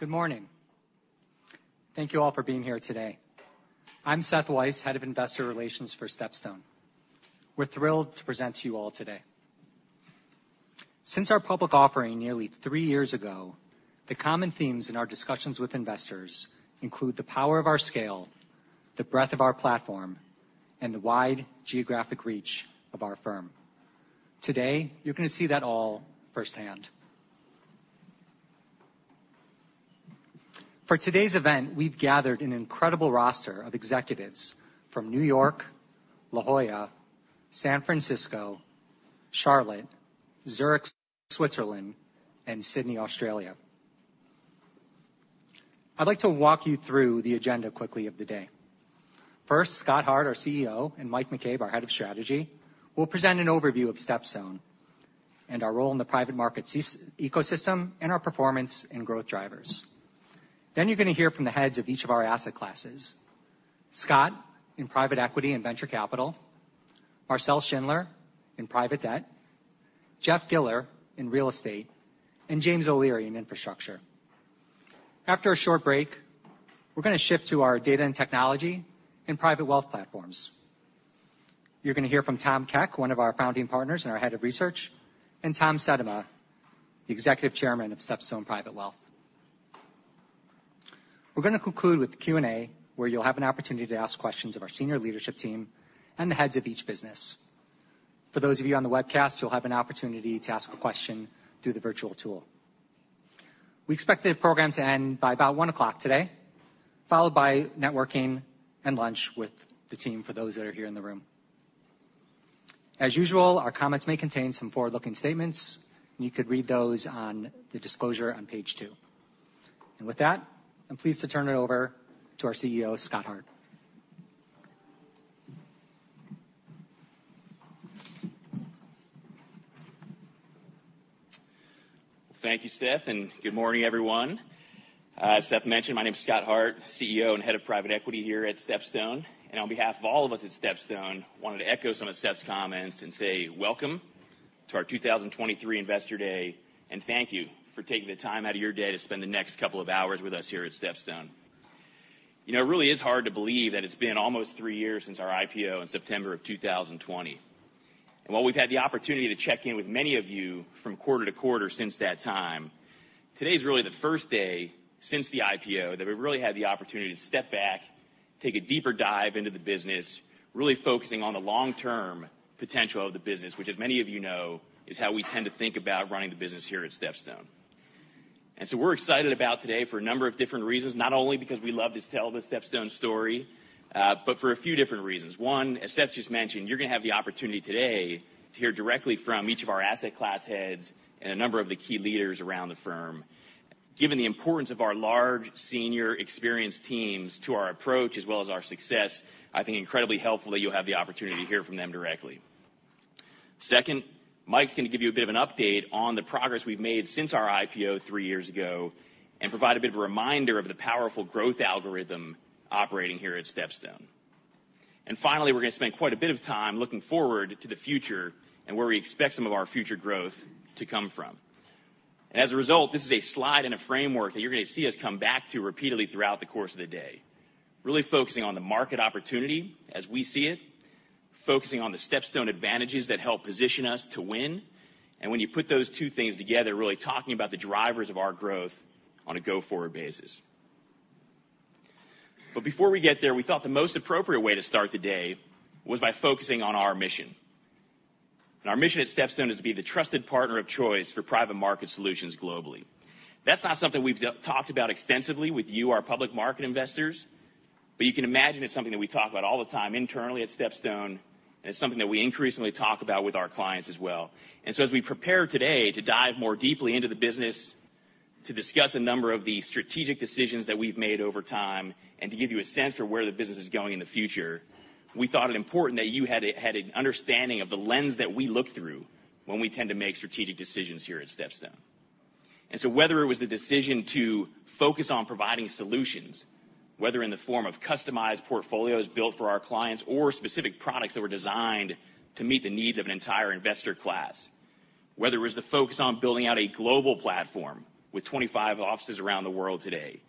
Good morning. Thank you all for being here today. I'm Seth Weiss, Head of Investor Relations for StepStone. We're thrilled to present to you all today. Since our public offering nearly three years ago, the common themes in our discussions with investors include the power of our scale, the breadth of our platform, and the wide geographic reach of our firm. Today, you're gonna see that all firsthand. For today's event, we've gathered an incredible roster of executives from New York, La Jolla, San Francisco, Charlotte, Zurich, Switzerland, and Sydney, Australia. I'd like to walk you through the agenda quickly of the day. First, Scott Hart, our CEO, and Mike McCabe, our Head of Strategy, will present an overview of StepStone and our role in the private market ecosystem, and our performance and growth drivers. You're gonna hear from the heads of each of our asset classes: Scott, in Private Equity and Venture Capital, Marcel Schindler in Private Debt, Jeff Giller in Real Estate, and James O'Leary in Infrastructure. After a short break, we're gonna shift to our data and technology and private wealth platforms. You're gonna hear from Tom Keck, one of our founding partners and our Head of Research, and Tom Sittema, the Executive Chairman of StepStone Private Wealth. We're gonna conclude with the Q&A, where you'll have an opportunity to ask questions of our senior leadership team and the heads of each business. For those of you on the webcast, you'll have an opportunity to ask a question through the virtual tool. We expect the program to end by about 1:00 P.M. today, followed by networking and lunch with the team for those that are here in the room. As usual, our comments may contain some forward-looking statements, and you could read those on the disclosure on page two. With that, I'm pleased to turn it over to our CEO, Scott Hart. Thank you, Seth. Good morning, everyone. As Seth mentioned, my name is Scott Hart, CEO and Head of Private Equity here at StepStone. On behalf of all of us at StepStone, I wanted to echo some of Seth's comments and say, welcome to our 2023 Investor Day, and thank you for taking the time out of your day to spend the next couple of hours with us here at StepStone. You know, it really is hard to believe that it's been almost three years since our IPO in September of 2020. While we've had the opportunity to check in with many of you from quarter to quarter since that time, today is really the first day since the IPO that we've really had the opportunity to step back, take a deeper dive into the business, really focusing on the long-term potential of the business, which, as many of you know, is how we tend to think about running the business here at StepStone. We're excited about today for a number of different reasons, not only because we love to tell the StepStone story, but for a few different reasons. One, as Seth just mentioned, you're gonna have the opportunity today to hear directly from each of our asset class heads and a number of the key leaders around the firm. Given the importance of our large, senior, experienced teams to our approach, as well as our success, I think incredibly helpful that you'll have the opportunity to hear from them directly. Second, Mike's gonna give you a bit of an update on the progress we've made since our IPO three years ago and provide a bit of a reminder of the powerful growth algorithm operating here at StepStone. Finally, we're gonna spend quite a bit of time looking forward to the future and where we expect some of our future growth to come from. This is a slide and a framework that you're gonna see us come back to repeatedly throughout the course of the day, really focusing on the market opportunity as we see it, focusing on the StepStone advantages that help position us to win, and when you put those two things together, really talking about the drivers of our growth on a go-forward basis. Before we get there, we thought the most appropriate way to start the day was by focusing on our mission. Our mission at StepStone is to be the trusted partner of choice for private market solutions globally. That's not something we've talked about extensively with you, our public market investors, but you can imagine it's something that we talk about all the time internally at StepStone, and it's something that we increasingly talk about with our clients as well. As we prepare today to dive more deeply into the business, to discuss a number of the strategic decisions that we've made over time, and to give you a sense for where the business is going in the future, we thought it important that you had an understanding of the lens that we look through when we tend to make strategic decisions here at StepStone. Whether it was the decision to focus on providing solutions, whether in the form of customized portfolios built for our clients or specific products that were designed to meet the needs of an entire investor class, whether it was the focus on building out a global platform with 25 offices around the world today,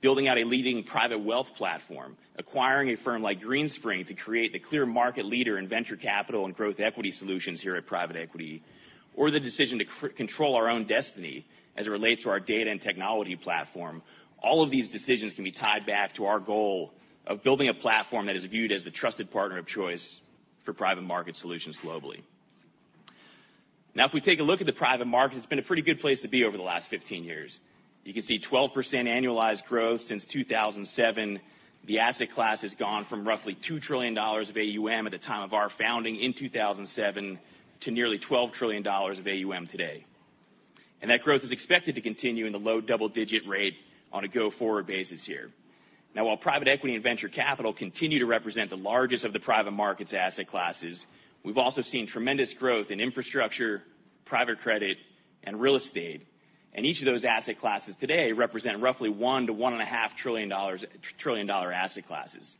building out a leading private wealth platform, acquiring a firm like Greenspring to create the clear market leader in venture capital and growth equity solutions here at Private Equity, or the decision to control our own destiny as it relates to our data and technology platform, all of these decisions can be tied back to our goal of building a platform that is viewed as the trusted partner of choice for private market solutions globally. If we take a look at the private market, it's been a pretty good place to be over the last 15 years. You can see 12% annualized growth since 2007. The asset class has gone from roughly $2 trillion of AUM at the time of our founding in 2007, to nearly $12 trillion of AUM today. That growth is expected to continue in the low double-digit rate on a go-forward basis here. While private equity and venture capital continue to represent the largest of the private markets asset classes, we've also seen tremendous growth in infrastructure, private credit, and real estate. Each of those asset classes today represent roughly $1 trillion-$1.5 trillion dollar asset classes.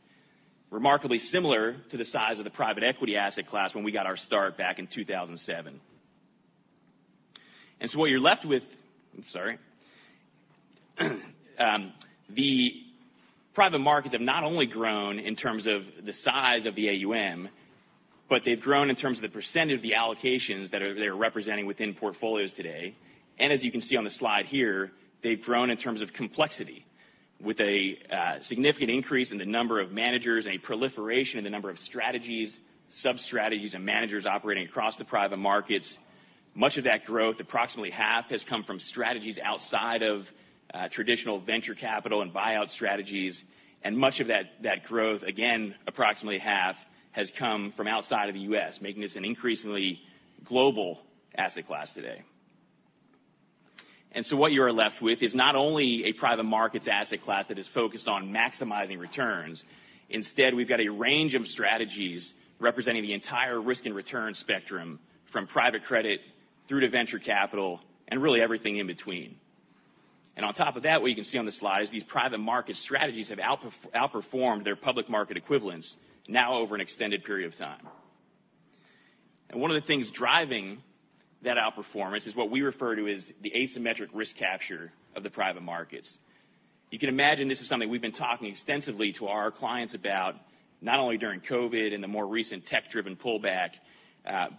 remarkably similar to the size of the private equity asset class when we got our start back in 2007. The private markets have not only grown in terms of the size of the AUM, but they've grown in terms of the % of the allocations they're representing within portfolios today. As you can see on the slide here, they've grown in terms of complexity, with a significant increase in the number of managers and a proliferation in the number of strategies, sub-strategies, and managers operating across the private markets. Much of that growth, approximately half, has come from strategies outside of traditional venture capital and buyout strategies, and much of that growth, again, approximately half, has come from outside of the US, making this an increasingly global asset class today. What you are left with is not only a private markets asset class that is focused on maximizing returns. Instead, we've got a range of strategies representing the entire risk and return spectrum, from private credit through to venture capital, and really everything in between. On top of that, what you can see on the slide, is these private market strategies have outperformed their public market equivalents now over an extended period of time. One of the things driving that outperformance is what we refer to as the asymmetric risk capture of the private markets. You can imagine this is something we've been talking extensively to our clients about, not only during COVID and the more recent tech-driven pullback,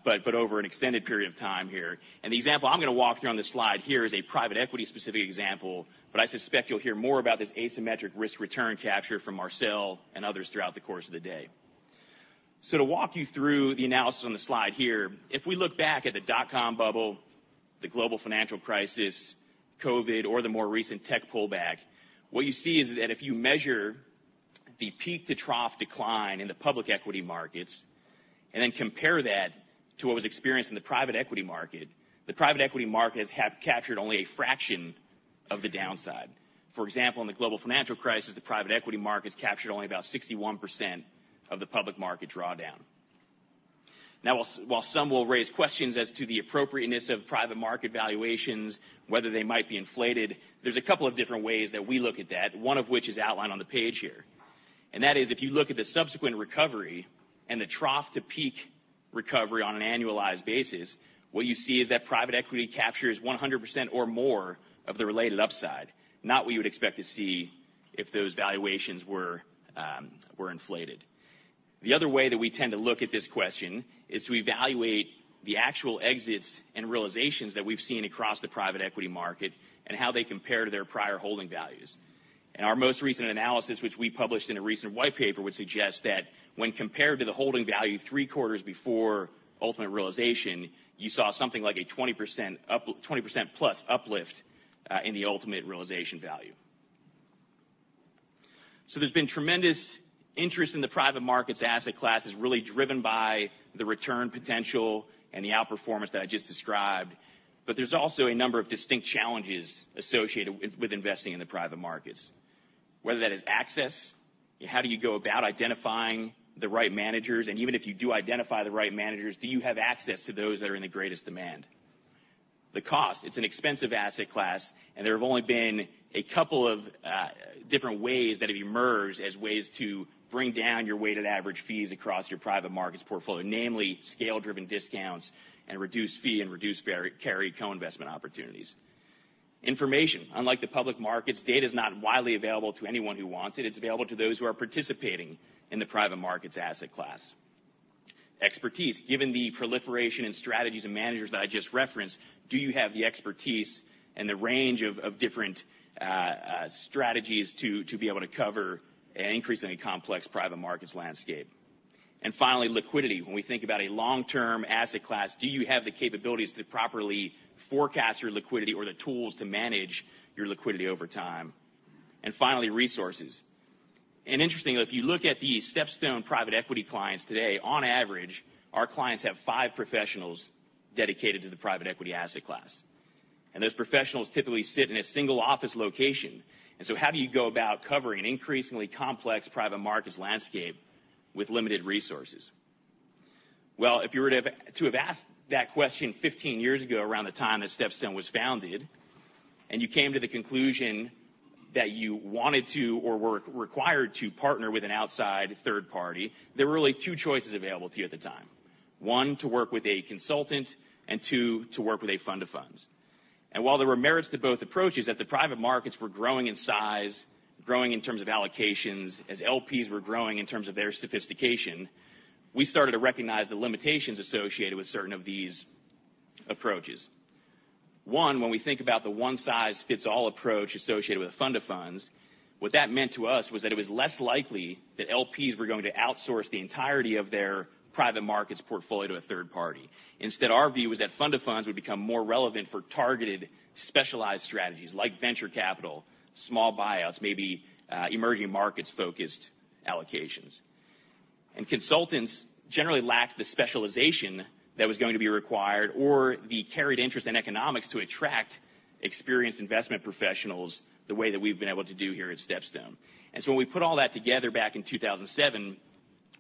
but over an extended period of time here. The example I'm gonna walk through on this slide here is a private equity-specific example, but I suspect you'll hear more about this asymmetric risk return capture from Marcel and others throughout the course of the day. To walk you through the analysis on the slide here, if we look back at the dot-com bubble, the Global Financial Crisis, COVID, or the more recent tech pullback, what you see is that if you measure the peak-to-trough decline in the public equity markets and then compare that to what was experienced in the private equity market, the private equity market has captured only a fraction of the downside. For example, in the Global Financial Crisis, the private equity markets captured only about 61% of the public market drawdown. While some will raise questions as to the appropriateness of private market valuations, whether they might be inflated, there's a couple of different ways that we look at that, one of which is outlined on the page here. If you look at the subsequent recovery and the trough-to-peak recovery on an annualized basis, what you see is that private equity captures 100% or more of the related upside, not what you would expect to see if those valuations were inflated. The other way that we tend to look at this question is to evaluate the actual exits and realizations that we've seen across the private equity market and how they compare to their prior holding values. Our most recent analysis, which we published in a recent white paper, would suggest that when compared to the holding value three quarters before ultimate realization, you saw something like a 20%+ uplift in the ultimate realization value. There's been tremendous interest in the private markets asset classes, really driven by the return potential and the outperformance that I just described. There's also a number of distinct challenges associated with investing in the private markets, whether that is access, how do you go about identifying the right managers? Even if you do identify the right managers, do you have access to those that are in the greatest demand? The cost, it's an expensive asset class. There have only been a couple of different ways that have emerged as ways to bring down your weighted average fees across your private markets portfolio, namely scale-driven discounts and reduced fee and reduced carry co-investment opportunities. Information, unlike the public markets, data is not widely available to anyone who wants it. It's available to those who are participating in the private markets asset class. Expertise, given the proliferation and strategies of managers that I just referenced, do you have the expertise and the range of different strategies to be able to cover an increasingly complex private markets landscape? Finally, liquidity. When we think about a long-term asset class, do you have the capabilities to properly forecast your liquidity or the tools to manage your liquidity over time? Finally, resources. Interestingly, if you look at the StepStone private equity clients today, on average, our clients have five professionals dedicated to the private equity asset class. Those professionals typically sit in a single office location. How do you go about covering an increasingly complex private markets landscape with limited resources? If you were to have asked that question 15 years ago, around the time that StepStone was founded, and you came to the conclusion that you wanted to or were required to partner with an outside third party, there were only two choices available to you at the time. One, to work with a consultant, and two, to work with a fund to funds. While there were merits to both approaches, that the private markets were growing in size, growing in terms of allocations, as LPs were growing in terms of their sophistication, we started to recognize the limitations associated with certain of these approaches. One, when we think about the one-size-fits-all approach associated with a fund to funds, what that meant to us was that it was less likely that LPs were going to outsource the entirety of their private markets portfolio to a third party. Instead, our view was that fund to funds would become more relevant for targeted, specialized strategies like venture capital, small buyouts, maybe, emerging markets-focused allocations. Consultants generally lacked the specialization that was going to be required or the carried interest in economics to attract experienced investment professionals the way that we've been able to do here at StepStone. When we put all that together back in 2007,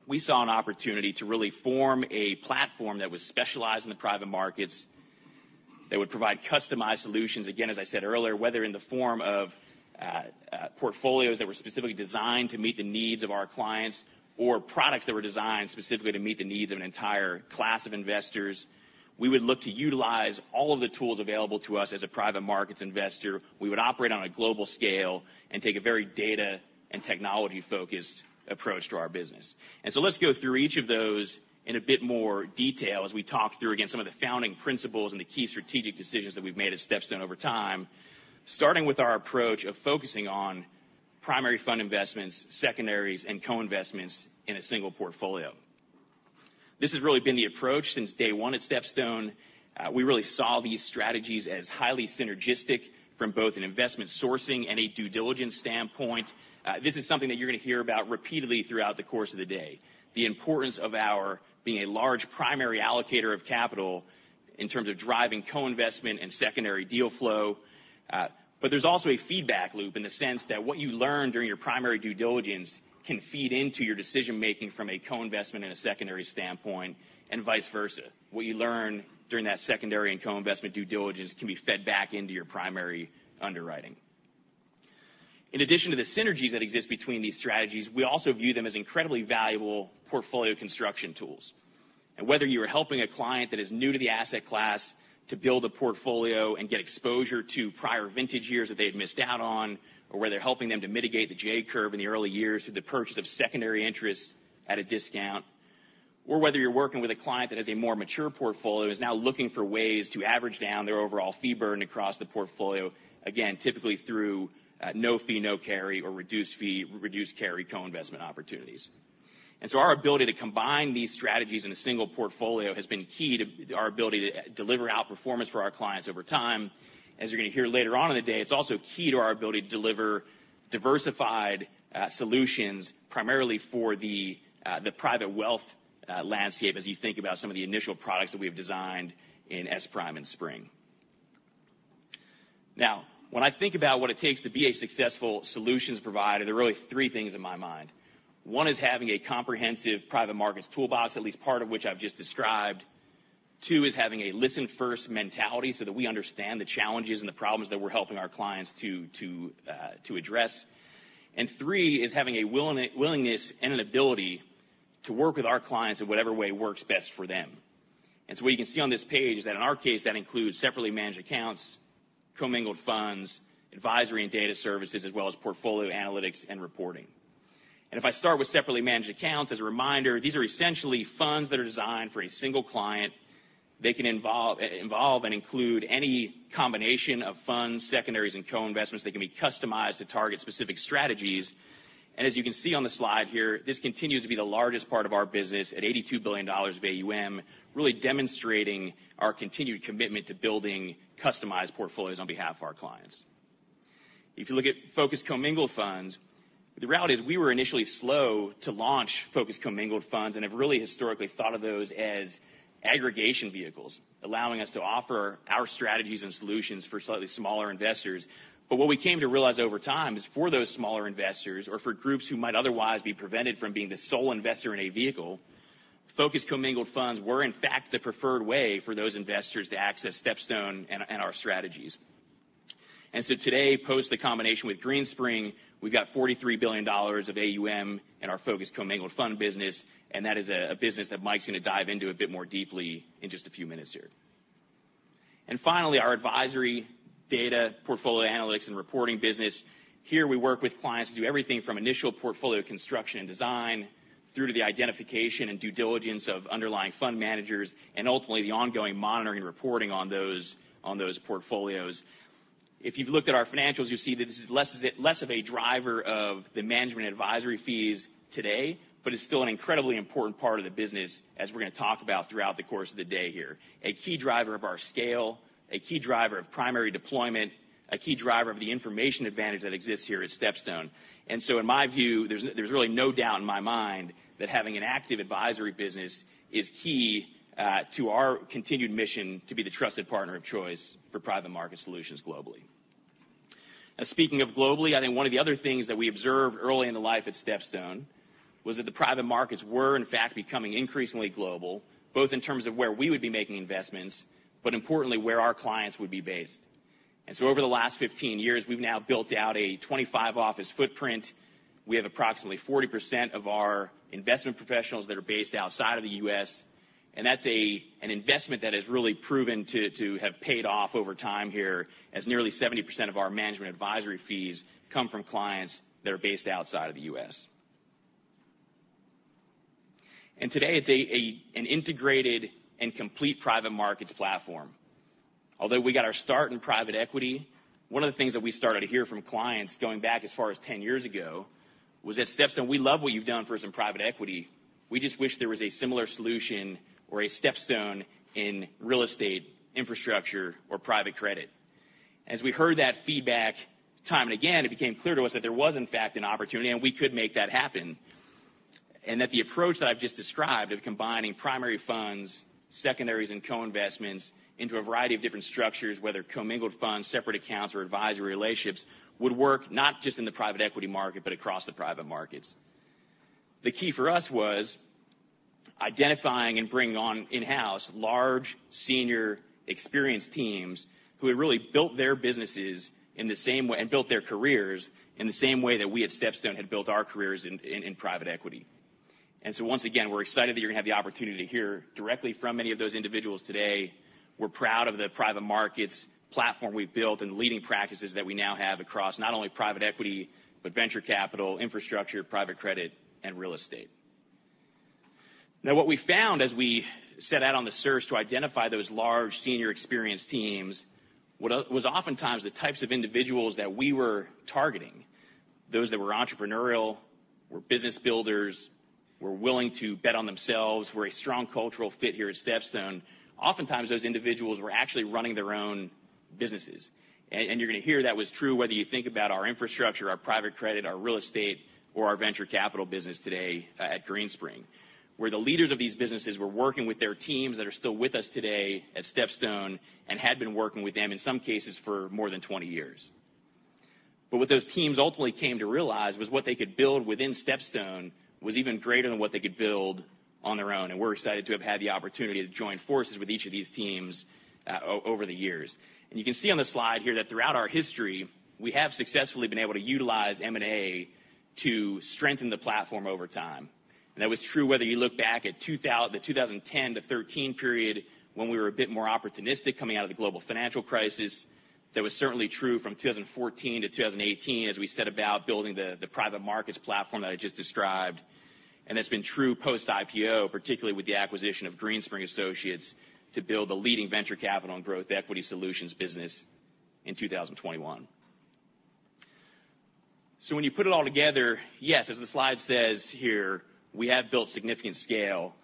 we saw an opportunity to really form a platform that was specialized in the private markets that would provide customized solutions, again, as I said earlier, whether in the form of portfolios that were specifically designed to meet the needs of our clients or products that were designed specifically to meet the needs of an entire class of investors. We would look to utilize all of the tools available to us as a private markets investor. We would operate on a global scale and take a very data and technology-focused approach to our business. Let's go through each of those in a bit more detail as we talk through, again, some of the founding principles and the key strategic decisions that we've made at StepStone over time, starting with our approach of focusing on primary fund investments, secondaries, and co-investments in a single portfolio. This has really been the approach since day one at StepStone. We really saw these strategies as highly synergistic from both an investment sourcing and a due diligence standpoint. This is something that you're gonna hear about repeatedly throughout the course of the day, the importance of our being a large primary allocator of capital in terms of driving co-investment and secondary deal flow. There's also a feedback loop in the sense that what you learn during your primary due diligence can feed into your decision-making from a co-investment and a secondary standpoint, and vice versa. What you learn during that secondary and co-investment due diligence can be fed back into your primary underwriting. In addition to the synergies that exist between these strategies, we also view them as incredibly valuable portfolio construction tools. Whether you are helping a client that is new to the asset class to build a portfolio and get exposure to prior vintage years that they had missed out on, or whether helping them to mitigate the J-curve in the early years through the purchase of secondary interests at a discount, or whether you're working with a client that has a more mature portfolio, is now looking for ways to average down their overall fee burden across the portfolio, again, typically through no fee, no carry, or reduced fee, reduced carry co-investment opportunities. Our ability to combine these strategies in a single portfolio has been key to our ability to deliver outperformance for our clients over time. As you're gonna hear later on in the day, it's also key to our ability to deliver diversified solutions, primarily for the private wealth landscape, as you think about some of the initial products that we've designed in SPRIM and SPRING. When I think about what it takes to be a successful solutions provider, there are really three things in my mind. One is having a comprehensive private markets toolbox, at least part of which I've just described. Two is having a listen-first mentality, so that we understand the challenges and the problems that we're helping our clients to address. Three is having a willingness and an ability to work with our clients in whatever way works best for them. What you can see on this page is that in our case, that includes separately managed accounts, commingled funds, advisory and data services, as well as portfolio analytics and reporting. If I start with separately managed accounts, as a reminder, these are essentially funds that are designed for a single client. They can involve and include any combination of funds, secondaries, and co-investments that can be customized to target specific strategies. As you can see on the slide here, this continues to be the largest part of our business at $82 billion of AUM, really demonstrating our continued commitment to building customized portfolios on behalf of our clients. If you look at focused commingled funds, the reality is we were initially slow to launch focused commingled funds, and have really historically thought of those as aggregation vehicles, allowing us to offer our strategies and solutions for slightly smaller investors. What we came to realize over time is for those smaller investors or for groups who might otherwise be prevented from being the sole investor in a vehicle, focused commingled funds were, in fact, the preferred way for those investors to access StepStone and our strategies. Today, post the combination with Greenspring, we've got $43 billion of AUM in our focused commingled fund business, and that is a business that Mike's gonna dive into a bit more deeply in just a few minutes here. Finally, our advisory data, portfolio analytics, and reporting business. Here, we work with clients to do everything from initial portfolio construction and design, through to the identification and due diligence of underlying fund managers, and ultimately, the ongoing monitoring and reporting on those portfolios. If you've looked at our financials, you'll see that this is less of a driver of the management advisory fees today, but it's still an incredibly important part of the business, as we're gonna talk about throughout the course of the day here. A key driver of our scale, a key driver of primary deployment, a key driver of the information advantage that exists here at StepStone. In my view, there's really no doubt in my mind that having an active advisory business is key to our continued mission to be the trusted partner of choice for private market solutions globally. Speaking of globally, I think one of the other things that we observed early in the life at StepStone was that the private markets were, in fact, becoming increasingly global, both in terms of where we would be making investments, but importantly, where our clients would be based. Over the last 15 years, we've now built out a 25-office footprint. We have approximately 40% of our investment professionals that are based outside of the U.S., and that's an investment that has really proven to have paid off over time here, as nearly 70% of our management advisory fees come from clients that are based outside of the U.S. Today, it's an integrated and complete private markets platform. Although we got our start in private equity, one of the things that we started to hear from clients going back as far as 10 years ago, was that: "StepStone, we love what you've done for us in private equity. We just wish there was a similar solution or a StepStone in real estate, infrastructure, or private credit." As we heard that feedback time and again, it became clear to us that there was, in fact, an opportunity and we could make that happen. That the approach that I've just described of combining primary funds, secondaries, and co-investments into a variety of different structures, whether commingled funds, separate accounts, or advisory relationships, would work not just in the private equity market, but across the private markets.... The key for us was identifying and bringing on in-house large, senior, experienced teams who had really built their businesses in the same way, and built their careers in the same way that we at StepStone had built our careers in private equity. Once again, we're excited that you're gonna have the opportunity to hear directly from many of those individuals today. We're proud of the private markets platform we've built and the leading practices that we now have across not only private equity, but venture capital, infrastructure, private credit, and real estate. What we found as we set out on the search to identify those large senior experienced teams, was oftentimes the types of individuals that we were targeting, those that were entrepreneurial, were business builders, were willing to bet on themselves, were a strong cultural fit here at StepStone. Oftentimes, those individuals were actually running their own businesses. You're gonna hear that was true, whether you think about our infrastructure, our private credit, our real estate, or our venture capital business today, at Greenspring, where the leaders of these businesses were working with their teams that are still with us today at StepStone, and had been working with them, in some cases, for more than 20 years. What those teams ultimately came to realize was what they could build within StepStone was even greater than what they could build on their own, and we're excited to have had the opportunity to join forces with each of these teams over the years. You can see on the slide here that throughout our history, we have successfully been able to utilize M&A to strengthen the platform over time. That was true whether you look back at the 2010-2013 period, when we were a bit more opportunistic coming out of the Global Financial Crisis. That was certainly true from 2014-2018, as we set about building the private markets platform that I just described. That's been true post-IPO, particularly with the acquisition of Greenspring Associates, to build a leading venture capital and growth equity solutions business in 2021. When you put it all together, yes, as the slide says here, we have built significant scale.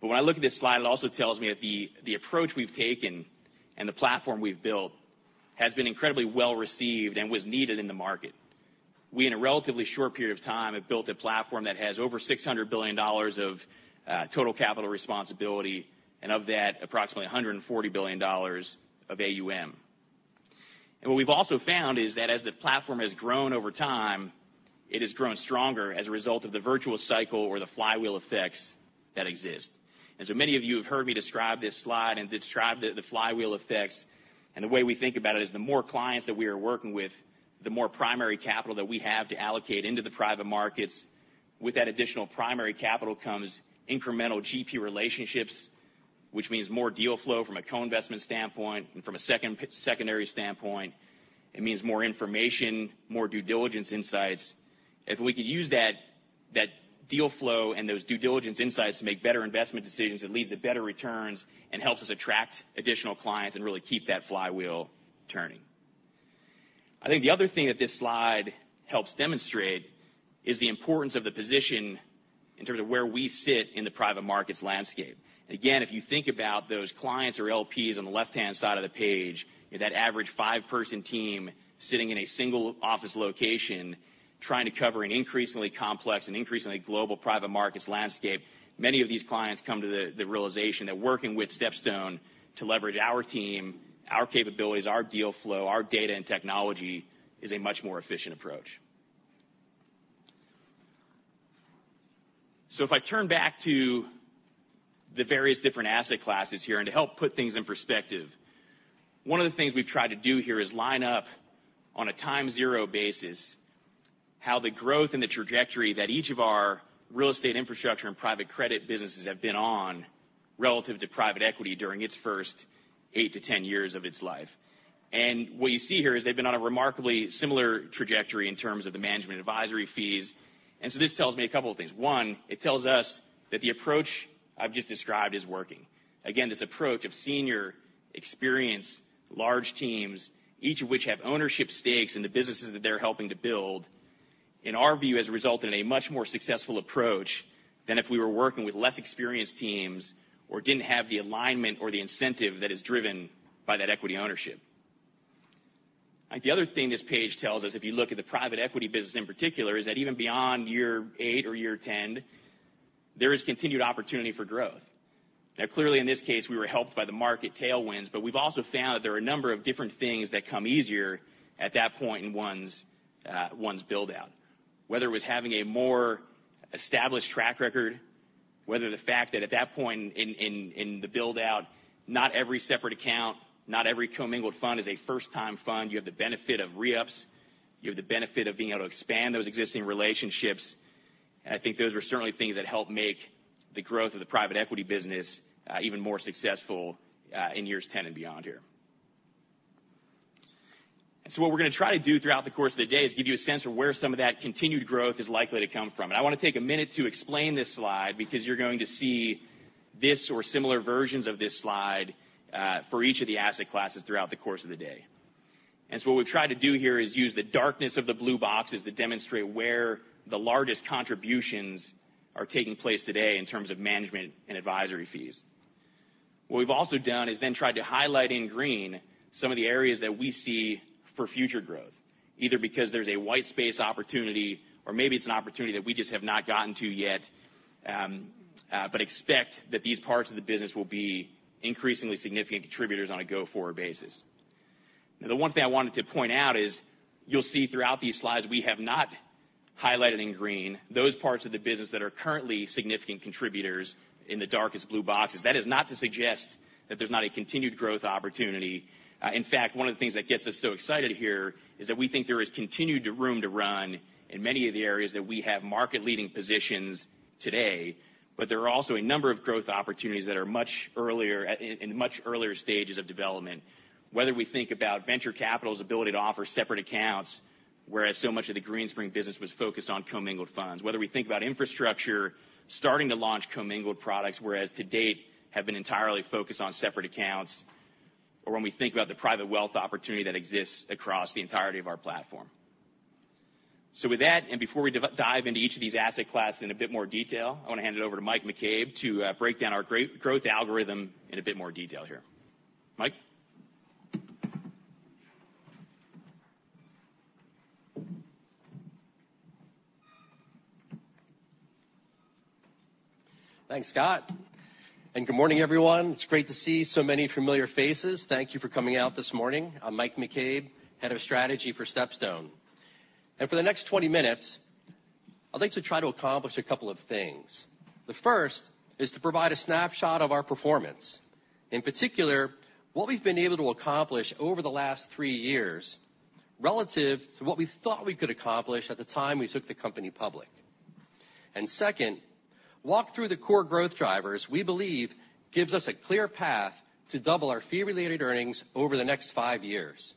When I look at this slide, it also tells me that the approach we've taken and the platform we've built has been incredibly well-received and was needed in the market. We, in a relatively short period of time, have built a platform that has over $600 billion of total capital responsibility, and of that, approximately $140 billion of AUM. What we've also found is that as the platform has grown over time, it has grown stronger as a result of the virtuous cycle or the flywheel effects that exist. Many of you have heard me describe this slide and describe the flywheel effects. The way we think about it is, the more clients that we are working with, the more primary capital that we have to allocate into the private markets. With that additional primary capital comes incremental GP relationships, which means more deal flow from a co-investment standpoint and from a second secondary standpoint. It means more information, more due diligence insights. If we could use that deal flow and those due diligence insights to make better investment decisions, it leads to better returns and helps us attract additional clients and really keep that flywheel turning. I think the other thing that this slide helps demonstrate is the importance of the position in terms of where we sit in the private markets landscape. Again, if you think about those clients or LPs on the left-hand side of the page, that average five-person team sitting in a single office location, trying to cover an increasingly complex and increasingly global private markets landscape, many of these clients come to the realization that working with StepStone to leverage our team, our capabilities, our deal flow, our data and technology, is a much more efficient approach. If I turn back to the various different asset classes here, and to help put things in perspective, one of the things we've tried to do here is line up on a time zero basis, how the growth and the trajectory that each of our real estate infrastructure and private credit businesses have been on relative to private equity during its first eight to 10 years of its life. What you see here is they've been on a remarkably similar trajectory in terms of the management advisory fees. This tells me a couple of things. One, it tells us that the approach I've just described is working. This approach of senior, experienced, large teams, each of which have ownership stakes in the businesses that they're helping to build, in our view, has resulted in a much more successful approach than if we were working with less experienced teams or didn't have the alignment or the incentive that is driven by that equity ownership. I think the other thing this page tells us, if you look at the private equity business in particular, is that even beyond year eight or year 10, there is continued opportunity for growth. Clearly, in this case, we were helped by the market tailwinds, but we've also found that there are a number of different things that come easier at that point in one's build-out. Whether it was having a more established track record, whether the fact that at that point in the build-out, not every separate account, not every commingled fund is a first-time fund. You have the benefit of re-ups. You have the benefit of being able to expand those existing relationships. I think those are certainly things that help make the growth of the private equity business even more successful in years 10 and beyond here. What we're gonna try to do throughout the course of the day is give you a sense of where some of that continued growth is likely to come from. I want to take a minute to explain this slide because you're going to see this or similar versions of this slide for each of the asset classes throughout the course of the day. What we've tried to do here is use the darkness of the blue boxes to demonstrate where the largest contributions are taking place today in terms of management and advisory fees. What we've also done is tried to highlight in green some of the areas that we see for future growth, either because there's a white space opportunity or maybe it's an opportunity that we just have not gotten to yet. Expect that these parts of the business will be increasingly significant contributors on a go-forward basis. The one thing I wanted to point out is, you'll see throughout these slides, we have not highlighted in green those parts of the business that are currently significant contributors in the darkest blue boxes. That is not to suggest that there's not a continued growth opportunity. In fact, one of the things that gets us so excited here is that we think there is continued room to run in many of the areas that we have market-leading positions today. There are also a number of growth opportunities that are much earlier, at, in much earlier stages of development. Whether we think about venture capital's ability to offer separate accounts, whereas so much of the Greenspring business was focused on commingled funds. Whether we think about infrastructure starting to launch commingled products, whereas to date, have been entirely focused on separate accounts, or when we think about the private wealth opportunity that exists across the entirety of our platform. With that, and before we dive into each of these asset classes in a bit more detail, I want to hand it over to Mike McCabe to break down our growth algorithm in a bit more detail here. Mike? Thanks, Scott, good morning, everyone. It's great to see so many familiar faces. Thank you for coming out this morning. I'm Mike McCabe, Head of Strategy for StepStone. For the next 20 minutes, I'd like to try to accomplish a couple of things. The first is to provide a snapshot of our performance. In particular, what we've been able to accomplish over the last three years relative to what we thought we could accomplish at the time we took the company public. Second, walk through the core growth drivers we believe gives us a clear path to double our fee-related earnings over the next five years.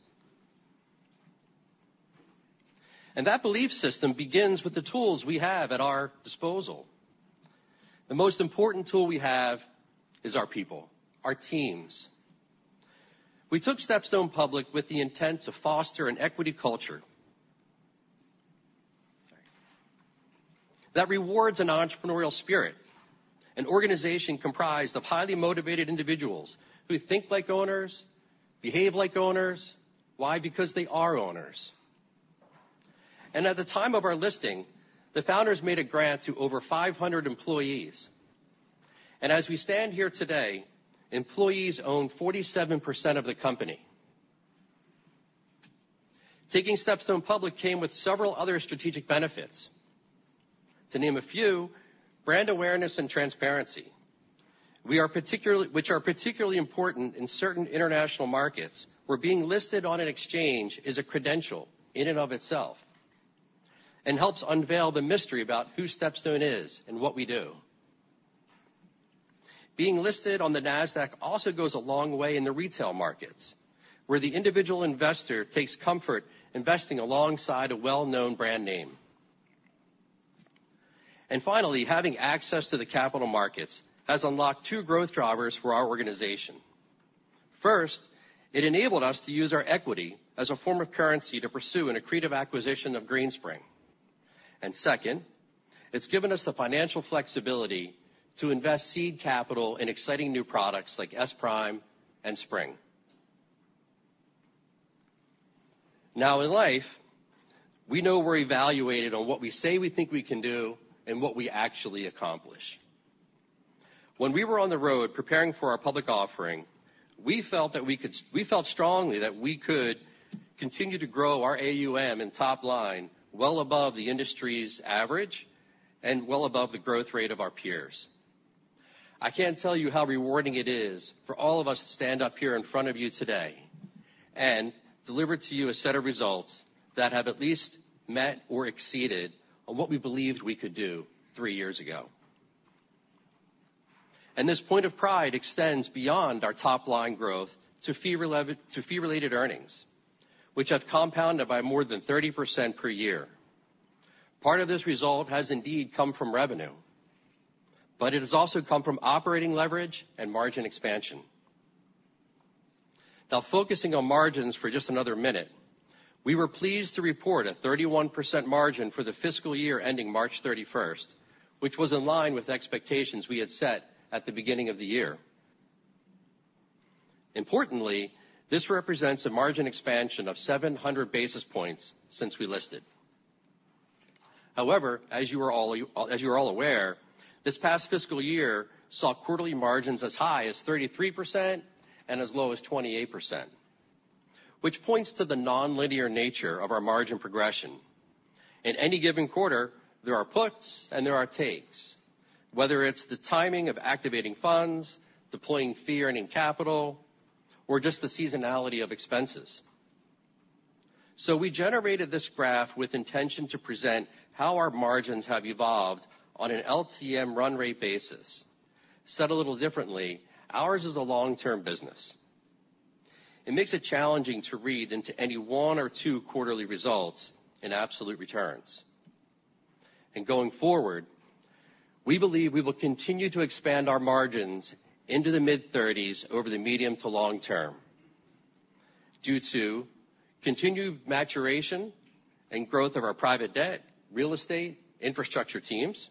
That belief system begins with the tools we have at our disposal. The most important tool we have is our people, our teams. We took StepStone public with the intent to foster an equity culture that rewards an entrepreneurial spirit. An organization comprised of highly motivated individuals, who think like owners, behave like owners. Why? Because they are owners. At the time of our listing, the founders made a grant to over 500 employees, and as we stand here today, employees own 47% of the company. Taking StepStone public came with several other strategic benefits. To name a few, brand awareness and transparency. Which are particularly important in certain international markets, where being listed on an exchange is a credential in and of itself, and helps unveil the mystery about who StepStone is and what we do. Being listed on the Nasdaq also goes a long way in the retail markets, where the individual investor takes comfort investing alongside a well-known brand name. Finally, having access to the capital markets has unlocked two growth drivers for our organization. First, it enabled us to use our equity as a form of currency to pursue an accretive acquisition of Greenspring. Second, it's given us the financial flexibility to invest seed capital in exciting new products like SPRIM and SPRING. In life, we know we're evaluated on what we say we think we can do and what we actually accomplish. When we were on the road preparing for our public offering, we felt strongly that we could continue to grow our AUM and top line well above the industry's average and well above the growth rate of our peers. I can't tell you how rewarding it is for all of us to stand up here in front of you today and deliver to you a set of results that have at least met or exceeded on what we believed we could do three years ago. This point of pride extends beyond our top line growth to fee-related earnings, which have compounded by more than 30% per year. Part of this result has indeed come from revenue, but it has also come from operating leverage and margin expansion. Now, focusing on margins for just another minute, we were pleased to report a 31% margin for the fiscal year ending March 31st, which was in line with expectations we had set at the beginning of the year. Importantly, this represents a margin expansion of 700 basis points since we listed. As you are all aware, this past fiscal year saw quarterly margins as high as 33% and as low as 28%, which points to the nonlinear nature of our margin progression. In any given quarter, there are puts and there are takes, whether it's the timing of activating funds, deploying fee-earning capital, or just the seasonality of expenses. We generated this graph with intention to present how our margins have evolved on an LTM run rate basis. Said a little differently, ours is a long-term business. It makes it challenging to read into any one or two quarterly results in absolute returns. Going forward, we believe we will continue to expand our margins into the mid-30s over the medium to long term, due to continued maturation and growth of our private debt, real estate, infrastructure teams,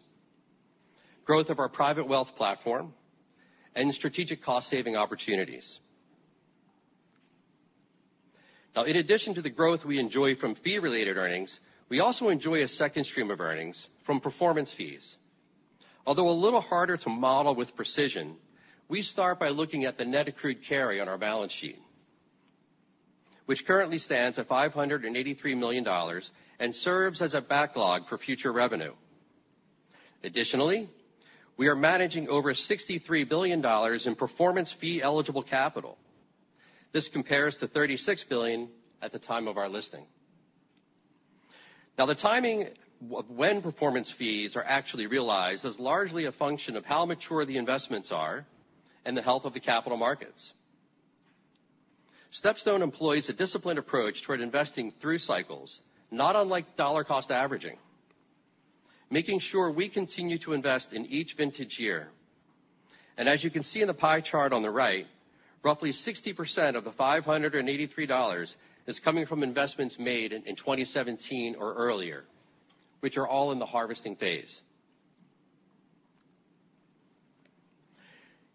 growth of our Private Wealth platform, and strategic cost-saving opportunities. In addition to the growth we enjoy from fee-related earnings, we also enjoy a second stream of earnings from performance fees. Although a little harder to model with precision, we start by looking at the net accrued carry on our balance sheet, which currently stands at $583 million and serves as a backlog for future revenue. We are managing over $63 billion in performance fee-eligible capital. This compares to $36 billion at the time of our listing. The timing when performance fees are actually realized, is largely a function of how mature the investments are and the health of the capital markets. StepStone employs a disciplined approach toward investing through cycles, not unlike dollar-cost averaging, making sure we continue to invest in each vintage year. As you can see in the pie chart on the right, roughly 60% of the $583 is coming from investments made in 2017 or earlier, which are all in the harvesting phase.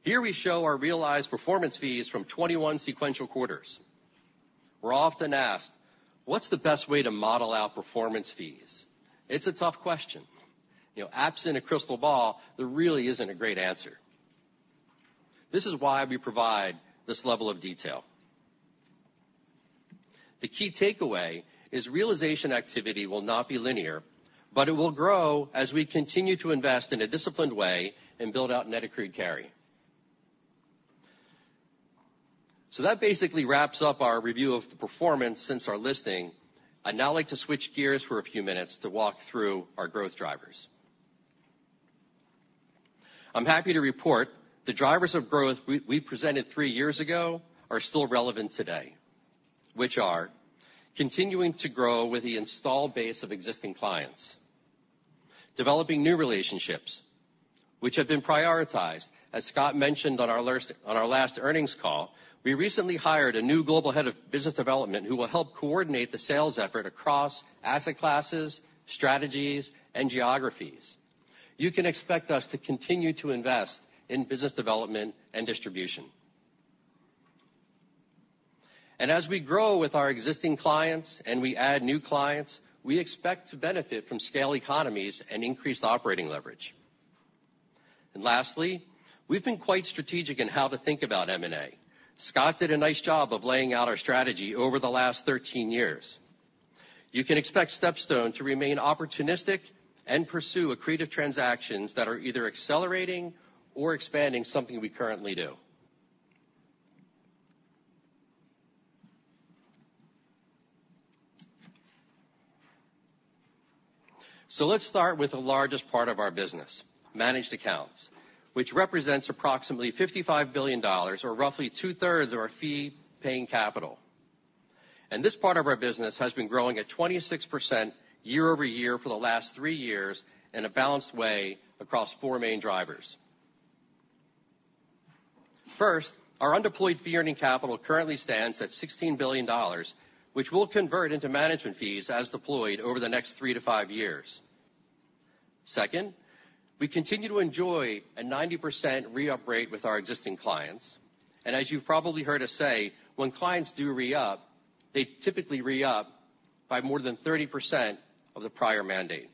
Here we show our realized performance fees from 21 sequential quarters. We're often asked, "What's the best way to model out performance fees?" It's a tough question. You know, absent a crystal ball, there really isn't a great answer. This is why we provide this level of detail. The key takeaway is realization activity will not be linear, but it will grow as we continue to invest in a disciplined way and build out net accrued carry. That basically wraps up our review of the performance since our listing. I'd now like to switch gears for a few minutes to walk through our growth drivers. I'm happy to report the drivers of growth we presented three years ago are still relevant today, which are continuing to grow with the installed base of existing clients. Developing new relationships, which have been prioritized. As Scott mentioned on our last earnings call, we recently hired a new global head of business development, who will help coordinate the sales effort across asset classes, strategies, and geographies. You can expect us to continue to invest in business development and distribution. As we grow with our existing clients, and we add new clients, we expect to benefit from scale economies and increased operating leverage. Lastly, we've been quite strategic in how to think about M&A. Scott did a nice job of laying out our strategy over the last 13 years. You can expect StepStone to remain opportunistic and pursue accretive transactions that are either accelerating or expanding something we currently do. Let's start with the largest part of our business, managed accounts, which represents approximately $55 billion, or roughly two-thirds of our fee-paying capital. This part of our business has been growing at 26% year-over-year for the last three years in a balanced way across four main drivers. First, our undeployed fee-earning capital currently stands at $16 billion, which we'll convert into management fees as deployed over the next three to five years. Second, we continue to enjoy a 90% re-up rate with our existing clients, and as you've probably heard us say, when clients do re-up, they typically re-up by more than 30% of the prior mandate.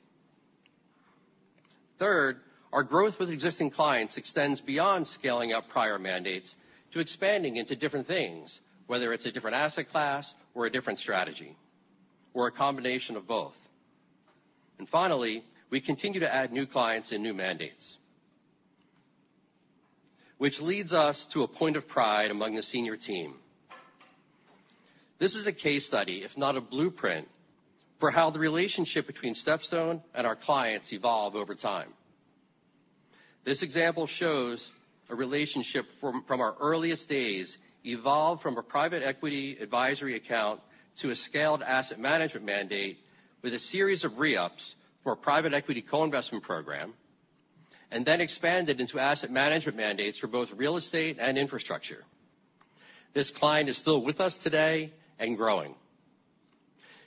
Third, our growth with existing clients extends beyond scaling up prior mandates to expanding into different things, whether it's a different asset class or a different strategy, or a combination of both. Finally, we continue to add new clients and new mandates, which leads us to a point of pride among the senior team. This is a case study, if not a blueprint, for how the relationship between StepStone and our clients evolve over time. This example shows a relationship from our earliest days, evolved from a private equity advisory account to a scaled asset management mandate with a series of re-ups for a private equity co-investment program, and then expanded into asset management mandates for both real estate and infrastructure. This client is still with us today and growing.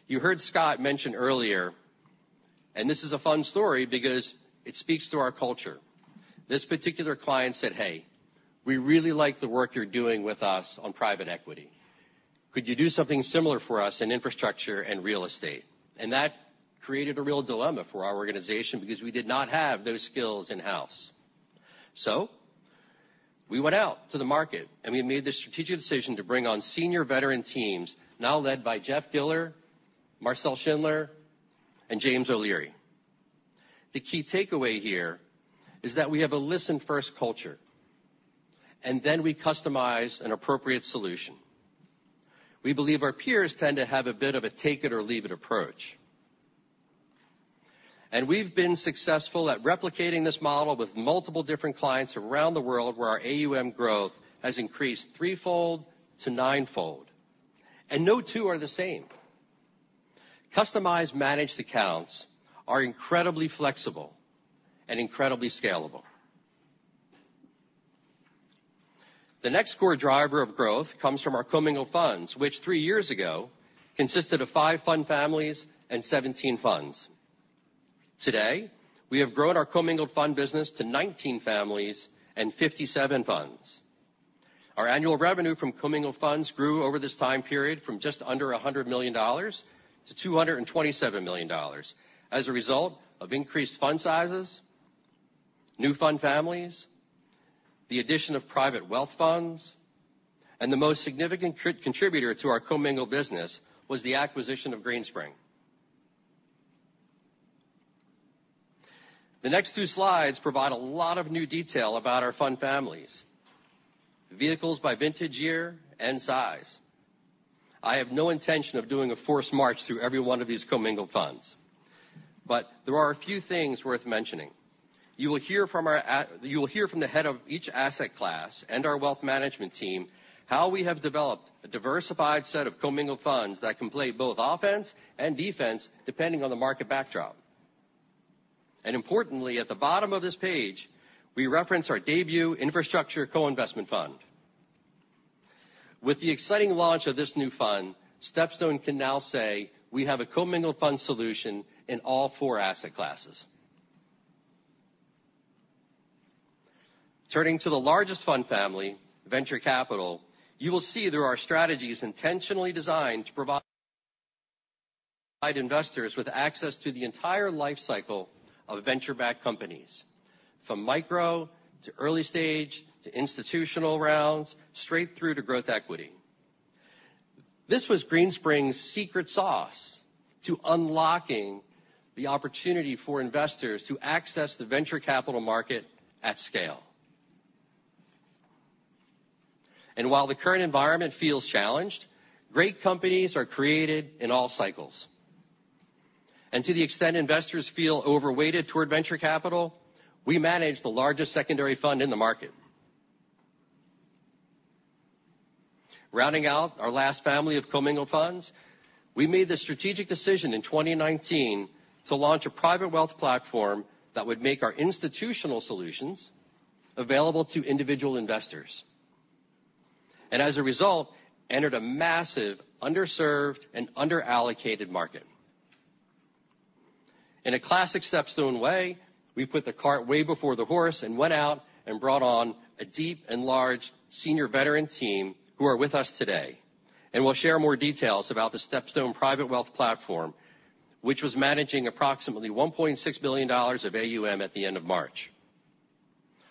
You heard Scott mention earlier, and this is a fun story because it speaks to our culture. This particular client said, "Hey, we really like the work you're doing with us on private equity. Could you do something similar for us in infrastructure and real estate?" That created a real dilemma for our organization because we did not have those skills in-house. We went out to the market, and we made the strategic decision to bring on senior veteran teams, now led by Jeff Giller, Marcel Schindler, and James O'Leary. The key takeaway here is that we have a listen-first culture, then we customize an appropriate solution. We believe our peers tend to have a bit of a take-it-or-leave-it approach. We've been successful at replicating this model with multiple different clients around the world, where our AUM growth has increased threefold to ninefold, and no two are the same. Customized managed accounts are incredibly flexible and incredibly scalable. The next core driver of growth comes from our commingled funds, which three years ago consisted of five fund families and 17 funds. Today, we have grown our commingled fund business to 19 families and 57 funds. Our annual revenue from commingled funds grew over this time period from just under $100 million to $227 million as a result of increased fund sizes, new fund families, the addition of private wealth funds, and the most significant contributor to our commingled business was the acquisition of Greenspring. The next two slides provide a lot of new detail about our fund families, vehicles by vintage year and size. I have no intention of doing a forced march through every one of these commingled funds, but there are a few things worth mentioning. You will hear from the head of each asset class and our wealth management team, how we have developed a diversified set of commingled funds that can play both offense and defense, depending on the market backdrop. Importantly, at the bottom of this page, we reference our debut infrastructure co-investment fund. With the exciting launch of this new fund, StepStone can now say we have a commingled fund solution in all four asset classes. Turning to the largest fund family, venture capital, you will see there are strategies intentionally designed to provide investors with access to the entire life cycle of venture-backed companies, from micro, to early stage, to institutional rounds, straight through to growth equity. This was Greenspring's secret sauce to unlocking the opportunity for investors to access the venture capital market at scale. While the current environment feels challenged, great companies are created in all cycles. To the extent investors feel overweighted toward venture capital, we manage the largest secondary fund in the market. Rounding out our last family of commingled funds, we made the strategic decision in 2019 to launch a private wealth platform that would make our institutional solutions available to individual investors, and as a result, entered a massive, underserved, and underallocated market. In a classic StepStone way, we put the cart way before the horse and went out and brought on a deep and large senior veteran team who are with us today, and we'll share more details about the StepStone Private Wealth platform, which was managing approximately $1.6 billion of AUM at the end of March.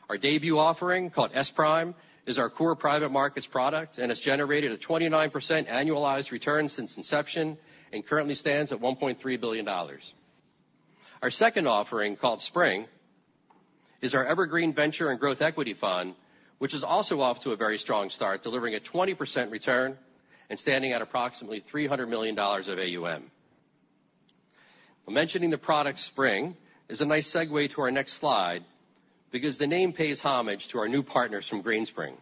Our debut offering, called SPRIM, is our core private markets product, and has generated a 29% annualized return since inception, and currently stands at $1.3 billion. Our second offering, called SPRING, is our evergreen venture and growth equity fund, which is also off to a very strong start, delivering a 20% return and standing at approximately $300 million of AUM. Mentioning the product SPRING is a nice segue to our next slide because the name pays homage to our new partners from Greenspring.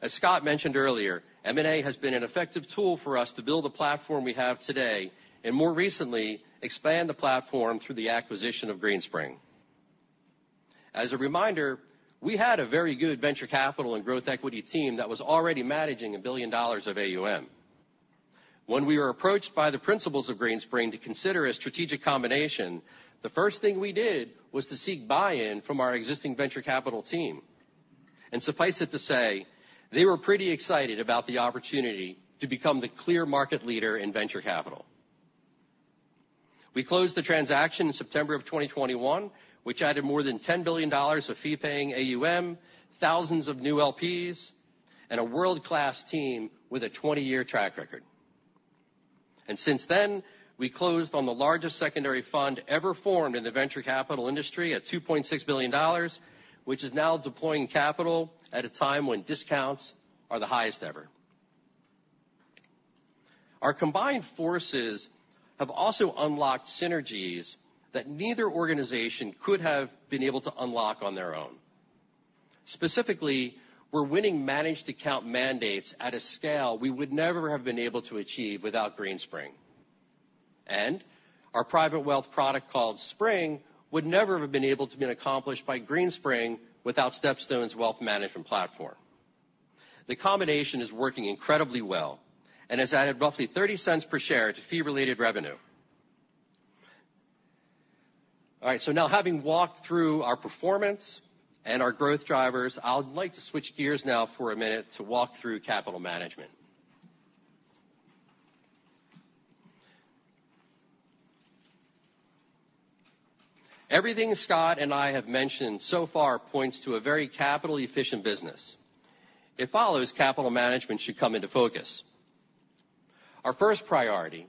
As Scott mentioned earlier, M&A has been an effective tool for us to build the platform we have today, and more recently, expand the platform through the acquisition of Greenspring. As a reminder, we had a very good venture capital and growth equity team that was already managing $1 billion of AUM. When we were approached by the principals of Greenspring to consider a strategic combination, the first thing we did was to seek buy-in from our existing venture capital team. Suffice it to say, they were pretty excited about the opportunity to become the clear market leader in venture capital. We closed the transaction in September of 2021, which added more than $10 billion of fee-paying AUM, thousands of new LPs, and a world-class team with a 20-year track record. Since then, we closed on the largest secondary fund ever formed in the venture capital industry at $2.6 billion, which is now deploying capital at a time when discounts are the highest ever. Our combined forces have also unlocked synergies that neither organization could have been able to unlock on their own. Specifically, we're winning managed account mandates at a scale we would never have been able to achieve without Greenspring. Our private wealth product, called SPRING, would never have been able to been accomplished by Greenspring without StepStone's wealth management platform. The combination is working incredibly well and has added roughly $0.30 per share to fee-related revenue. Having walked through our performance and our growth drivers, I would like to switch gears now for a minute to walk through capital management. Everything Scott and I have mentioned so far points to a very capital-efficient business. It follows capital management should come into focus. Our first priority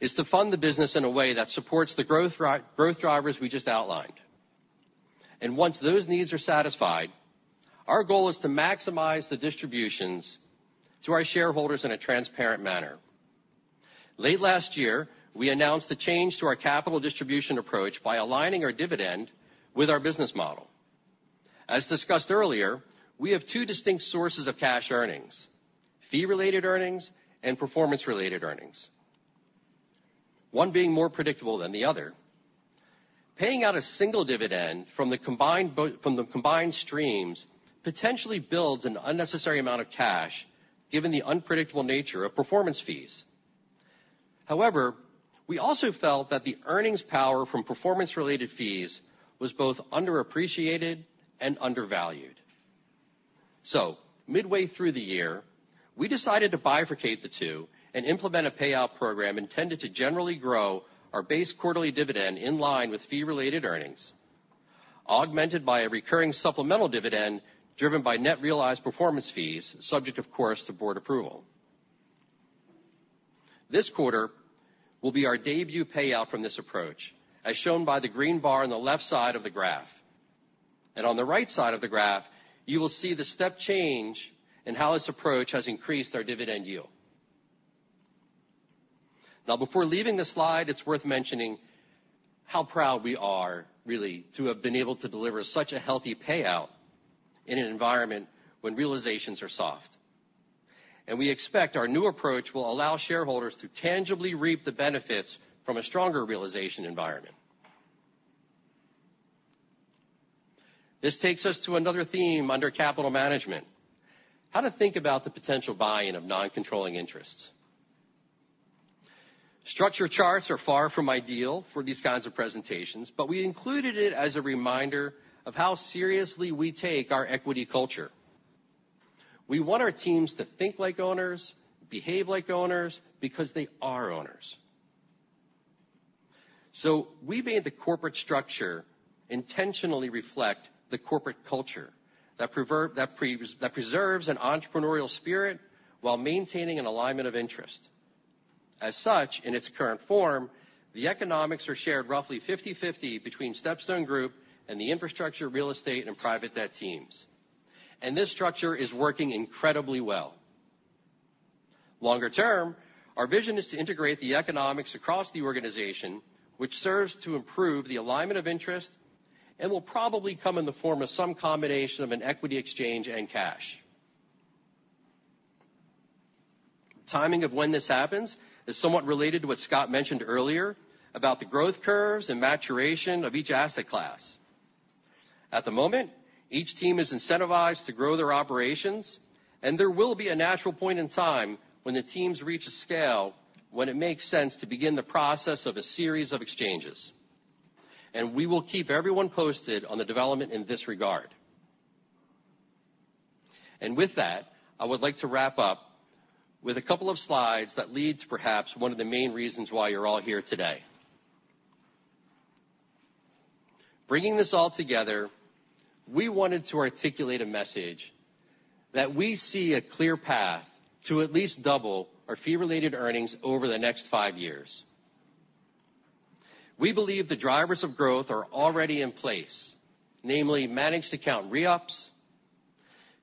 is to fund the business in a way that supports the growth drivers we just outlined. Once those needs are satisfied, our goal is to maximize the distributions to our shareholders in a transparent manner. Late last year, we announced a change to our capital distribution approach by aligning our dividend with our business model. As discussed earlier, we have two distinct sources of cash earnings: fee-related earnings and performance-related earnings, one being more predictable than the other. Paying out a single dividend from the combined from the combined streams, potentially builds an unnecessary amount of cash, given the unpredictable nature of performance fees. However, we also felt that the earnings power from performance-related fees was both underappreciated and undervalued. Midway through the year, we decided to bifurcate the two and implement a payout program intended to generally grow our base quarterly dividend in line with fee-related earnings, augmented by a recurring supplemental dividend driven by net realized performance fees, subject, of course, to board approval. This quarter will be our debut payout from this approach, as shown by the green bar on the left side of the graph. On the right side of the graph, you will see the step change in how this approach has increased our dividend yield. Now, before leaving this slide, it's worth mentioning how proud we are, really, to have been able to deliver such a healthy payout in an environment when realizations are soft. We expect our new approach will allow shareholders to tangibly reap the benefits from a stronger realization environment. This takes us to another theme under capital management: how to think about the potential buy-in of non-controlling interests. Structure charts are far from ideal for these kinds of presentations, but we included it as a reminder of how seriously we take our equity culture. We want our teams to think like owners, behave like owners, because they are owners. We made the corporate structure intentionally reflect the corporate culture that preserves an entrepreneurial spirit while maintaining an alignment of interest. As such, in its current form, the economics are shared roughly 50-50 between StepStone Group and the infrastructure, real estate, and private debt teams. This structure is working incredibly well. Longer term, our vision is to integrate the economics across the organization, which serves to improve the alignment of interest and will probably come in the form of some combination of an equity exchange and cash. Timing of when this happens is somewhat related to what Scott mentioned earlier about the growth curves and maturation of each asset class. At the moment, each team is incentivized to grow their operations, and there will be a natural point in time when the teams reach a scale, when it makes sense to begin the process of a series of exchanges. We will keep everyone posted on the development in this regard. With that, I would like to wrap up with a couple of slides that lead to perhaps one of the main reasons why you're all here today. Bringing this all together, we wanted to articulate a message that we see a clear path to at least double our fee-related earnings over the next five years. We believe the drivers of growth are already in place, namely, managed account re-ups,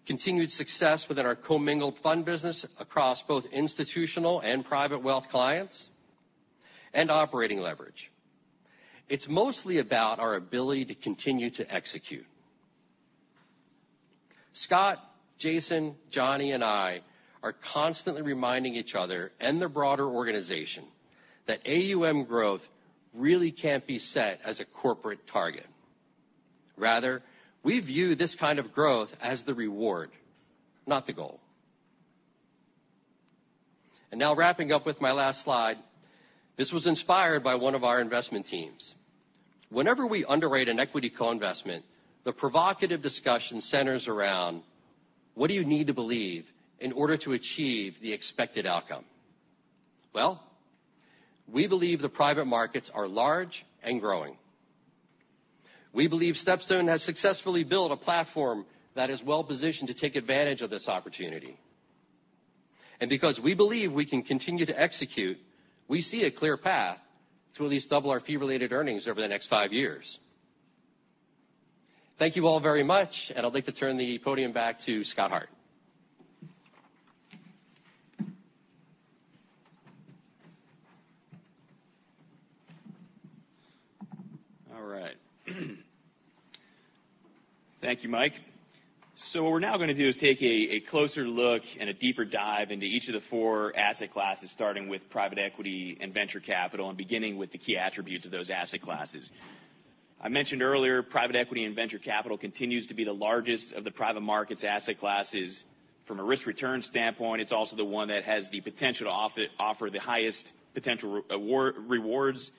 continued success within our commingled fund business across both institutional and private wealth clients, and operating leverage. It's mostly about our ability to continue to execute. Scott Hart, Jason Ment, Johnny Randel, and I are constantly reminding each other and the broader organization that AUM growth really can't be set as a corporate target. Rather, we view this kind of growth as the reward, not the goal. Now wrapping up with my last slide, this was inspired by one of our investment teams. Whenever we underwrite an equity co-investment, the provocative discussion centers around: what do you need to believe in order to achieve the expected outcome? Well, we believe the private markets are large and growing. We believe StepStone has successfully built a platform that is well-positioned to take advantage of this opportunity. Because we believe we can continue to execute, we see a clear path to at least double our fee-related earnings over the next five years. Thank you all very much, and I'd like to turn the podium back to Scott Hart. All right. Thank you, Mike. What we're now gonna do is take a closer look and a deeper dive into each of the four asset classes, starting with private equity and venture capital, and beginning with the key attributes of those asset classes. I mentioned earlier, private equity and venture capital continues to be the largest of the private markets asset classes. From a risk-return standpoint, it's also the one that has the potential to offer the highest potential rewards,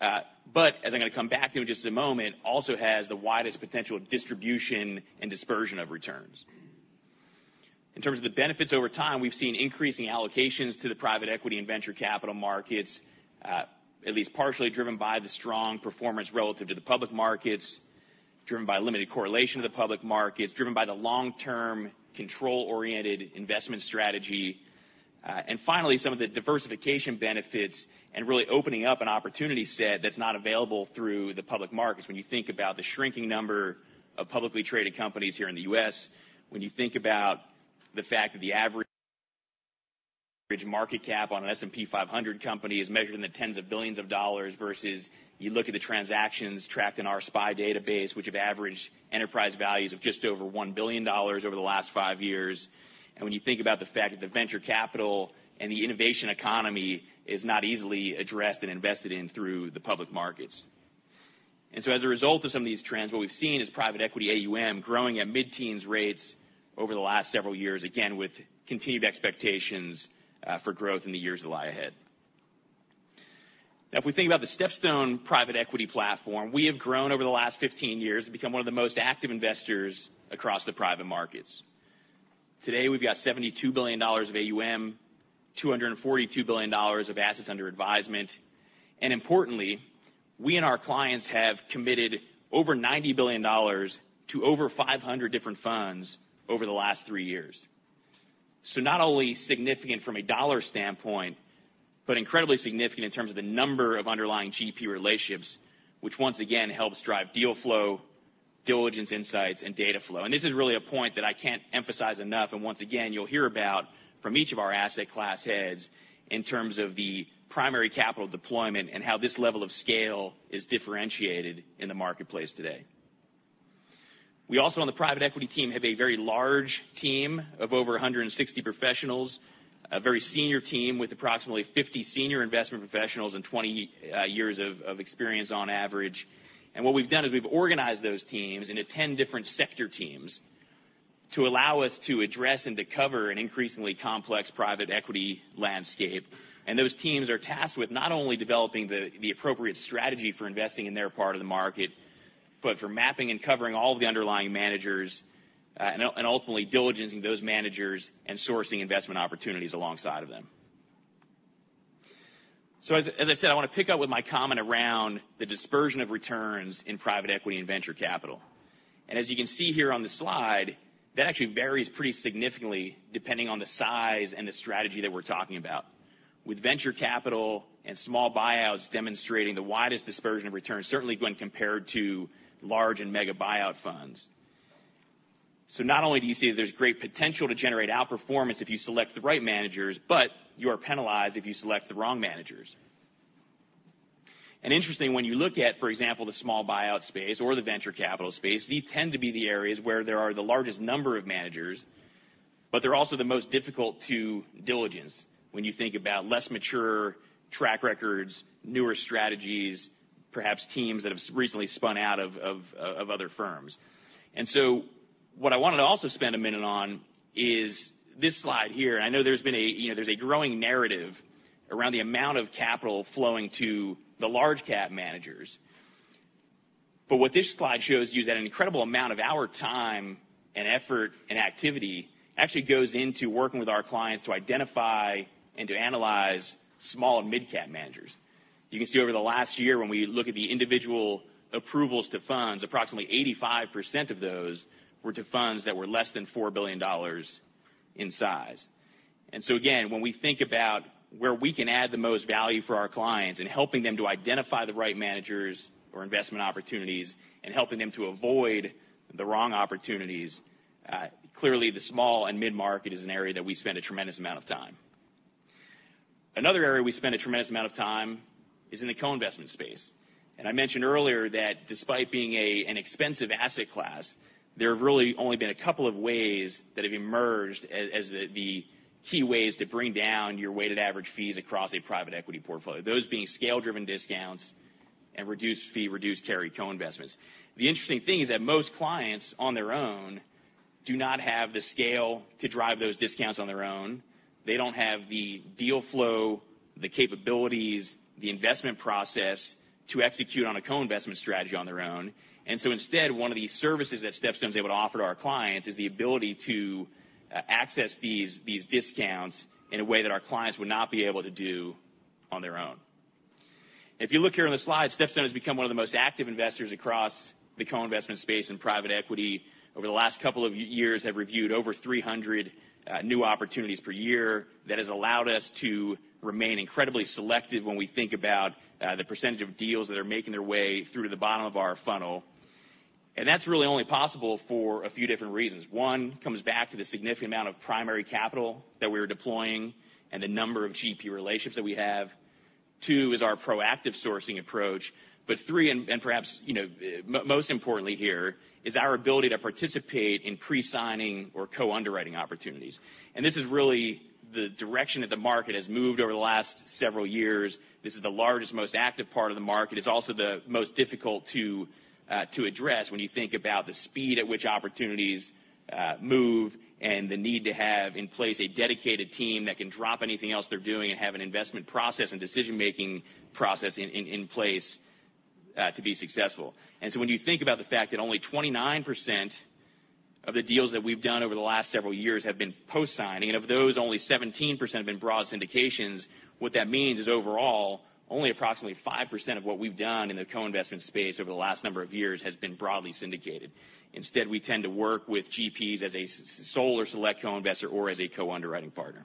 but as I'm gonna come back to in just a moment, also has the widest potential distribution and dispersion of returns. In terms of the benefits over time, we've seen increasing allocations to the private equity and venture capital markets, at least partially driven by the strong performance relative to the public markets, driven by limited correlation to the public markets, driven by the long-term, control-oriented investment strategy. Finally, some of the diversification benefits and really opening up an opportunity set that's not available through the public markets when you think about the shrinking number of publicly traded companies here in the U.S., when you think about the fact that the average market cap on an S&P 500 company is measured in the tens of billions of dollars, versus you look at the transactions tracked in our SPI database, which have averaged enterprise values of just over $1 billion over the last five years. When you think about the fact that the venture capital and the innovation economy is not easily addressed and invested in through the public markets. As a result of some of these trends, what we've seen is private equity AUM growing at mid-teens rates over the last several years, again, with continued expectations for growth in the years that lie ahead. Now, if we think about the StepStone private equity platform, we have grown over the last 15 years to become one of the most active investors across the private markets. Today, we've got $72 billion of AUM, $242 billion of assets under advisement, and importantly, we and our clients have committed over $90 billion to over 500 different funds over the last three years. Not only significant from a dollar standpoint, but incredibly significant in terms of the number of underlying GP relationships, which once again, helps drive deal flow, diligence, insights, and data flow. This is really a point that I can't emphasize enough, and once again, you'll hear about from each of our asset class heads in terms of the primary capital deployment and how this level of scale is differentiated in the marketplace today. We also, on the private equity team, have a very large team of over 160 professionals, a very senior team with approximately 50 senior investment professionals and 20 years of experience on average. What we've done is we've organized those teams into 10 different sector teams to allow us to address and to cover an increasingly complex private equity landscape. Those teams are tasked with not only developing the appropriate strategy for investing in their part of the market, but for mapping and covering all of the underlying managers, and ultimately diligencing those managers and sourcing investment opportunities alongside of them. As I said, I wanna pick up with my comment around the dispersion of returns in private equity and venture capital. As you can see here on the slide, that actually varies pretty significantly depending on the size and the strategy that we're talking about. With venture capital and small buyouts demonstrating the widest dispersion of returns, certainly when compared to large and mega buyout funds. Not only do you see that there's great potential to generate outperformance if you select the right managers, but you are penalized if you select the wrong managers. Interesting, when you look at, for example, the small buyout space or the venture capital space, these tend to be the areas where there are the largest number of managers, but they're also the most difficult to diligence when you think about less mature track records, newer strategies, perhaps teams that have recently spun out of other firms. What I wanted to also spend a minute on is this slide here. I know there's been a, you know, there's a growing narrative around the amount of capital flowing to the large cap managers. What this slide shows you is that an incredible amount of our time and effort and activity actually goes into working with our clients to identify and to analyze small and mid-cap managers. You can see over the last year, when we look at the individual approvals to funds, approximately 85% of those were to funds that were less than $4 billion in size. Again, when we think about where we can add the most value for our clients and helping them to identify the right managers or investment opportunities and helping them to avoid the wrong opportunities, clearly, the small and mid-market is an area that we spend a tremendous amount of time. Another area we spend a tremendous amount of time is in the co-investment space. I mentioned earlier that despite being an expensive asset class, there have really only been a couple of ways that have emerged as the key ways to bring down your weighted average fees across a private equity portfolio. Those being scale-driven discounts and reduced fee, reduced carry co-investments. The interesting thing is that most clients, on their own, do not have the scale to drive those discounts on their own. They don't have the deal flow, the capabilities, the investment process to execute on a co-investment strategy on their own. Instead, one of the services that StepStone is able to offer to our clients is the ability to access these discounts in a way that our clients would not be able to do on their own. If you look here on the slide, StepStone has become one of the most active investors across the co-investment space in private equity. Over the last couple of years, have reviewed over 300 new opportunities per year. That has allowed us to remain incredibly selective when we think about the percentage of deals that are making their way through to the bottom of our funnel. That's really only possible for a few different reasons. One, comes back to the significant amount of primary capital that we are deploying and the number of GP relationships that we have. Two, is our proactive sourcing approach. Three, and perhaps, you know, most importantly here, is our ability to participate in pre-signing or co-underwriting opportunities. This is really the direction that the market has moved over the last several years. This is the largest, most active part of the market. It's also the most difficult to address when you think about the speed at which opportunities move, and the need to have in place a dedicated team that can drop anything else they're doing and have an investment process and decision-making process in place to be successful. When you think about the fact that only 29% of the deals that we've done over the last several years have been post-signing, and of those, only 17% have been broad syndications, what that means is overall, only approximately 5% of what we've done in the co-investment space over the last number of years has been broadly syndicated. Instead, we tend to work with GPs as a sole or select co-investor or as a co-underwriting partner.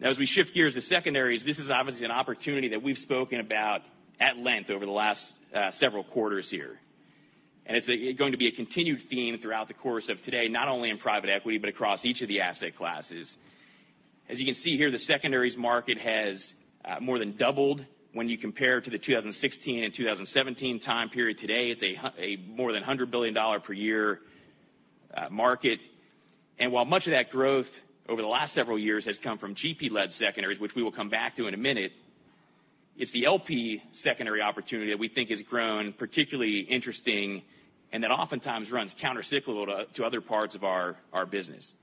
As we shift gears to secondaries, this is obviously an opportunity that we've spoken about at length over the last several quarters here. It's going to be a continued theme throughout the course of today, not only in private equity, but across each of the asset classes. As you can see here, the secondaries market has more than doubled when you compare to the 2016 and 2017 time period. Today, it's a more than $100 billion per year market. While much of that growth over the last several years has come from GP-led secondaries, which we will come back to in a minute, it's the LP secondary opportunity that we think has grown particularly interesting and that oftentimes runs countercyclical to other parts of our business.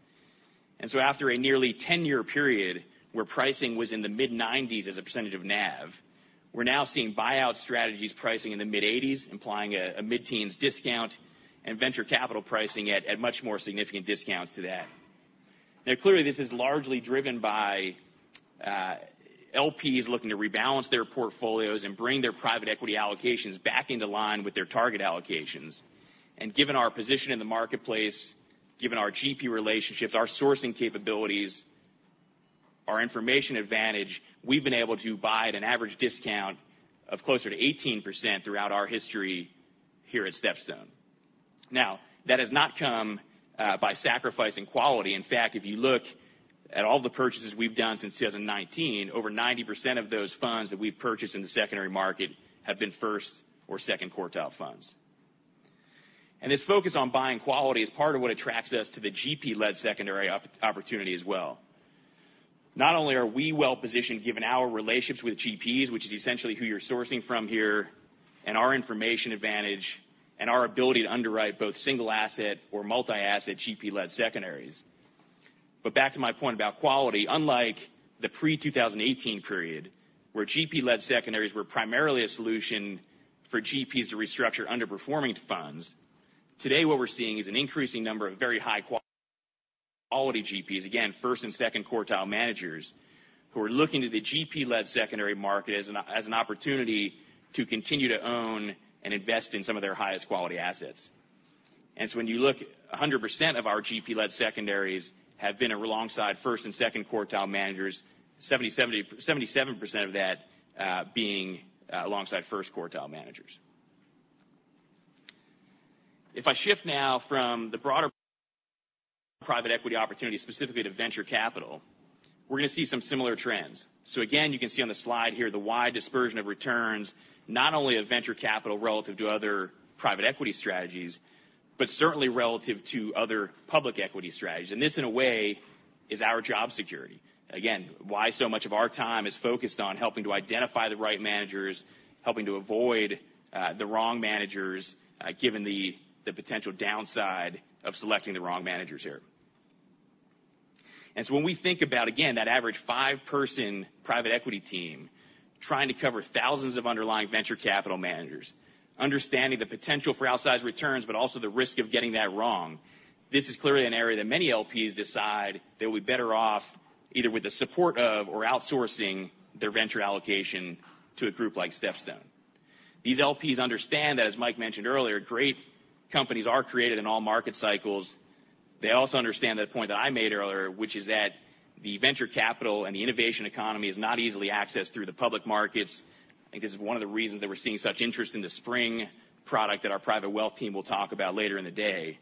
After a nearly 10-year period, where pricing was in the mid-90s as a percentage of NAV, we're now seeing buyout strategies pricing in the mid-80s, implying a mid-teens discount, and venture capital pricing at much more significant discounts to that. Clearly, this is largely driven by LPs looking to rebalance their portfolios and bring their private equity allocations back into line with their target allocations. Given our position in the marketplace, given our GP relationships, our sourcing capabilities, our information advantage, we've been able to buy at an average discount of closer to 18% throughout our history here at StepStone. That has not come by sacrificing quality. In fact, if you look at all the purchases we've done since 2019, over 90% of those funds that we've purchased in the secondary market have been first or second quartile funds. This focus on buying quality is part of what attracts us to the GP-led secondary opportunity as well. Not only are we well-positioned, given our relationships with GPs, which is essentially who you're sourcing from here, and our information advantage, and our ability to underwrite both single-asset or multi-asset GP-led secondaries. Back to my point about quality, unlike the pre-2018 period, where GP-led secondaries were primarily a solution for GPs to restructure underperforming funds, today, what we're seeing is an increasing number of very high-quality GPs, again, first and second quartile managers, who are looking to the GP-led secondary market as an opportunity to continue to own and invest in some of their highest quality assets. When you look, 100% of our GP-led secondaries have been alongside first and second quartile managers, 77% of that being alongside first quartile managers. If I shift now from the broader private equity opportunity, specifically to venture capital, we're gonna see some similar trends. Again, you can see on the slide here the wide dispersion of returns, not only of venture capital relative to other private equity strategies, but certainly relative to other public equity strategies. This, in a way, is our job security. Again, why so much of our time is focused on helping to identify the right managers, helping to avoid the wrong managers, given the potential downside of selecting the wrong managers here. When we think about, again, that average five-person private equity team, trying to cover thousands of underlying venture capital managers, understanding the potential for outsized returns, but also the risk of getting that wrong, this is clearly an area that many LPs decide they'll be better off either with the support of or outsourcing their venture allocation to a group like StepStone. These LPs understand that, as Mike mentioned earlier, great companies are created in all market cycles. They also understand the point that I made earlier, which is that the venture capital and the innovation economy is not easily accessed through the public markets. I think this is one of the reasons that we're seeing such interest in the SPRING product that our private wealth team will talk about later in the day.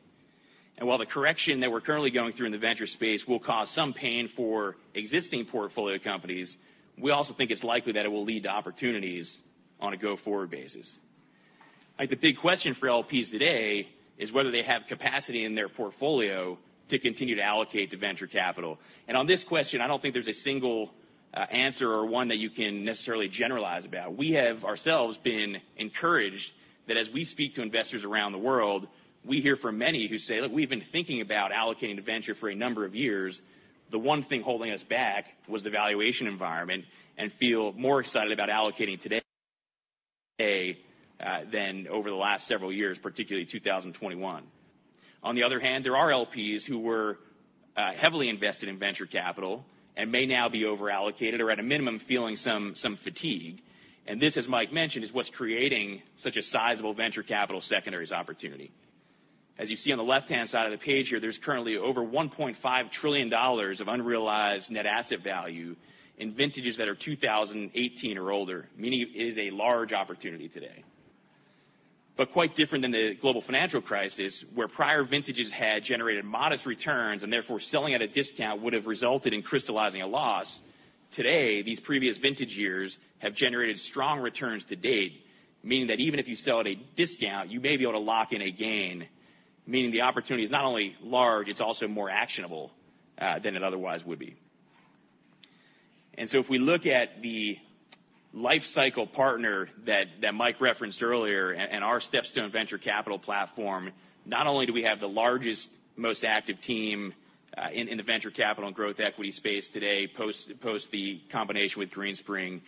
While the correction that we're currently going through in the venture space will cause some pain for existing portfolio companies, we also think it's likely that it will lead to opportunities on a go-forward basis. I think the big question for LPs today is whether they have capacity in their portfolio to continue to allocate to venture capital. On this question, I don't think there's a single answer or one that you can necessarily generalize about. We have ourselves been encouraged that as we speak to investors around the world, we hear from many who say, "Look, we've been thinking about allocating to venture for a number of years. The one thing holding us back was the valuation environment," and feel more excited about allocating today than over the last several years, particularly 2021. On the other hand, there are LPs who were heavily invested in venture capital and may now be over-allocated or, at a minimum, feeling some fatigue. This, as Mike mentioned, is what's creating such a sizable venture capital secondaries opportunity. As you see on the left-hand side of the page here, there's currently over $1.5 trillion of unrealized net asset value in vintages that are 2018 or older, meaning it is a large opportunity today. Quite different than the Global Financial Crisis, where prior vintages had generated modest returns, and therefore, selling at a discount would have resulted in crystallizing a loss. Today, these previous vintage years have generated strong returns to date, meaning that even if you sell at a discount, you may be able to lock in a gain, meaning the opportunity is not only large, it's also more actionable than it otherwise would be. If we look at the lifecycle partner that Mike referenced earlier and our StepStone Venture Capital platform, not only do we have the largest, most active team in the venture capital and growth equity space today, post the combination with Greenspring,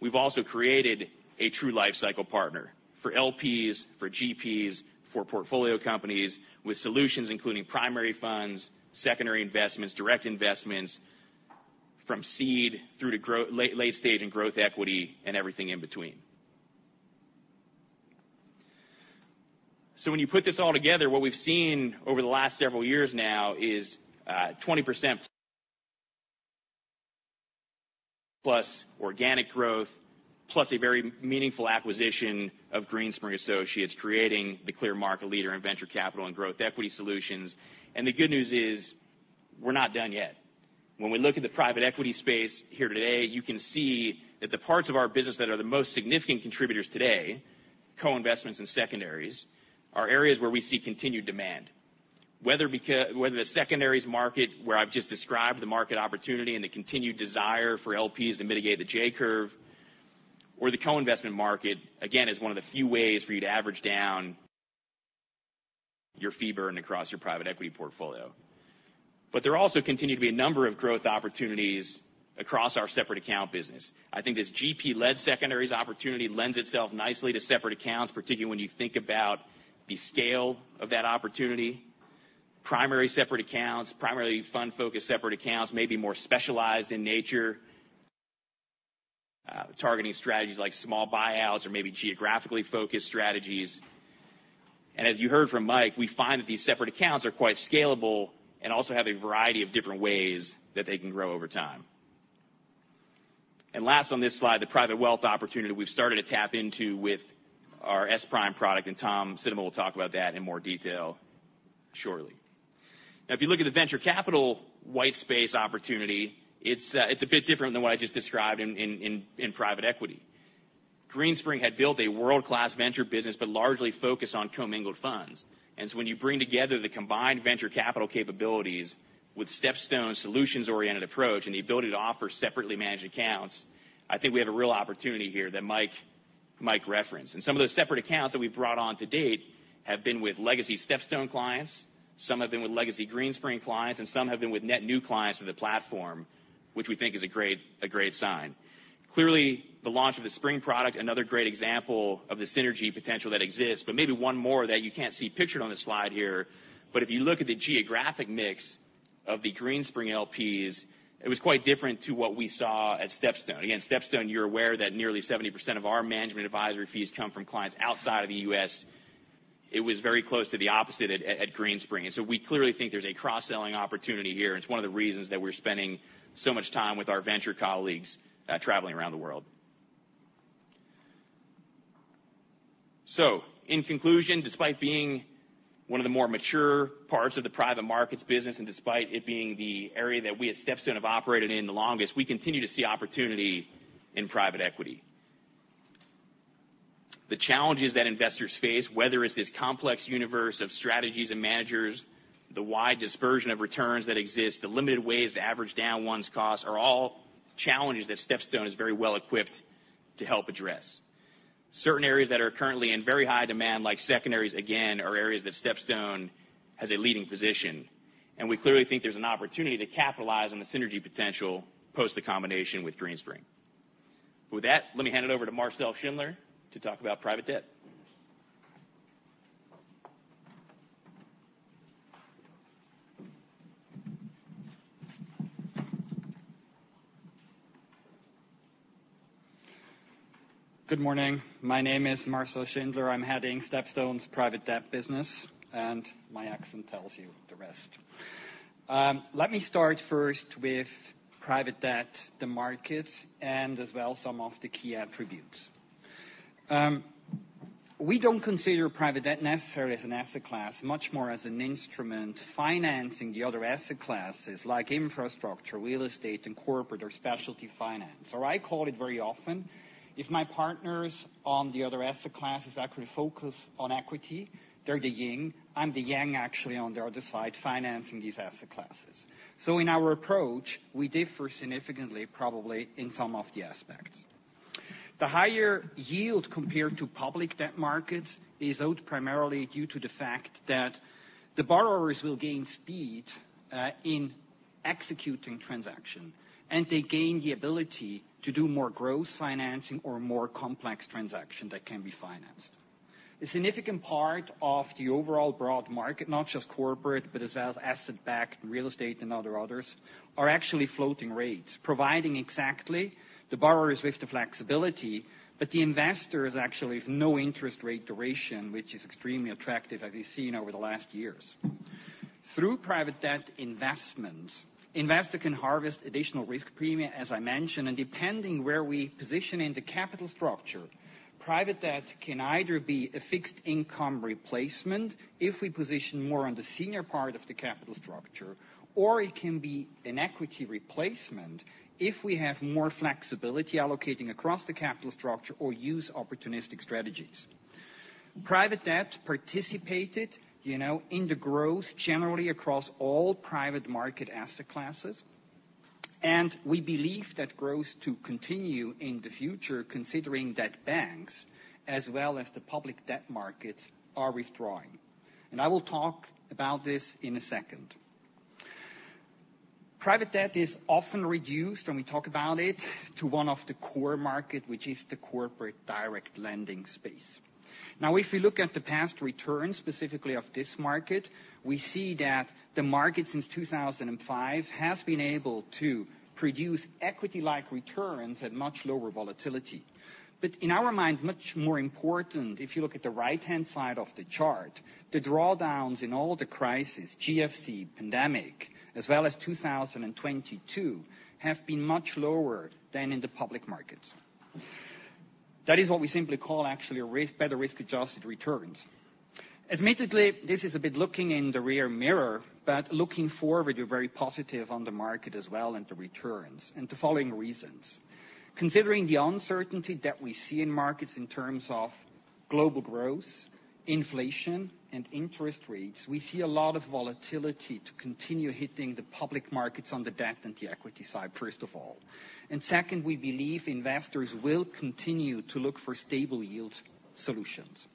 we've also created a true lifecycle partner for LPs, for GPs, for portfolio companies, with solutions including primary funds, secondary investments, direct investments from seed through to late stage and growth equity, and everything in between. When you put this all together, what we've seen over the last several years now is 20%+ organic growth, plus a very meaningful acquisition of Greenspring Associates, creating the clear market leader in venture capital and growth equity solutions. The good news is, we're not done yet. When we look at the private equity space here today, you can see that the parts of our business that are the most significant contributors today, co-investments and secondaries, are areas where we see continued demand. Whether the secondaries market, where I've just described the market opportunity and the continued desire for LPs to mitigate the J-curve, or the co-investment market, again, is one of the few ways for you to average down your fee burn across your private equity portfolio. There also continue to be a number of growth opportunities across our separate account business. I think this GP-led secondaries opportunity lends itself nicely to separate accounts, particularly when you think about the scale of that opportunity. Primary separate accounts, primarily fund-focused separate accounts may be more specialized in nature, targeting strategies like small buyouts or maybe geographically focused strategies. As you heard from Mike, we find that these separate accounts are quite scalable and also have a variety of different ways that they can grow over time. Last on this slide, the private wealth opportunity we've started to tap into with our SPRIM product, and Tom Sittema will talk about that in more detail shortly. If you look at the venture capital white space opportunity, it's a bit different than what I just described in private equity. Greenspring had built a world-class venture business, but largely focused on commingled funds. When you bring together the combined venture capital capabilities with StepStone's solutions-oriented approach, and the ability to offer separately managed accounts, I think we have a real opportunity here that Mike referenced. Some of those separate accounts that we've brought on to date have been with legacy StepStone clients, some have been with legacy Greenspring clients, and some have been with net new clients to the platform, which we think is a great sign. Clearly, the launch of the SPRING product, another great example of the synergy potential that exists, maybe one more that you can't see pictured on the slide here, if you look at the geographic mix of the Greenspring LPs, it was quite different to what we saw at StepStone. Again, StepStone, you're aware that nearly 70% of our management advisory fees come from clients outside of the U.S. It was very close to the opposite at Greenspring. We clearly think there's a cross-selling opportunity here, and it's one of the reasons that we're spending so much time with our venture colleagues, traveling around the world. In conclusion, despite being one of the more mature parts of the private markets business, and despite it being the area that we at StepStone have operated in the longest, we continue to see opportunity in private equity. The challenges that investors face, whether it's this complex universe of strategies and managers, the wide dispersion of returns that exist, the limited ways to average down one's costs, are all challenges that StepStone is very well equipped to help address. Certain areas that are currently in very high demand, like secondaries, again, are areas that StepStone has a leading position, and we clearly think there's an opportunity to capitalize on the synergy potential post the combination with Greenspring. With that, let me hand it over to Marcel Schindler to talk about private debt. Good morning. My name is Marcel Schindler. I'm heading StepStone's private debt business, and my accent tells you the rest. Let me start first with private debt, the market, and as well, some of the key attributes. We don't consider private debt necessarily as an asset class, much more as an instrument financing the other asset classes, like infrastructure, real estate, and corporate or specialty finance. I call it very often, if my partners on the other asset classes actually focus on equity, they're the yin, I'm the yang, actually, on the other side, financing these asset classes. In our approach, we differ significantly, probably, in some of the aspects. The higher yield compared to public debt markets is owed primarily due to the fact that the borrowers will gain speed in executing transaction, and they gain the ability to do more growth financing or more complex transaction that can be financed. A significant part of the overall broad market, not just corporate, but as well as asset-backed real estate and other others, are actually floating rates, providing exactly the borrowers with the flexibility, but the investors actually with no interest rate duration, which is extremely attractive, as we've seen over the last years. Through private debt investments, investor can harvest additional risk premium, as I mentioned, and depending where we position in the capital structure, private debt can either be a fixed income replacement if we position more on the senior part of the capital structure, or it can be an equity replacement if we have more flexibility allocating across the capital structure or use opportunistic strategies. Private debt participated, you know, in the growth generally across all private market asset classes, and we believe that growth to continue in the future, considering that banks, as well as the public debt markets, are withdrawing. I will talk about this in a second. Private debt is often reduced when we talk about it, to one of the core market, which is the corporate direct lending space. If we look at the past returns, specifically of this market, we see that the market since 2005, has been able to produce equity-like returns at much lower volatility. In our mind, much more important, if you look at the right-hand side of the chart, the drawdowns in all the crises, GFC, pandemic, as well as 2022, have been much lower than in the public markets. That is what we simply call actually a risk, better risk-adjusted returns. Admittedly, this is a bit looking in the rear mirror, but looking forward, we're very positive on the market as well, and the returns, and the following reasons. Considering the uncertainty that we see in markets in terms of global growth, inflation, and interest rates, we see a lot of volatility to continue hitting the public markets on the debt and the equity side, first of all. Second, we believe investors will continue to look for stable yield solutions.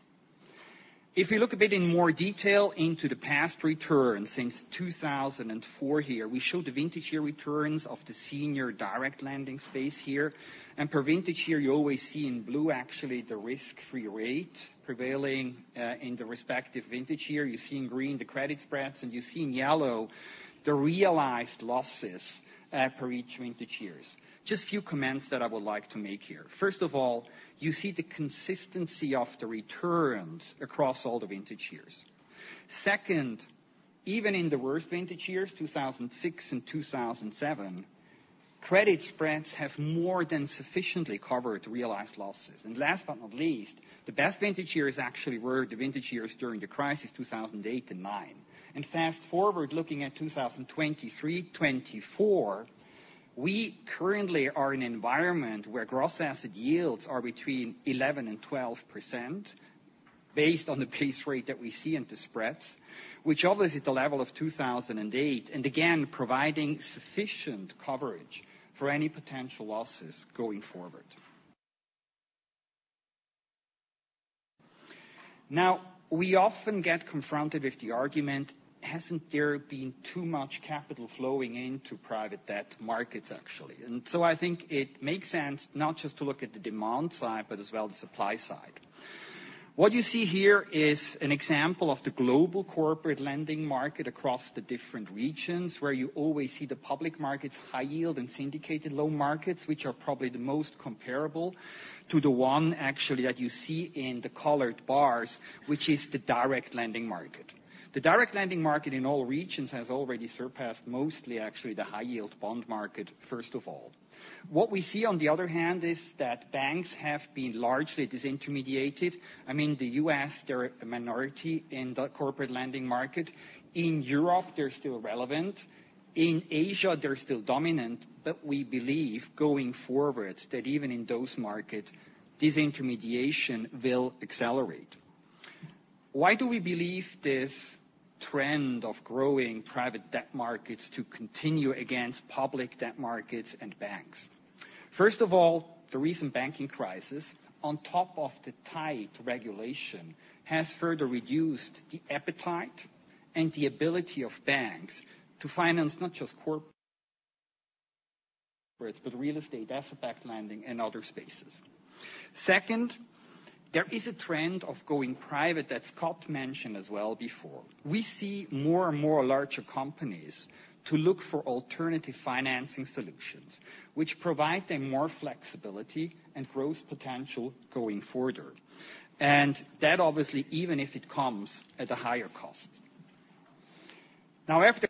If you look a bit in more detail into the past returns since 2004 here, we show the vintage year returns of the senior direct lending space here. Per vintage year, you always see in blue actually the risk-free rate prevailing in the respective vintage year. You see in green, the credit spreads, and you see in yellow the realized losses per each vintage years. Just a few comments that I would like to make here. First of all, you see the consistency of the returns across all the vintage years. Second, even in the worst vintage years, 2006 and 2007, credit spreads have more than sufficiently covered realized losses. Last but not least, the best vintage years actually were the vintage years during the crisis, 2008 and 2009. Fast-forward, looking at 2023, 2024, we currently are in an environment where gross asset yields are between 11%-12%, based on the pace rate that we see in the spreads, which obviously at the level of 2008, and again, providing sufficient coverage for any potential losses going forward. We often get confronted with the argument, "Hasn't there been too much capital flowing into private debt markets, actually?" I think it makes sense not just to look at the demand side, but as well, the supply side. What you see here is an example of the global corporate lending market across the different regions, where you always see the public markets, high yield, and syndicated loan markets, which are probably the most comparable to the one actually that you see in the colored bars, which is the direct lending market. The direct lending market in all regions has already surpassed mostly, actually, the high yield bond market, first of all. What we see, on the other hand, is that banks have been largely disintermediated. I mean, the U.S., they're a minority in the corporate lending market. In Europe, they're still relevant. In Asia, they're still dominant, but we believe going forward, that even in those markets, disintermediation will accelerate. Why do we believe this trend of growing private debt markets to continue against public debt markets and banks? The recent banking crisis, on top of the tight regulation, has further reduced the appetite and the ability of banks to finance, not just but real estate, asset-backed lending, and other spaces. There is a trend of going private that Scott mentioned as well before. We see more and more larger companies to look for alternative financing solutions, which provide them more flexibility and growth potential going further. That, obviously, even if it comes at a higher cost. After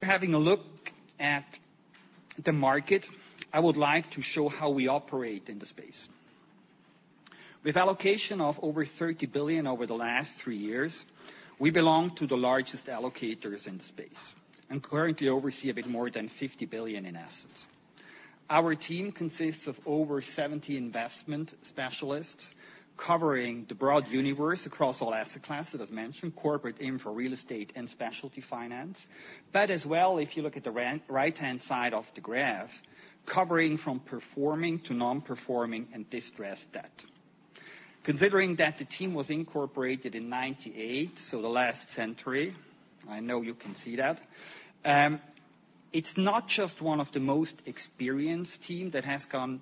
having a look at the market, I would like to show how we operate in the space. With allocation of over $30 billion over the last three years, we belong to the largest allocators in the space, and currently oversee a bit more than $50 billion in assets. Our team consists of over 70 investment specialists, covering the broad universe across all asset classes, as mentioned, corporate, infra, real estate, and specialty finance. As well, if you look at the right-hand side of the graph, covering from performing to non-performing and distressed debt. Considering that the team was incorporated in 98, so the last century, I know you can see that, it's not just one of the most experienced team that has gone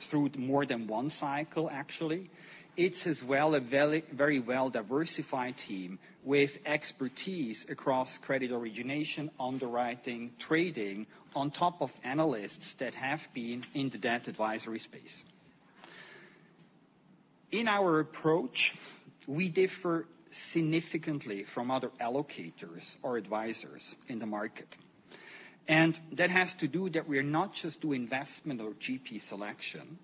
through more than one cycle, actually. It's as well, a very well-diversified team, with expertise across credit origination, underwriting, trading, on top of analysts that have been in the debt advisory space. In our approach, we differ significantly from other allocators or advisors in the market, and that has to do that we're not just do investment or GP selection.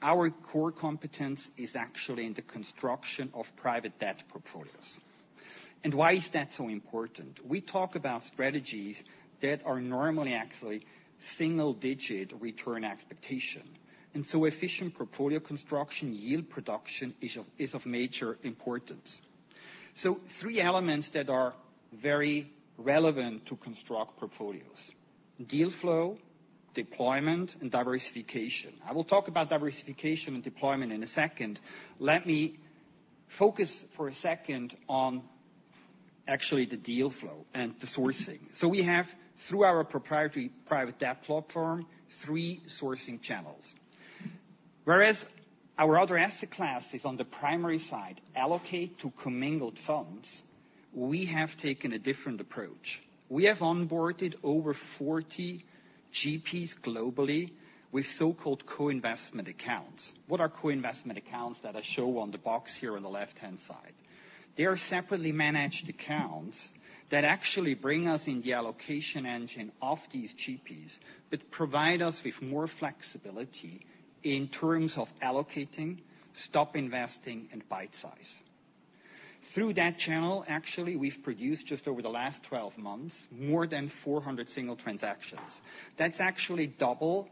Our core competence is actually in the construction of private debt portfolios. Why is that so important? We talk about strategies that are normally actually single-digit return expectation, efficient portfolio construction, yield production is of major importance. Three elements that are very relevant to construct portfolios: deal flow, deployment, and diversification. I will talk about diversification and deployment in a second. Let me focus for a second on actually the deal flow and the sourcing. We have, through our proprietary private debt platform, three sourcing channels. Whereas our other asset classes on the primary side allocate to commingled funds, we have taken a different approach. We have onboarded over 40 GPs globally with so-called co-investment accounts. What are co-investment accounts that I show on the box here on the left-hand side? They are separately managed accounts that actually bring us in the allocation engine of these GPs, but provide us with more flexibility in terms of allocating, stop investing, and bite size. Through that channel, actually, we've produced just over the last 12 months, more than 400 single transactions. That's actually double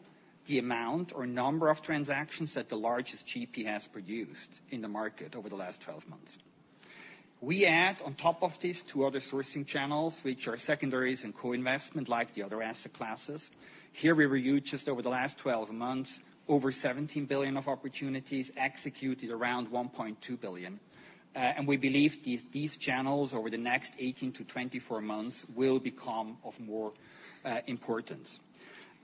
the amount or number of transactions that the largest GP has produced in the market over the last 12 months. We add on top of these two other sourcing channels, which are secondaries and co-investment, like the other asset classes. Here we reviewed just over the last 12 months, over $17 billion of opportunities, executed around $1.2 billion. We believe these channels over the next 18-24 months will become of more importance.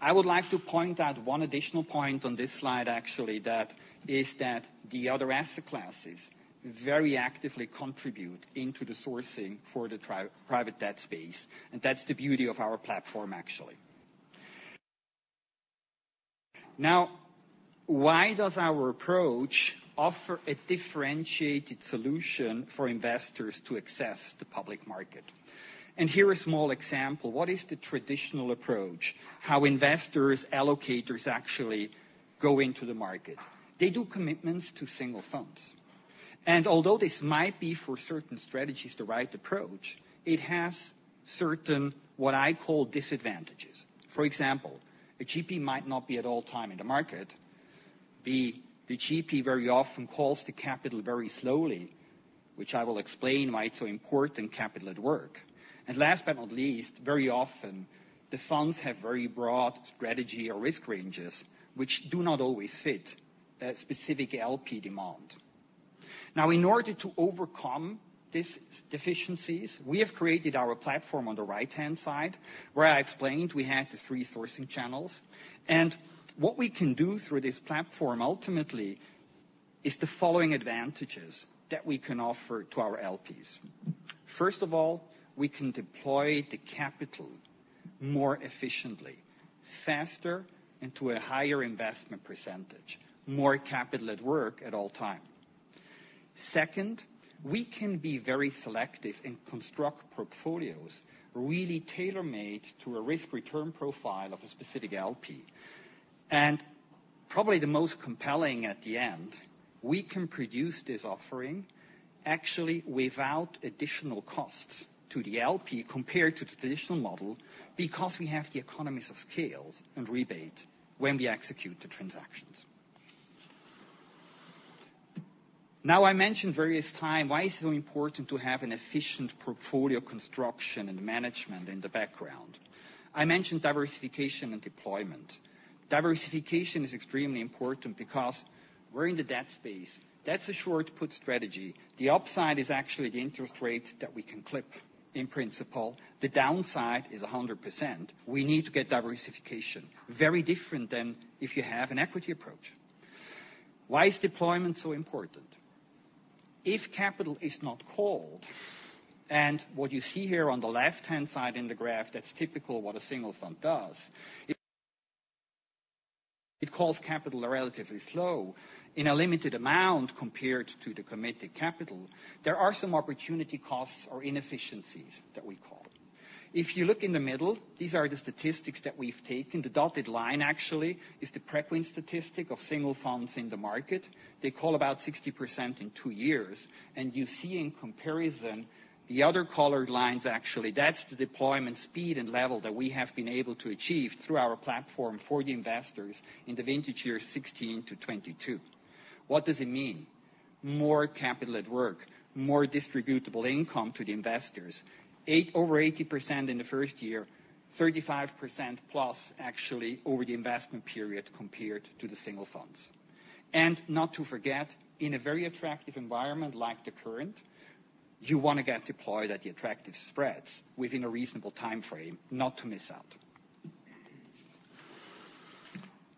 I would like to point out one additional point on this slide, actually, that is that the other asset classes very actively contribute into the sourcing for the private debt space. That's the beauty of our platform, actually. Why does our approach offer a differentiated solution for investors to access the public market? Here, a small example, what is the traditional approach, how investors, allocators, actually go into the market? They do commitments to single funds. Although this might be for certain strategies, the right approach, it has certain, what I call, disadvantages. For example, a GP might not be at all time in the market. B, the GP very often calls the capital very slowly, which I will explain why it's so important, capital at work. Last but not least, very often, the funds have very broad strategy or risk ranges, which do not always fit a specific LP demand. In order to overcome these deficiencies, we have created our platform on the right-hand side, where I explained we had the three sourcing channels. What we can do through this platform, ultimately, is the following advantages that we can offer to our LPs. First of all, we can deploy the capital more efficiently, faster, and to a higher investment percentage, more capital at work at all time. Second, we can be very selective and construct portfolios, really tailor-made to a risk-return profile of a specific LP. Probably the most compelling at the end, we can produce this offering actually without additional costs to the LP compared to the traditional model, because we have the economies of scale and rebate when we execute the transactions. I mentioned various time, why is it so important to have an efficient portfolio construction and management in the background? I mentioned diversification and deployment. Diversification is extremely important because we're in the debt space. That's a short put strategy. The upside is actually the interest rate that we can clip, in principle. The downside is 100%. We need to get diversification. Very different than if you have an equity approach. Why is deployment so important? If capital is not called, and what you see here on the left-hand side in the graph, that's typical what a single fund does. It calls capital relatively slow in a limited amount compared to the committed capital, there are some opportunity costs or inefficiencies that we call it. If you look in the middle, these are the statistics that we've taken. The dotted line, actually, is the Preqin statistic of single funds in the market. They call about 60% in two years, and you see in comparison, the other colored lines, actually, that's the deployment speed and level that we have been able to achieve through our platform for the investors in the vintage year 2016-2022. What does it mean? More capital at work, more distributable income to the investors. Over 80% in the 1st year, 35%+ actually, over the investment period compared to the single funds. Not to forget, in a very attractive environment like the current, you wanna get deployed at the attractive spreads within a reasonable timeframe, not to miss out.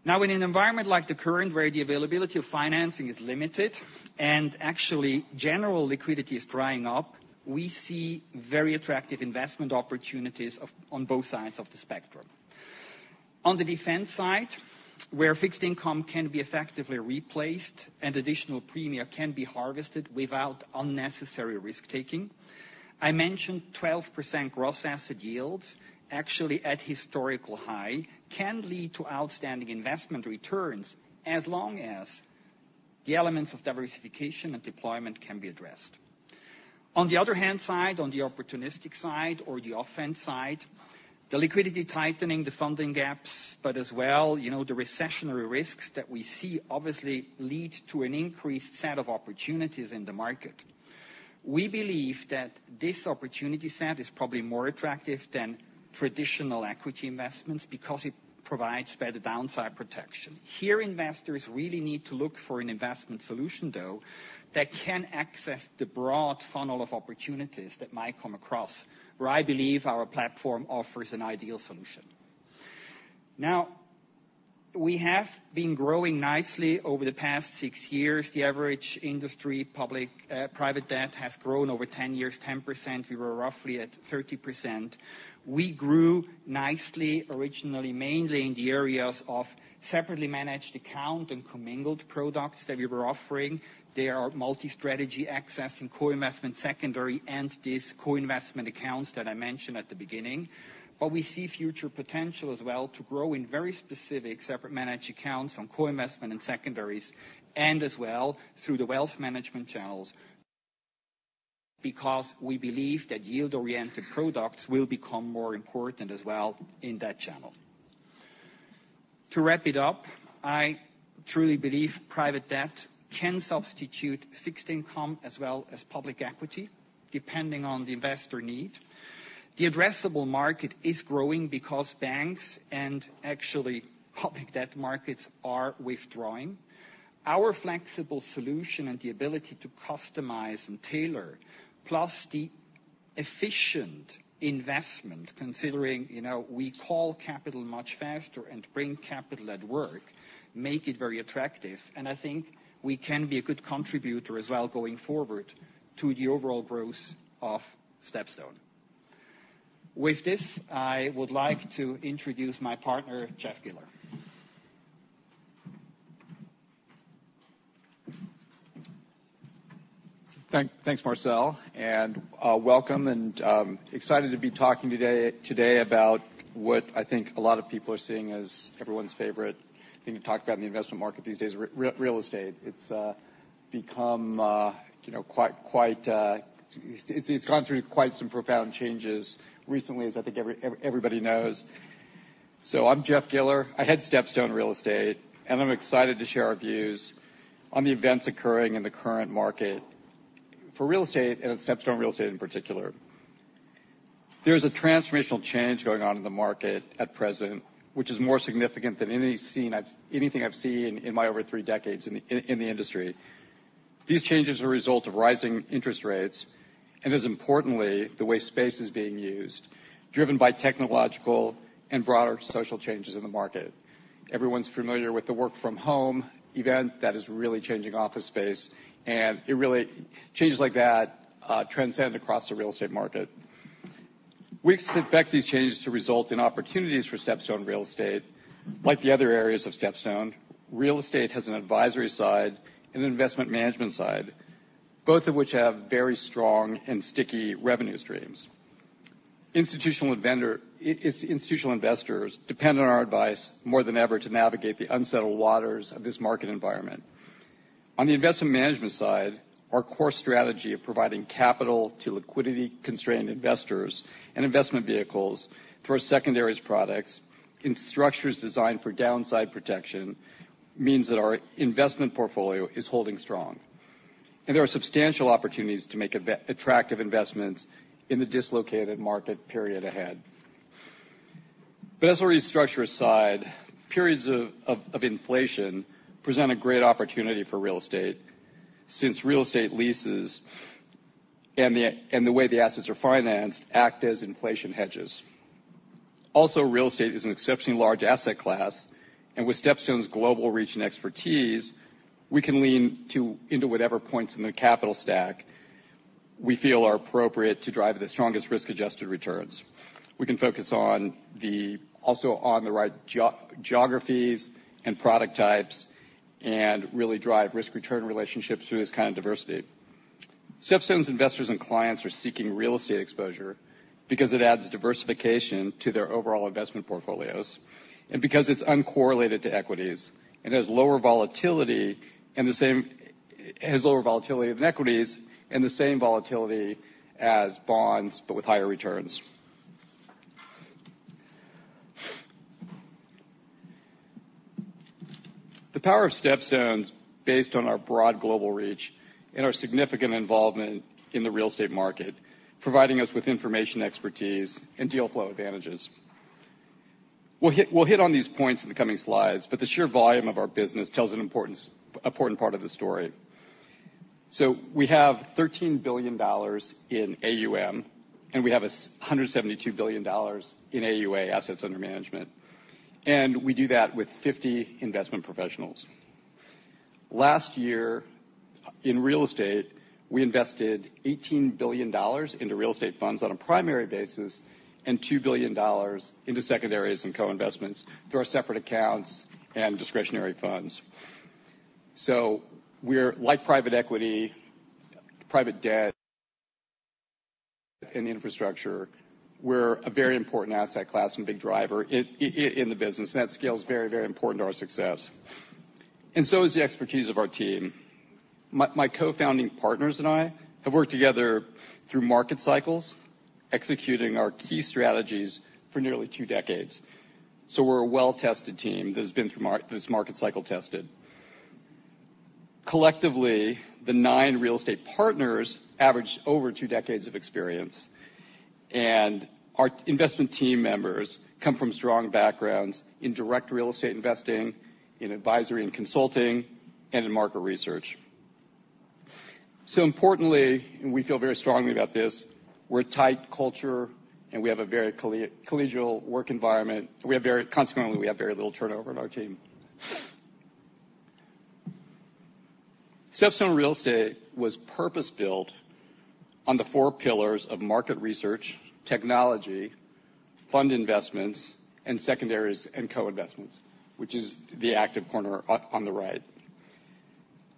In an environment like the current, where the availability of financing is limited and actually general liquidity is drying up, we see very attractive investment opportunities on both sides of the spectrum. On the defense side, where fixed income can be effectively replaced and additional premium can be harvested without unnecessary risk-taking, I mentioned 12% gross asset yields, actually, at historical high, can lead to outstanding investment returns as long as the elements of diversification and deployment can be addressed. On the other hand side, on the opportunistic side or the offense side, the liquidity tightening, the funding gaps, as well, you know, the recessionary risks that we see obviously lead to an increased set of opportunities in the market. We believe that this opportunity set is probably more attractive than traditional equity investments because it provides better downside protection. Here, investors really need to look for an investment solution, though, that can access the broad funnel of opportunities that might come across, where I believe our platform offers an ideal solution. Now, we have been growing nicely over the past 6 years. The average industry, public, private debt, has grown over 10 years, 10%. We were roughly at 30%. We grew nicely, originally, mainly in the areas of separately managed account and commingled products that we were offering. They are multi-strategy access and co-investment, secondary, and these co-investment accounts that I mentioned at the beginning. We see future potential as well, to grow in very specific separate managed accounts on co-investment and secondaries, and as well through the wealth management channels, because we believe that yield-oriented products will become more important as well in that channel. To wrap it up, I truly believe private debt can substitute fixed income as well as public equity, depending on the investor need. The addressable market is growing because banks and actually public debt markets are withdrawing. Our flexible solution and the ability to customize and tailor, plus the efficient investment, considering, you know, we call capital much faster and bring capital at work, make it very attractive, and I think we can be a good contributor as well, going forward, to the overall growth of StepStone. With this, I would like to introduce my partner, Jeff Giller. Thanks, Marcel, and welcome, and excited to be talking today about what I think a lot of people are seeing as everyone's favorite thing to talk about in the investment market these days, real estate. It's become, you know, quite. It's gone through quite some profound changes recently, as I think everybody knows. I'm Jeff Giller. I head StepStone Real Estate, and I'm excited to share our views on the events occurring in the current market for real estate and at StepStone Real Estate in particular. There's a transformational change going on in the market at present, which is more significant than anything I've seen in my over three decades in the industry. These changes are a result of rising interest rates, and as importantly, the way space is being used, driven by technological and broader social changes in the market. Everyone's familiar with the work from home event that is really changing office space, and changes like that transcend across the real estate market. We expect these changes to result in opportunities for StepStone Real Estate. Like the other areas of StepStone, Real Estate has an advisory side and an investment management side, both of which have very strong and sticky revenue streams. It's institutional investors depend on our advice more than ever to navigate the unsettled waters of this market environment. On the investment management side, our core strategy of providing capital to liquidity-constrained investors and investment vehicles for secondaries products, in structures designed for downside protection, means that our investment portfolio is holding strong. There are substantial opportunities to make attractive investments in the dislocated market period ahead. As for the structure side, periods of inflation present a great opportunity for real estate, since real estate leases and the way the assets are financed, act as inflation hedges. Also, real estate is an exceptionally large asset class. With StepStone's global reach and expertise, we can lean into whatever points in the capital stack we feel are appropriate to drive the strongest risk-adjusted returns. We can focus also on the right geographies and product types. Really drive risk-return relationships through this kind of diversity. StepStone's investors and clients are seeking real estate exposure because it adds diversification to their overall investment portfolios, because it's uncorrelated to equities and has lower volatility than equities and the same volatility as bonds, with higher returns. The power of StepStone's based on our broad global reach and our significant involvement in the real estate market, providing us with information, expertise, and deal flow advantages. We'll hit on these points in the coming slides, the sheer volume of our business tells an important part of the story. We have $13 billion in AUM, we have $172 billion in AUA, assets under management, we do that with 50 investment professionals. Last year, in real estate, we invested $18 billion into real estate funds on a primary basis and $2 billion into secondaries and co-investments through our separate accounts and discretionary funds. We're like private equity, private debt, and infrastructure. We're a very important asset class and big driver in the business, and that scale is very, very important to our success, and so is the expertise of our team. My co-founding partners and I have worked together through market cycles, executing our key strategies for nearly two decades. We're a well-tested team that has been through this market cycle tested. Collectively, the nine real estate partners average over two decades of experience, and our investment team members come from strong backgrounds in direct real estate investing, in advisory and consulting, and in market research. Importantly, and we feel very strongly about this, we're a tight culture, and we have a very collegial work environment. Consequently, we have very little turnover in our team. StepStone Real Estate was purpose-built on the four pillars of market research, technology, fund investments, and secondaries and co-investments, which is the active corner on the right.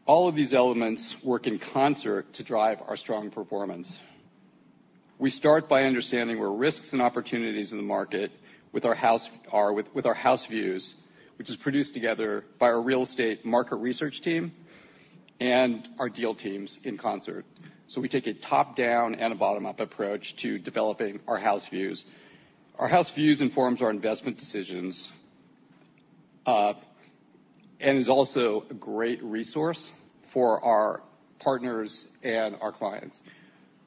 All of these elements work in concert to drive our strong performance. We start by understanding where risks and opportunities in the market with our house views, which is produced together by our real estate market research team and our deal teams in concert. We take a top-down and a bottom-up approach to developing our house views. Our house views informs our investment decisions, and is also a great resource for our partners and our clients,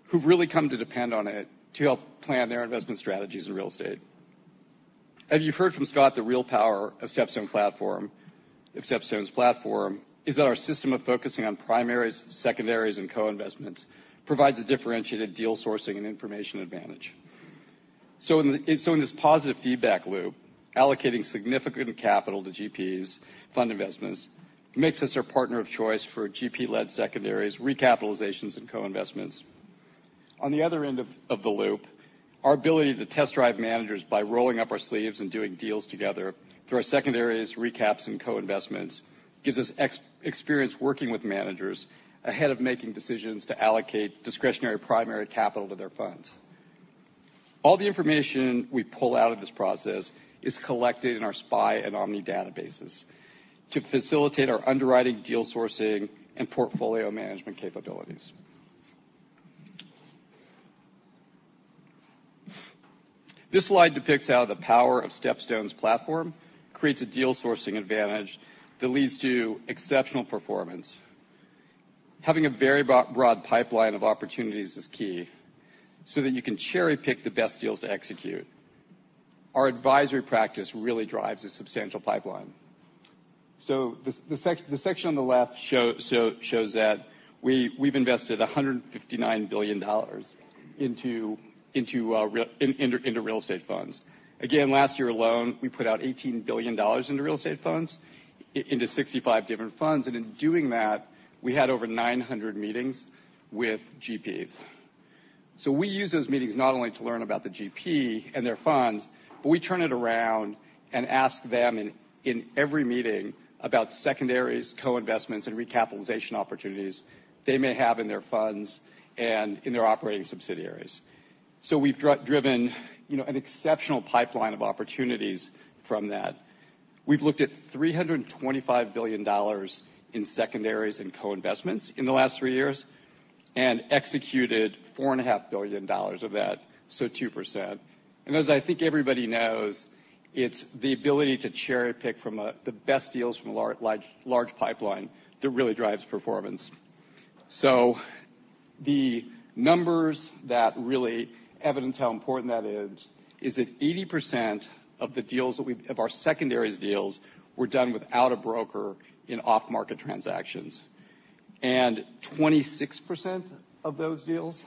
who've really come to depend on it to help plan their investment strategies in real estate. As you've heard from Scott, the real power of StepStone platform, of StepStone's platform, is that our system of focusing on primaries, secondaries, and co-investments provides a differentiated deal sourcing and information advantage. In this positive feedback loop, allocating significant capital to GPs fund investments, makes us our partner of choice for GP-led secondaries, recapitalizations, and co-investments. On the other end of the loop, our ability to test-drive managers by rolling up our sleeves and doing deals together through our secondaries, recaps, and co-investments, gives us experience working with managers ahead of making decisions to allocate discretionary primary capital to their funds. All the information we pull out of this process is collected in our SPI and Omni databases to facilitate our underwriting, deal sourcing, and portfolio management capabilities. This slide depicts how the power of StepStone's platform creates a deal sourcing advantage that leads to exceptional performance. Having a very broad pipeline of opportunities is key, that you can cherry-pick the best deals to execute. Our advisory practice really drives a substantial pipeline. The section on the left shows that we've invested $159 billion into real estate funds. Again, last year alone, we put out $18 billion into real estate funds, into 65 different funds, and in doing that, we had over 900 meetings with GPs. We use those meetings not only to learn about the GP and their funds, but we turn it around and ask them in every meeting about secondaries, co-investments, and recapitalization opportunities they may have in their funds and in their operating subsidiaries. We've driven, you know, an exceptional pipeline of opportunities from that. We've looked at $325 billion in secondaries and co-investments in the last three years and executed $4.5 billion of that, 2%. As I think everybody knows, it's the ability to cherry-pick from the best deals from a large pipeline that really drives performance. The numbers that really evidence how important that is that 80% of the deals of our secondaries deals were done without a broker in off-market transactions. 26% of those deals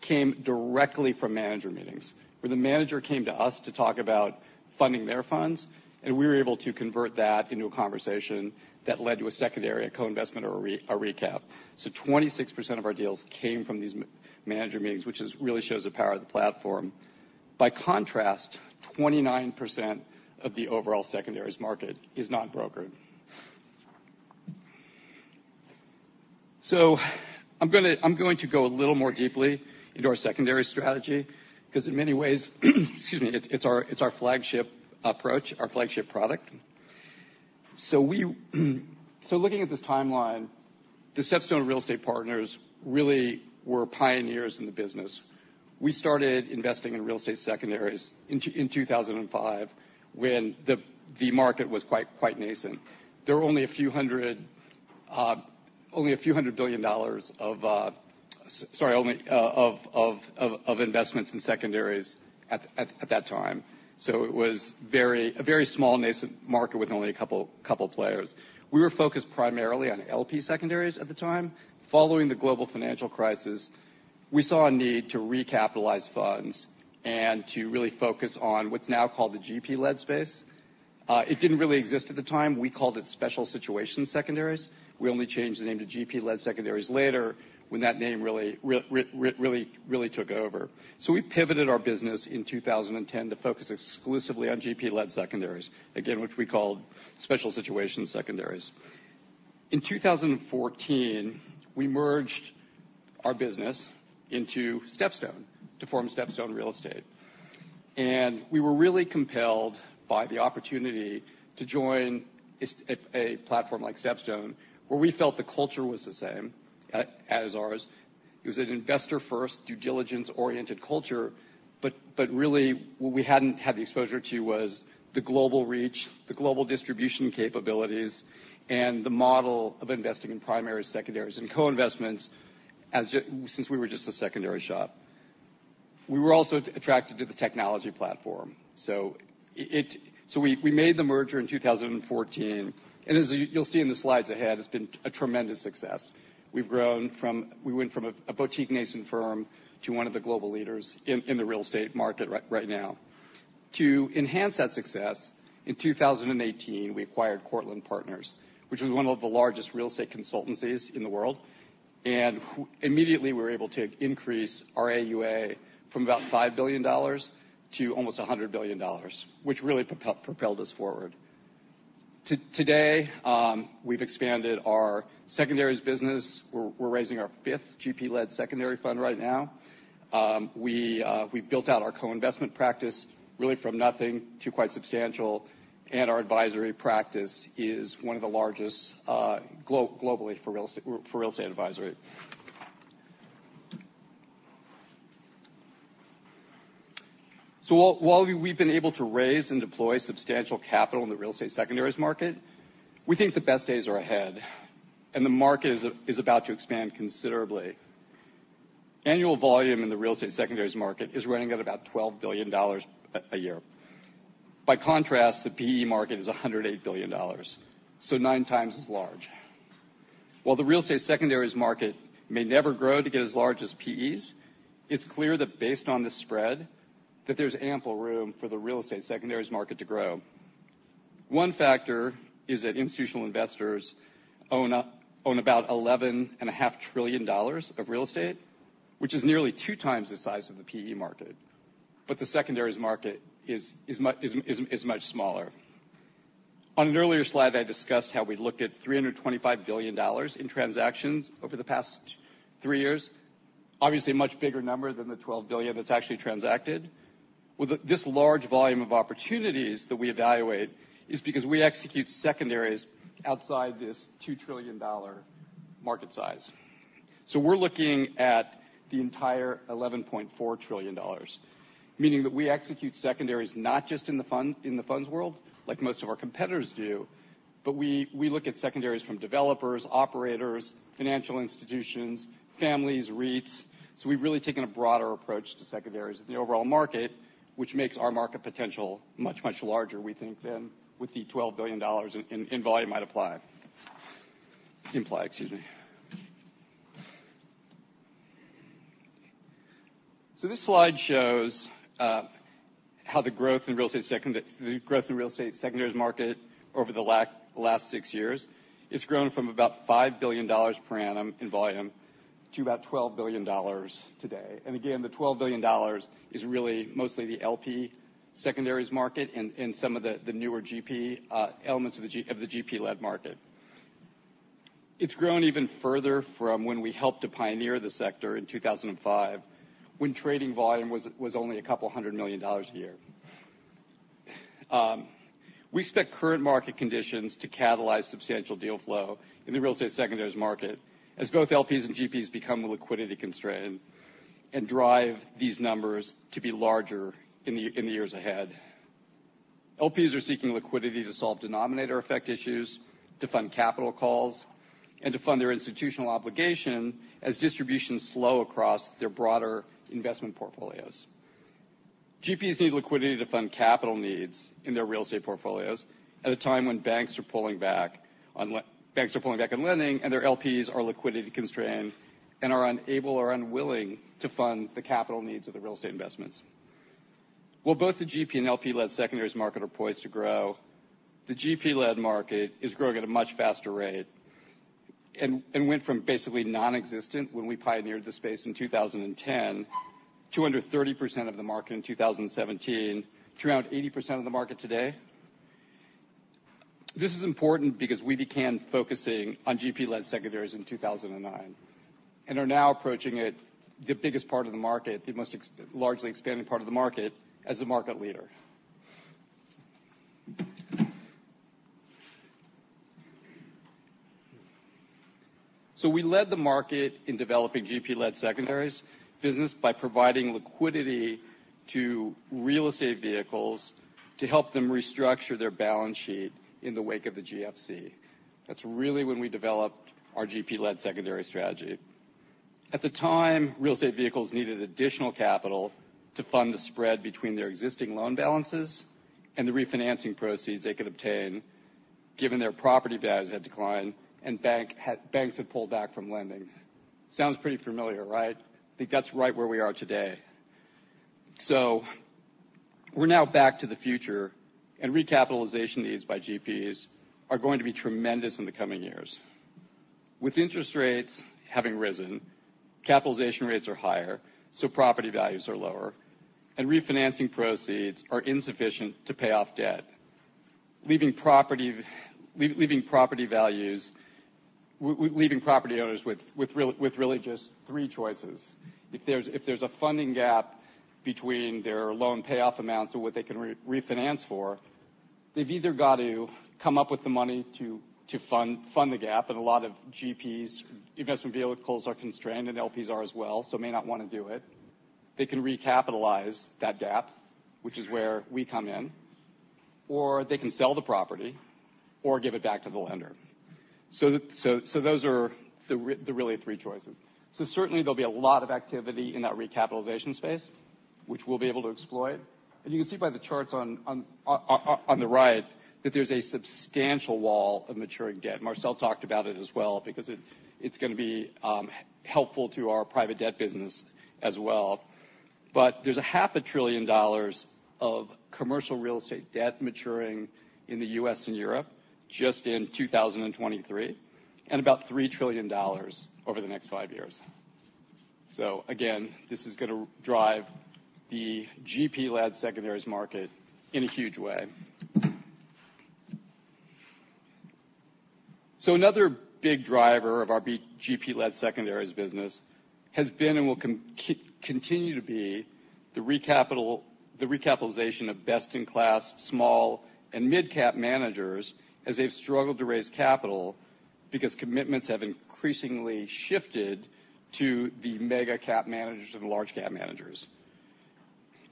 came directly from manager meetings, where the manager came to us to talk about funding their funds, and we were able to convert that into a conversation that led to a secondary, a co-investment, or a recap. 26% of our deals came from these manager meetings, which really shows the power of the platform. By contrast, 29% of the overall secondaries market is not brokered. I'm going to go a little more deeply into our secondary strategy, 'cause in many ways, excuse me, it's our flagship approach, our flagship product. We, looking at this timeline, the StepStone Real Estate partners really were pioneers in the business. We started investing in real estate secondaries in 2005, when the market was quite nascent. There were only a few hundred billion dollars of investments in secondaries at that time. It was a very small, nascent market with only a couple players. We were focused primarily on LP secondaries at the time. Following the Global Financial Crisis, we saw a need to recapitalize funds and to really focus on what's now called the GP-led space. It didn't really exist at the time. We called it special situation secondaries. We only changed the name to GP-led secondaries later, when that name really took over. We pivoted our business in 2010 to focus exclusively on GP-led secondaries, again, which we called special situation secondaries. In 2014, we merged our business into StepStone to form StepStone Real Estate, and we were really compelled by the opportunity to join a platform like StepStone, where we felt the culture was the same as ours. It was an investor-first, due diligence-oriented culture, but really, what we hadn't had the exposure to was the global reach, the global distribution capabilities, and the model of investing in primaries, secondaries, and co-investments, since we were just a secondary shop. We were also attracted to the technology platform. We made the merger in 2014, and as you'll see in the slides ahead, it's been a tremendous success. We went from a boutique nascent firm to one of the global leaders in the real estate market right now. To enhance that success, in 2018, we acquired Courtland Partners, which was one of the largest real estate consultancies in the world. Immediately, we were able to increase our AUA from about $5 billion to almost $100 billion, which really propelled us forward. Today, we've expanded our secondaries business. We're raising our fifth GP-led secondary fund right now. We've built out our co-investment practice, really from nothing to quite substantial, and our advisory practice is one of the largest globally for real estate, for real estate advisory. While we've been able to raise and deploy substantial capital in the real estate secondaries market, we think the best days are ahead, and the market is about to expand considerably. Annual volume in the real estate secondaries market is running at about $12 billion a year. The PE market is $108 billion, 9x as large. While the real estate secondaries market may never grow to get as large as PEs, it's clear that based on the spread, that there's ample room for the real estate secondaries market to grow. One factor is that institutional investors own about $11.5 trillion of real estate, which is nearly 2x the size of the PE market, the secondaries market is much smaller. On an earlier slide, I discussed how we looked at $325 billion in transactions over the past three years. A much bigger number than the $12 billion that's actually transacted. With this large volume of opportunities that we evaluate, is because we execute secondaries outside this $2 trillion market size. We're looking at the entire $11.4 trillion, meaning that we execute secondaries, not just in the funds world, like most of our competitors do, but we look at secondaries from developers, operators, financial institutions, families, REITs. We've really taken a broader approach to secondaries of the overall market, which makes our market potential much, much larger, we think, than with the $12 billion in volume might apply. Imply, excuse me. This slide shows how the growth in real estate secondaries market over the last 6 years. It's grown from about $5 billion per annum in volume to about $12 billion today. Again, the $12 billion is really mostly the LP secondaries market and some of the newer GP elements of the GP-led market. It's grown even further from when we helped to pioneer the sector in 2005, when trading volume was only $200 million a year. We expect current market conditions to catalyze substantial deal flow in the real estate secondaries market, as both LPs and GPs become liquidity-constrained and drive these numbers to be larger in the years ahead. LPs are seeking liquidity to solve denominator effect issues, to fund capital calls, and to fund their institutional obligation as distributions slow across their broader investment portfolios. GPs need liquidity to fund capital needs in their real estate portfolios, at a time when banks are pulling back on lending, and their LPs are liquidity-constrained and are unable or unwilling to fund the capital needs of the real estate investments. While both the GP and LP-led secondaries market are poised to grow, the GP-led market is growing at a much faster rate, and went from basically nonexistent when we pioneered the space in 2010, to under 30% of the market in 2017, to around 80% of the market today. This is important because we began focusing on GP-led secondaries in 2009, and are now approaching it, the biggest part of the market, the most largely expanding part of the market, as the market leader. We led the market in developing GP-led secondaries business by providing liquidity to real estate vehicles to help them restructure their balance sheet in the wake of the GFC. That's really when we developed our GP-led secondary strategy. At the time, real estate vehicles needed additional capital to fund the spread between their existing loan balances and the refinancing proceeds they could obtain, given their property values had declined and banks had pulled back from lending. Sounds pretty familiar, right? I think that's right where we are today. We're now back to the future, and recapitalization needs by GPs are going to be tremendous in the coming years. With interest rates having risen, capitalization rates are higher, so property values are lower, and refinancing proceeds are insufficient to pay off debt, leaving property values... Leaving property owners with really just three choices. If there's a funding gap between their loan payoff amounts or what they can refinance for, they've either got to come up with the money to fund the gap, and a lot of GPs, investment vehicles are constrained, and LPs are as well, so may not wanna do it. They can recapitalize that gap, which is where we come in. They can sell the property, or give it back to the lender. Those are the really three choices. Certainly, there'll be a lot of activity in that recapitalization space, which we'll be able to exploit. You can see by the charts on the right, that there's a substantial wall of maturing debt. Marcel talked about it as well, because it's gonna be helpful to our private debt business as well. There's a half a trillion dollars of commercial real estate debt maturing in the U.S. and Europe, just in 2023, and about $3 trillion over the next five years. Again, this is gonna drive the GP-led secondaries market in a huge way. Another big driver of our GP-led secondaries business has been and will continue to be the recapitalization of best-in-class, small and midcap managers, as they've struggled to raise capital, because commitments have increasingly shifted to the mega cap managers and large cap managers.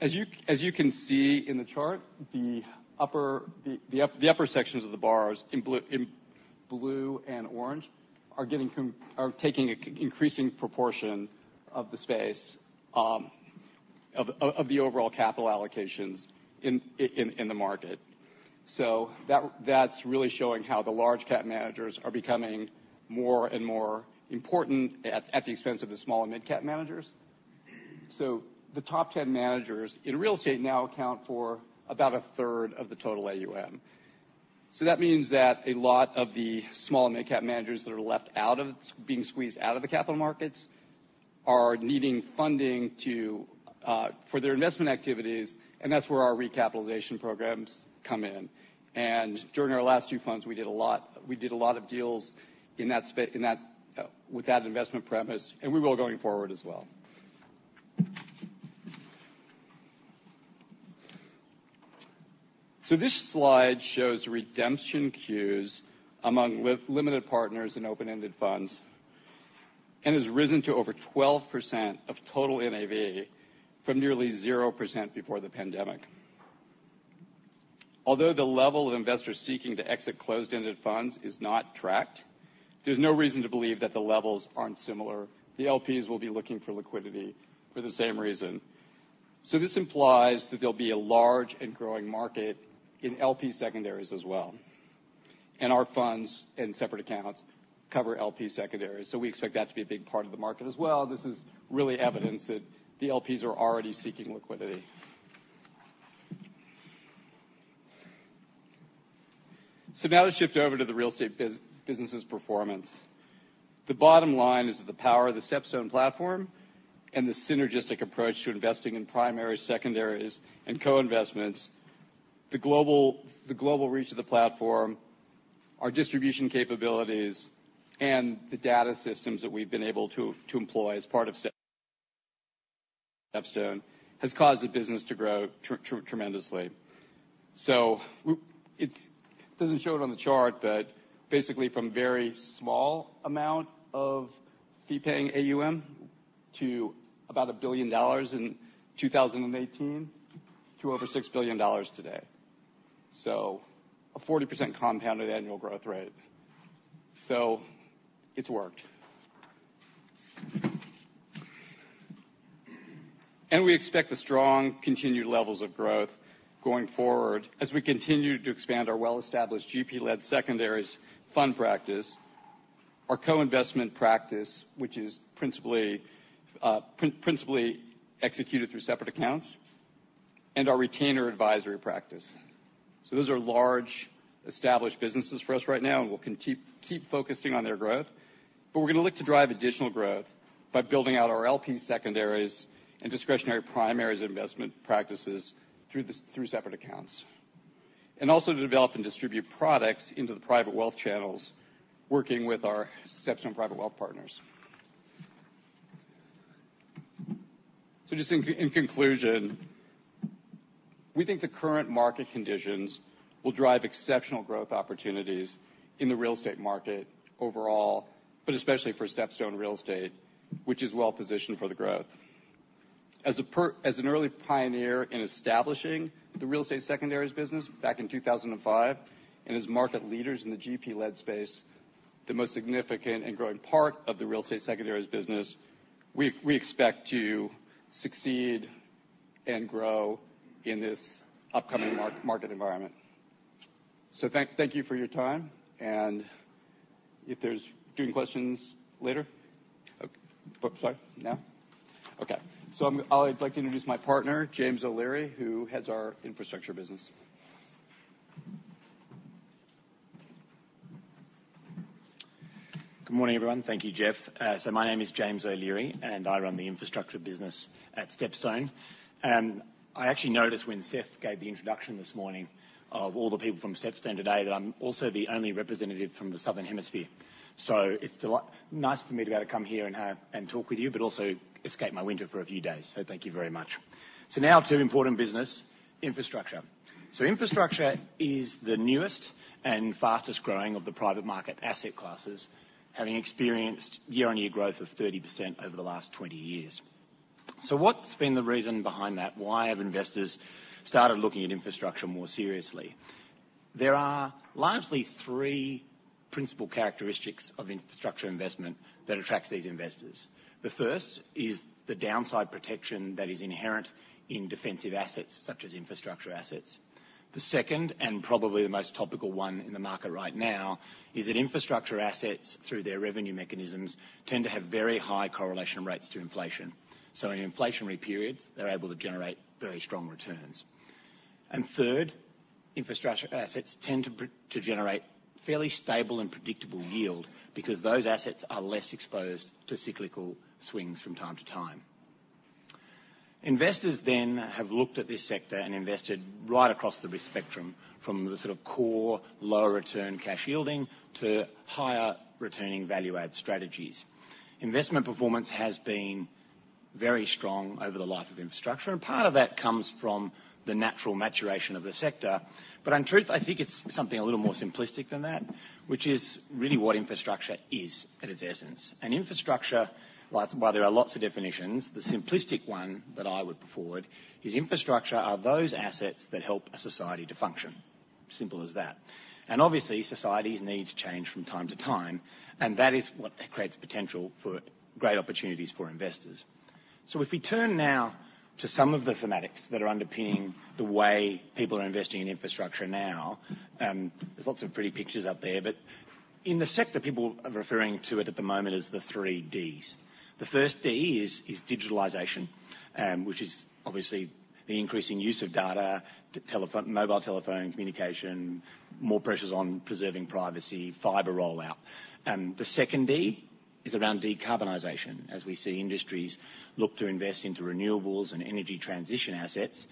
As you can see in the chart, the upper sections of the bars in blue and orange are taking a increasing proportion of the space of the overall capital allocations in the market. That's really showing how the large cap managers are becoming more and more important at the expense of the small and midcap managers. The top 10 managers in real estate now account for about a third of the total AUM. That means that a lot of the small and midcap managers that are left out of being squeezed out of the capital markets, are needing funding for their investment activities, and that's where our recapitalization programs come in. During our last two funds, we did a lot of deals with that investment premise, we will going forward as well. This slide shows redemption queues among limited partners in open-ended funds, has risen to over 12% of total NAV, from nearly 0% before the pandemic. Although the level of investors seeking to exit closed-ended funds is not tracked, there's no reason to believe that the levels aren't similar. The LPs will be looking for liquidity for the same reason. This implies that there'll be a large and growing market in LP secondaries as well, our funds and separate accounts cover LP secondaries. We expect that to be a big part of the market as well. This is really evidence that the LPs are already seeking liquidity. Now let's shift over to the real estate businesses performance. The bottom line is that the power of the StepStone platform and the synergistic approach to investing in primary, secondaries, and co-investments, the global reach of the platform, our distribution capabilities, and the data systems that we've been able to employ as part of StepStone, has caused the business to grow tremendously. It doesn't show it on the chart, but basically from a very small amount of fee-paying AUM to about $1 billion in 2018, to over $6 billion today. A 40% compounded annual growth rate. It's worked. We expect the strong continued levels of growth going forward as we continue to expand our well-established GP-led secondaries fund practice, our co-investment practice, which is principally executed through separate accounts, and our retainer advisory practice. Those are large, established businesses for us right now, and we'll keep focusing on their growth. We're gonna look to drive additional growth by building out our LP secondaries and discretionary primaries investment practices through separate accounts. Also, to develop and distribute products into the private wealth channels, working with our StepStone Private Wealth partners. Just in conclusion, we think the current market conditions will drive exceptional growth opportunities in the real estate market overall, but especially for StepStone Real Estate, which is well positioned for the growth. As an early pioneer in establishing the real estate secondaries business back in 2005, and as market leaders in the GP-led space, the most significant and growing part of the real estate secondaries business, we expect to succeed and grow in this upcoming market environment. Thank you for your time, if there's... Do you have questions later? Sorry, now? Okay. I'd like to introduce my partner, James O'Leary, who heads our infrastructure business. Good morning, everyone. Thank you, Jeff. My name is James O'Leary, and I run the infrastructure business at StepStone. I actually noticed when Seth gave the introduction this morning, of all the people from StepStone today, that I'm also the only representative from the Southern Hemisphere. It's nice for me to be able to come here and talk with you, but also escape my winter for a few days, thank you very much. Now to important business, infrastructure. Infrastructure is the newest and fastest growing of the private market asset classes, having experienced year-on-year growth of 30% over the last 20 years. What's been the reason behind that? Why have investors started looking at infrastructure more seriously? There are largely three principal characteristics of infrastructure investment that attracts these investors. The first is the downside protection that is inherent in defensive assets, such as infrastructure assets. The second, and probably the most topical one in the market right now, is that infrastructure assets, through their revenue mechanisms, tend to have very high correlation rates to inflation. In inflationary periods, they're able to generate very strong returns. Third, infrastructure assets tend to generate fairly stable and predictable yield because those assets are less exposed to cyclical swings from time to time. Investors then have looked at this sector and invested right across the risk spectrum, from the sort of core, lower return cash yielding to higher returning value add strategies. Investment performance has been very strong over the life of infrastructure, and part of that comes from the natural maturation of the sector. In truth, I think it's something a little more simplistic than that, which is really what infrastructure is at its essence. Infrastructure, while there are lots of definitions, the simplistic one that I would put forward is infrastructure are those assets that help a society to function. Simple as that. Obviously, societies need to change from time to time, and that is what creates potential for great opportunities for investors. If we turn now to some of the thematics that are underpinning the way people are investing in infrastructure now, there's lots of pretty pictures up there, in the sector, people are referring to it at the moment as the three Ds. The first D is digitalization, which is obviously the increasing use of data, the mobile telephone communication, more pressures on preserving privacy, fiber rollout. The second D is around decarbonization, as we see industries look to invest into renewables and energy transition assets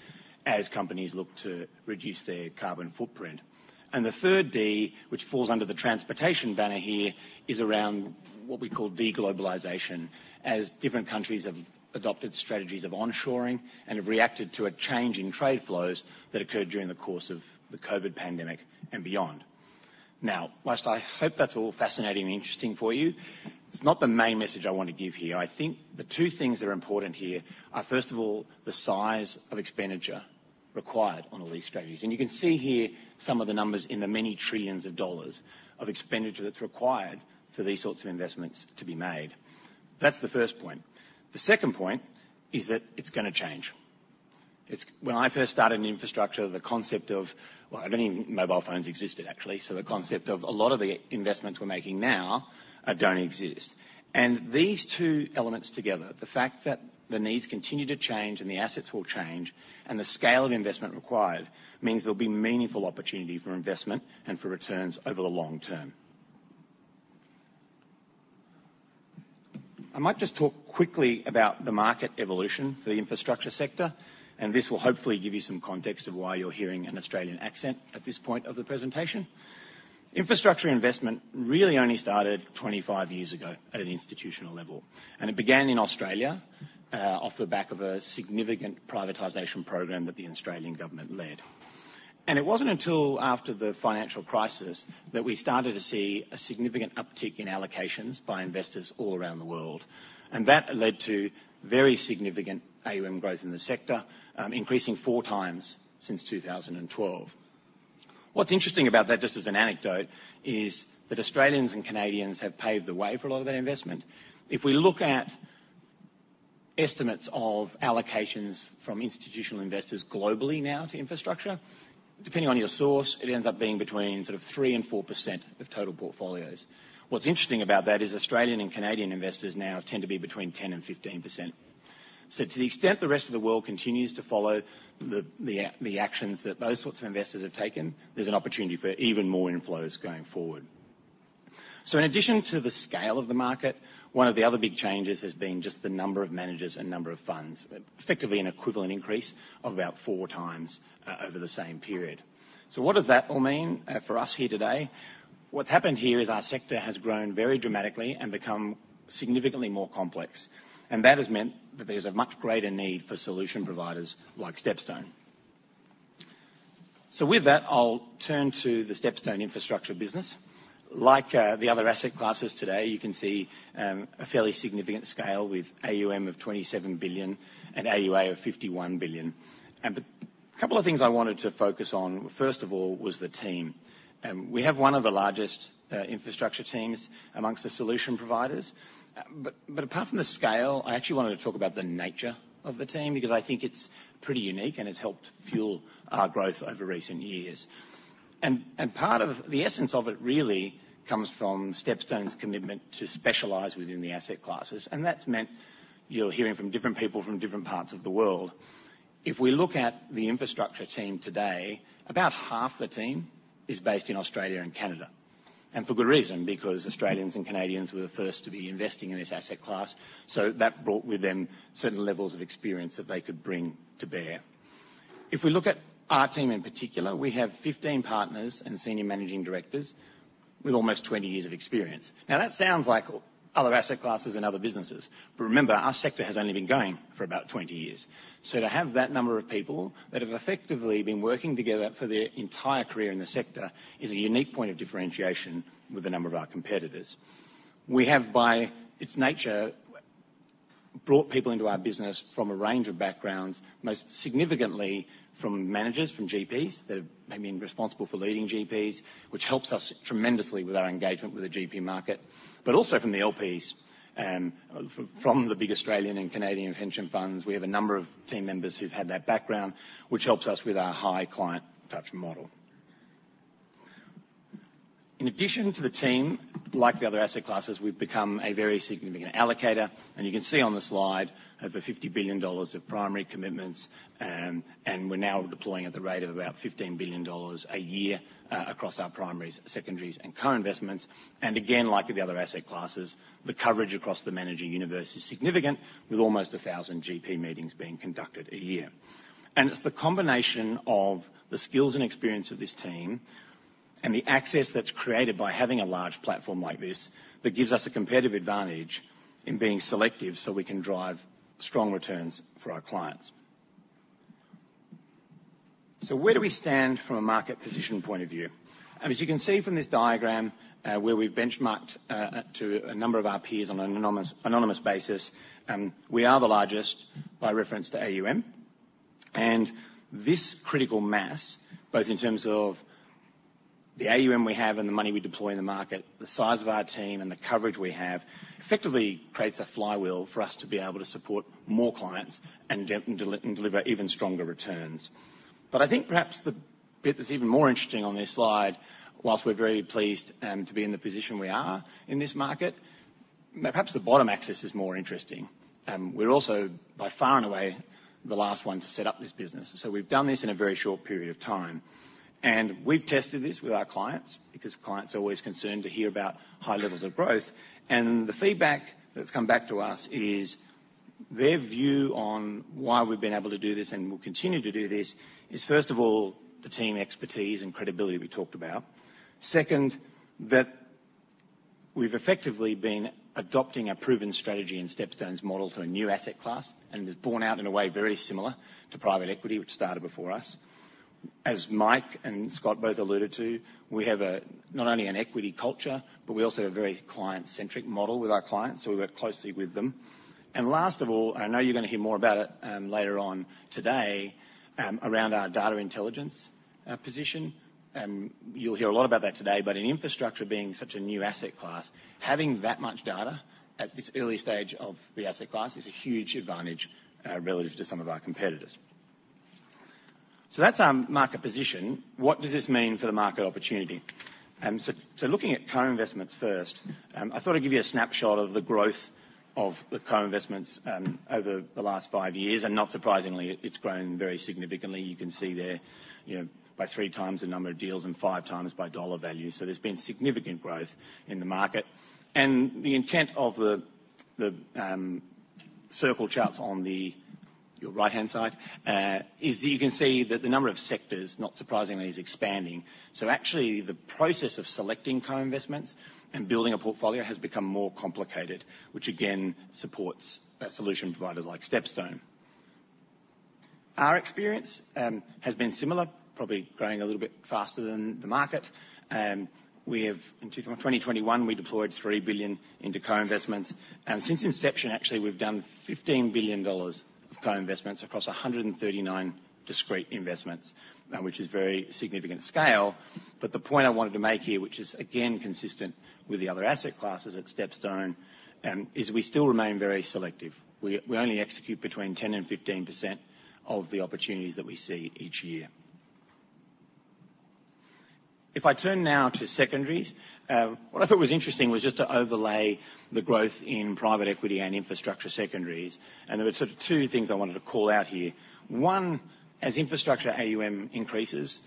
as companies look to reduce their carbon footprint. The third D, which falls under the transportation banner here, is around what we call deglobalization, as different countries have adopted strategies of onshoring and have reacted to a change in trade flows that occurred during the course of the COVID pandemic and beyond. Now, whilst I hope that's all fascinating and interesting for you, it's not the main message I want to give here. I think the two things that are important here are, first of all, the size of expenditure required on all these strategies. You can see here some of the numbers in the many trillions of dollars of expenditure that's required for these sorts of investments to be made. That's the first point. The second point is that it's gonna change. When I first started in infrastructure, the concept of, well, I don't think mobile phones existed, actually, so the concept of a lot of the investments we're making now don't exist. These two elements together, the fact that the needs continue to change and the assets will change, and the scale of investment required, means there'll be meaningful opportunity for investment and for returns over the long term. I might just talk quickly about the market evolution for the infrastructure sector, and this will hopefully give you some context of why you're hearing an Australian accent at this point of the presentation. Infrastructure investment really only started 25 years ago at an institutional level, and it began in Australia off the back of a significant privatization program that the Australian government led. It wasn't until after the financial crisis that we started to see a significant uptick in allocations by investors all around the world, and that led to very significant AUM growth in the sector, increasing 4x since 2012. What's interesting about that, just as an anecdote, is that Australians and Canadians have paved the way for a lot of that investment. If we look at estimates of allocations from institutional investors globally now to infrastructure, depending on your source, it ends up being between sort of 3% and 4% of total portfolios. What's interesting about that is Australian and Canadian investors now tend to be between 10% and 15%. To the extent the rest of the world continues to follow the actions that those sorts of investors have taken, there's an opportunity for even more inflows going forward. In addition to the scale of the market, one of the other big changes has been just the number of managers and number of funds, effectively an equivalent increase of about 4x over the same period. What does that all mean for us here today? What's happened here is our sector has grown very dramatically and become significantly more complex, and that has meant that there's a much greater need for solution providers like StepStone. With that, I'll turn to the StepStone infrastructure business. Like the other asset classes today, you can see a fairly significant scale with AUM of $27 billion and AUA of $51 billion. The couple of things I wanted to focus on, first of all, was the team. We have one of the largest infrastructure teams amongst the solution providers. Apart from the scale, I actually wanted to talk about the nature of the team, because I think it's pretty unique and has helped fuel our growth over recent years. Part of the essence of it really comes from StepStone's commitment to specialize within the asset classes, and that's meant you're hearing from different people from different parts of the world. If we look at the infrastructure team today, about half the team is based in Australia and Canada, and for good reason, because Australians and Canadians were the first to be investing in this asset class, so that brought with them certain levels of experience that they could bring to bear. If we look at our team in particular, we have 15 partners and senior managing directors with almost 20 years of experience. That sounds like other asset classes and other businesses, remember, our sector has only been going for about 20 years. To have that number of people that have effectively been working together for their entire career in the sector, is a unique point of differentiation with a number of our competitors. We have, by its nature, brought people into our business from a range of backgrounds, most significantly from managers, from GPs, that may have been responsible for leading GPs, which helps us tremendously with our engagement with the GP market. Also from the LPs, from the big Australian and Canadian pension funds. We have a number of team members who've had that background, which helps us with our high client touch model. In addition to the team, like the other asset classes, we've become a very significant allocator. You can see on the slide over $50 billion of primary commitments, and we're now deploying at the rate of about $15 billion a year across our primaries, secondaries, and co- investments. Again, like the other asset classes, the coverage across the managing universe is significant, with almost 1,000 GP meetings being conducted a year. It's the combination of the skills and experience of this team, and the access that's created by having a large platform like this, that gives us a competitive advantage in being selective so we can drive strong returns for our clients. Where do we stand from a market position point of view? As you can see from this diagram, where we've benchmarked to a number of our peers on an anonymous basis, we are the largest by reference to AUM. This critical mass, both in terms of the AUM we have and the money we deploy in the market, the size of our team, and the coverage we have, effectively creates a flywheel for us to be able to support more clients and deliver even stronger returns. I think perhaps the bit that's even more interesting on this slide, whilst we're very pleased to be in the position we are in this market, perhaps the bottom axis is more interesting. We're also, by far and away, the last one to set up this business. We've done this in a very short period of time. We've tested this with our clients, because clients are always concerned to hear about high levels of growth. The feedback that's come back to us is, their view on why we've been able to do this, and will continue to do this, is, first of all, the team expertise and credibility we talked about. Second, that we've effectively been adopting a proven strategy and StepStone's model to a new asset class, and it was born out in a way very similar to private equity, which started before us. As Mike and Scott both alluded to, we have a not only an equity culture, but we also have a very client-centric model with our clients, so we work closely with them. Last of all, I know you're going to hear more about it later on today, around our data intelligence position, you'll hear a lot about that today, but in infrastructure being such a new asset class, having that much data at this early stage of the asset class is a huge advantage relative to some of our competitors. That's our market position. What does this mean for the market opportunity? Looking at co-investments first, I thought I'd give you a snapshot of the growth of the co-investments over the last five years, not surprisingly, it's grown very significantly. You can see there, you know, by 3x the number of deals and 5x by dollar value, there's been significant growth in the market. The intent of the circle charts on your right-hand side is that you can see that the number of sectors, not surprisingly, is expanding. Actually, the process of selecting co-investments and building a portfolio has become more complicated, which again, supports solution providers like StepStone. Our experience has been similar, probably growing a little bit faster than the market. In 2021, we deployed $3 billion into co-investments, and since inception, actually, we've done $15 billion of co-investments across 139 discrete investments, which is very significant scale. The point I wanted to make here, which is again, consistent with the other asset classes at StepStone, is we still remain very selective. We only execute between 10%-15% of the opportunities that we see each year. If I turn now to secondaries, what I thought was interesting was just to overlay the growth in private equity and infrastructure secondaries. There were sort of two things I wanted to call out here. One, as infrastructure AUM increases,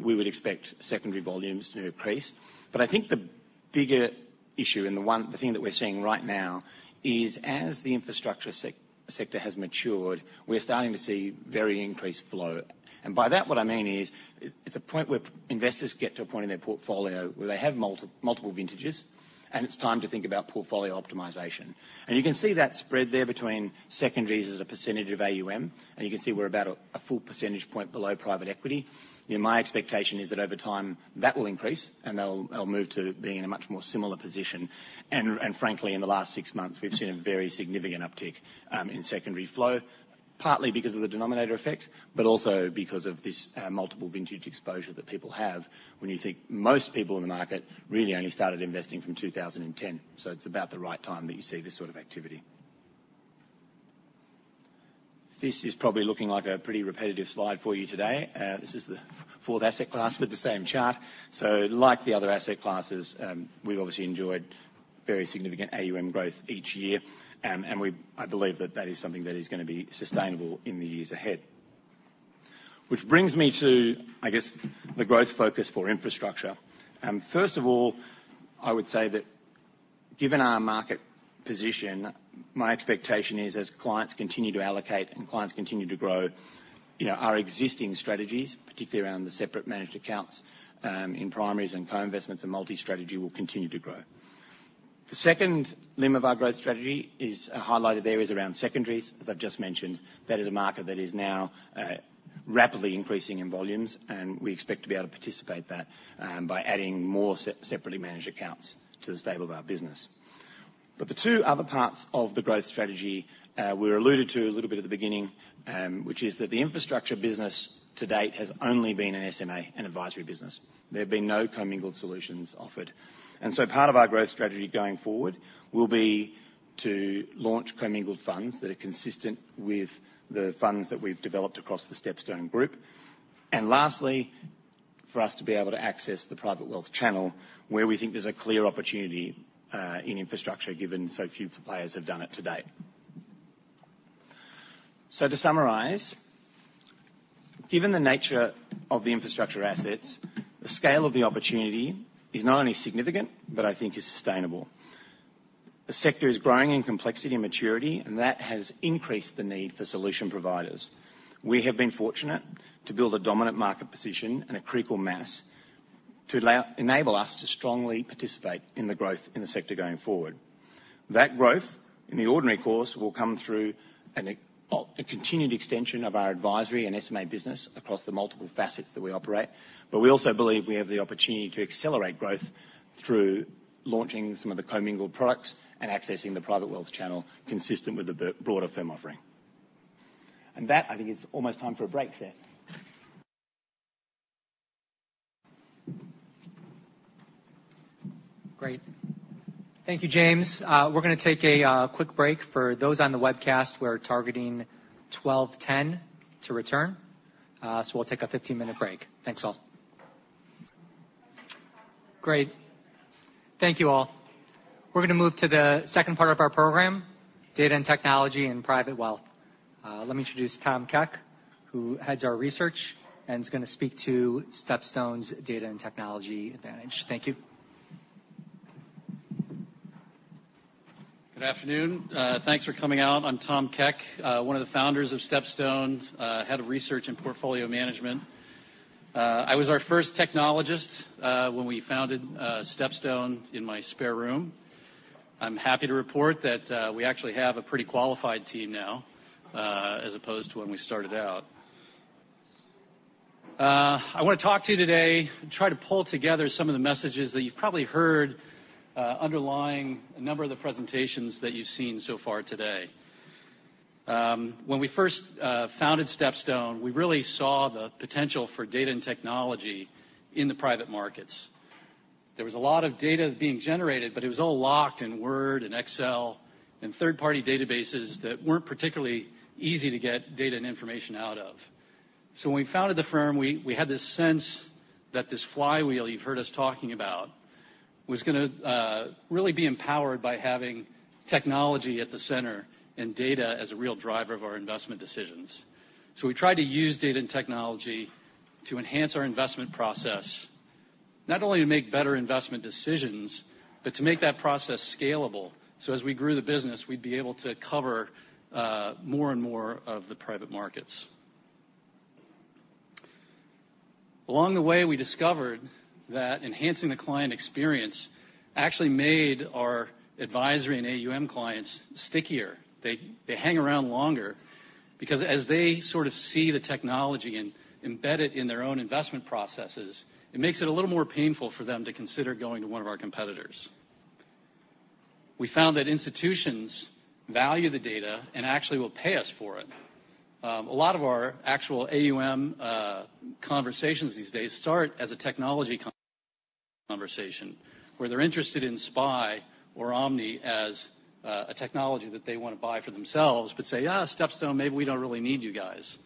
we would expect secondary volumes to increase. I think the bigger issue, the thing that we're seeing right now is, as the infrastructure sector has matured, we're starting to see very increased flow. By that, what I mean is, it's a point where investors get to a point in their portfolio where they have multiple vintages. It's time to think about portfolio optimization. You can see that spread there between secondaries as a percentage of AUM. You can see we're about a full percentage point below private equity. You know, my expectation is that over time, that will increase, and they'll move to being in a much more similar position. Frankly, in the last six months, we've seen a very significant uptick in secondary flow, partly because of the denominator effect, but also because of this multiple vintage exposure that people have, when you think most people in the market really only started investing from 2010. It's about the right time that you see this sort of activity. This is probably looking like a pretty repetitive slide for you today. This is the fourth asset class with the same chart. Like the other asset classes, we've obviously enjoyed very significant AUM growth each year. I believe that that is something that is gonna be sustainable in the years ahead. Brings me to, I guess, the growth focus for infrastructure. First of all, I would say that given our market position, my expectation is as clients continue to allocate and clients continue to grow, you know, our existing strategies, particularly around the separate managed accounts, in primaries and co-investments and multi-strategy, will continue to grow. The second limb of our growth strategy is highlighted there, is around secondaries, as I've just mentioned. That is a market that is now rapidly increasing in volumes, and we expect to be able to participate that by adding more separately managed accounts to the stable of our business. The two other parts of the growth strategy were alluded to a little bit at the beginning, which is that the infrastructure business to date has only been an SMA and advisory business. There have been no commingled solutions offered. Part of our growth strategy going forward will be to launch commingled funds that are consistent with the funds that we've developed across the StepStone Group. Lastly, for us to be able to access the private wealth channel, where we think there's a clear opportunity in infrastructure, given so few players have done it to date. To summarize, given the nature of the infrastructure assets, the scale of the opportunity is not only significant, but I think is sustainable. The sector is growing in complexity and maturity, and that has increased the need for solution providers. We have been fortunate to build a dominant market position and a critical mass to enable us to strongly participate in the growth in the sector going forward. That growth, in the ordinary course, will come through a continued extension of our advisory and SMA business across the multiple facets that we operate. We also believe we have the opportunity to accelerate growth through launching some of the commingled products and accessing the private wealth channel consistent with the broader firm offering. That, I think, is almost time for a break there. Great. Thank you, James. We're gonna take a quick break. For those on the webcast, we're targeting 12:10 P.M. to return. We'll take a 15-minute break. Thanks, all. Great. Thank you all. We're gonna move to the second part of our program, Data and Technology in Private Wealth. Let me introduce Tom Keck, who heads our research and is gonna speak to StepStone's data and technology advantage. Thank you. Good afternoon. Thanks for coming out. I'm Tom Keck, one of the founders of StepStone, Head of Research and Portfolio Management. I was our first technologist when we founded StepStone in my spare room. I'm happy to report that we actually have a pretty qualified team now as opposed to when we started out. I want to talk to you today and try to pull together some of the messages that you've probably heard underlying a number of the presentations that you've seen so far today. When we first founded StepStone, we really saw the potential for data and technology in the private markets. There was a lot of data being generated, but it was all locked in Word and Excel and third-party databases that weren't particularly easy to get data and information out of. When we founded the firm, we had this sense that this flywheel you've heard us talking about was gonna really be empowered by having technology at the center and data as a real driver of our investment decisions. We tried to use data and technology to enhance our investment process, not only to make better investment decisions, but to make that process scalable, so as we grew the business, we'd be able to cover more and more of the private markets. Along the way, we discovered that enhancing the client experience actually made our advisory and AUM clients stickier. They hang around longer because as they sort of see the technology and embed it in their own investment processes, it makes it a little more painful for them to consider going to one of our competitors. We found that institutions value the data and actually will pay us for it. A lot of our actual AUM conversations these days start as a technology conversation, where they're interested in SPI or Omni as a technology that they want to buy for themselves, but say, "StepStone, maybe we don't really need you guys."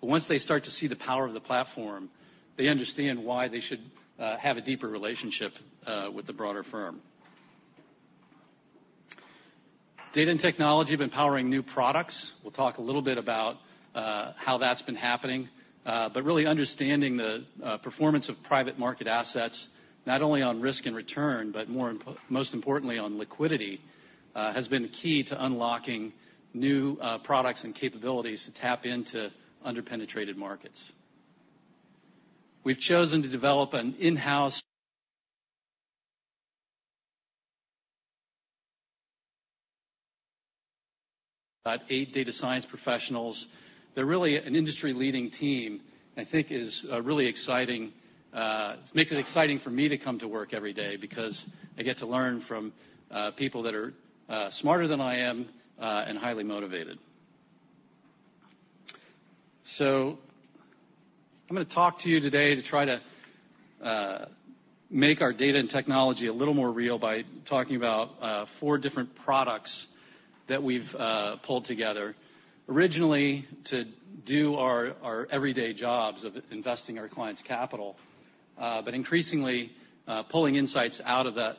Once they start to see the power of the platform, they understand why they should have a deeper relationship with the broader firm. Data and technology have been powering new products. We'll talk a little bit about how that's been happening, but really understanding the performance of private market assets, not only on risk and return, but most importantly, on liquidity, has been key to unlocking new products and capabilities to tap into under-penetrated markets. 8 data science professionals, they're really an industry-leading team, I think is really exciting. It makes it exciting for me to come to work every day because I get to learn from people that are smarter than I am and highly motivated. I'm gonna talk to you today to try to make our data and technology a little more real by talking about four different products that we've pulled together originally to do our everyday jobs of investing our clients' capital, but increasingly pulling insights out of that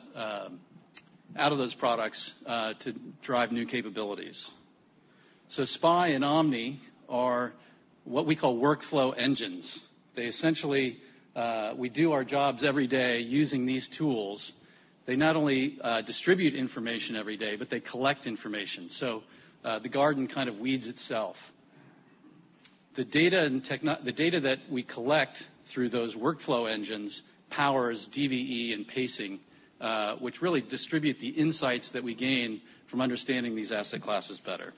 out of those products to drive new capabilities. SPI and Omni are what we call workflow engines. They essentially, we do our jobs every day using these tools. They not only distribute information every day, but they collect information. The garden kind of weeds itself. The data that we collect through those workflow engines powers DVE and Pacing, which really distribute the insights that we gain from understanding these asset classes better.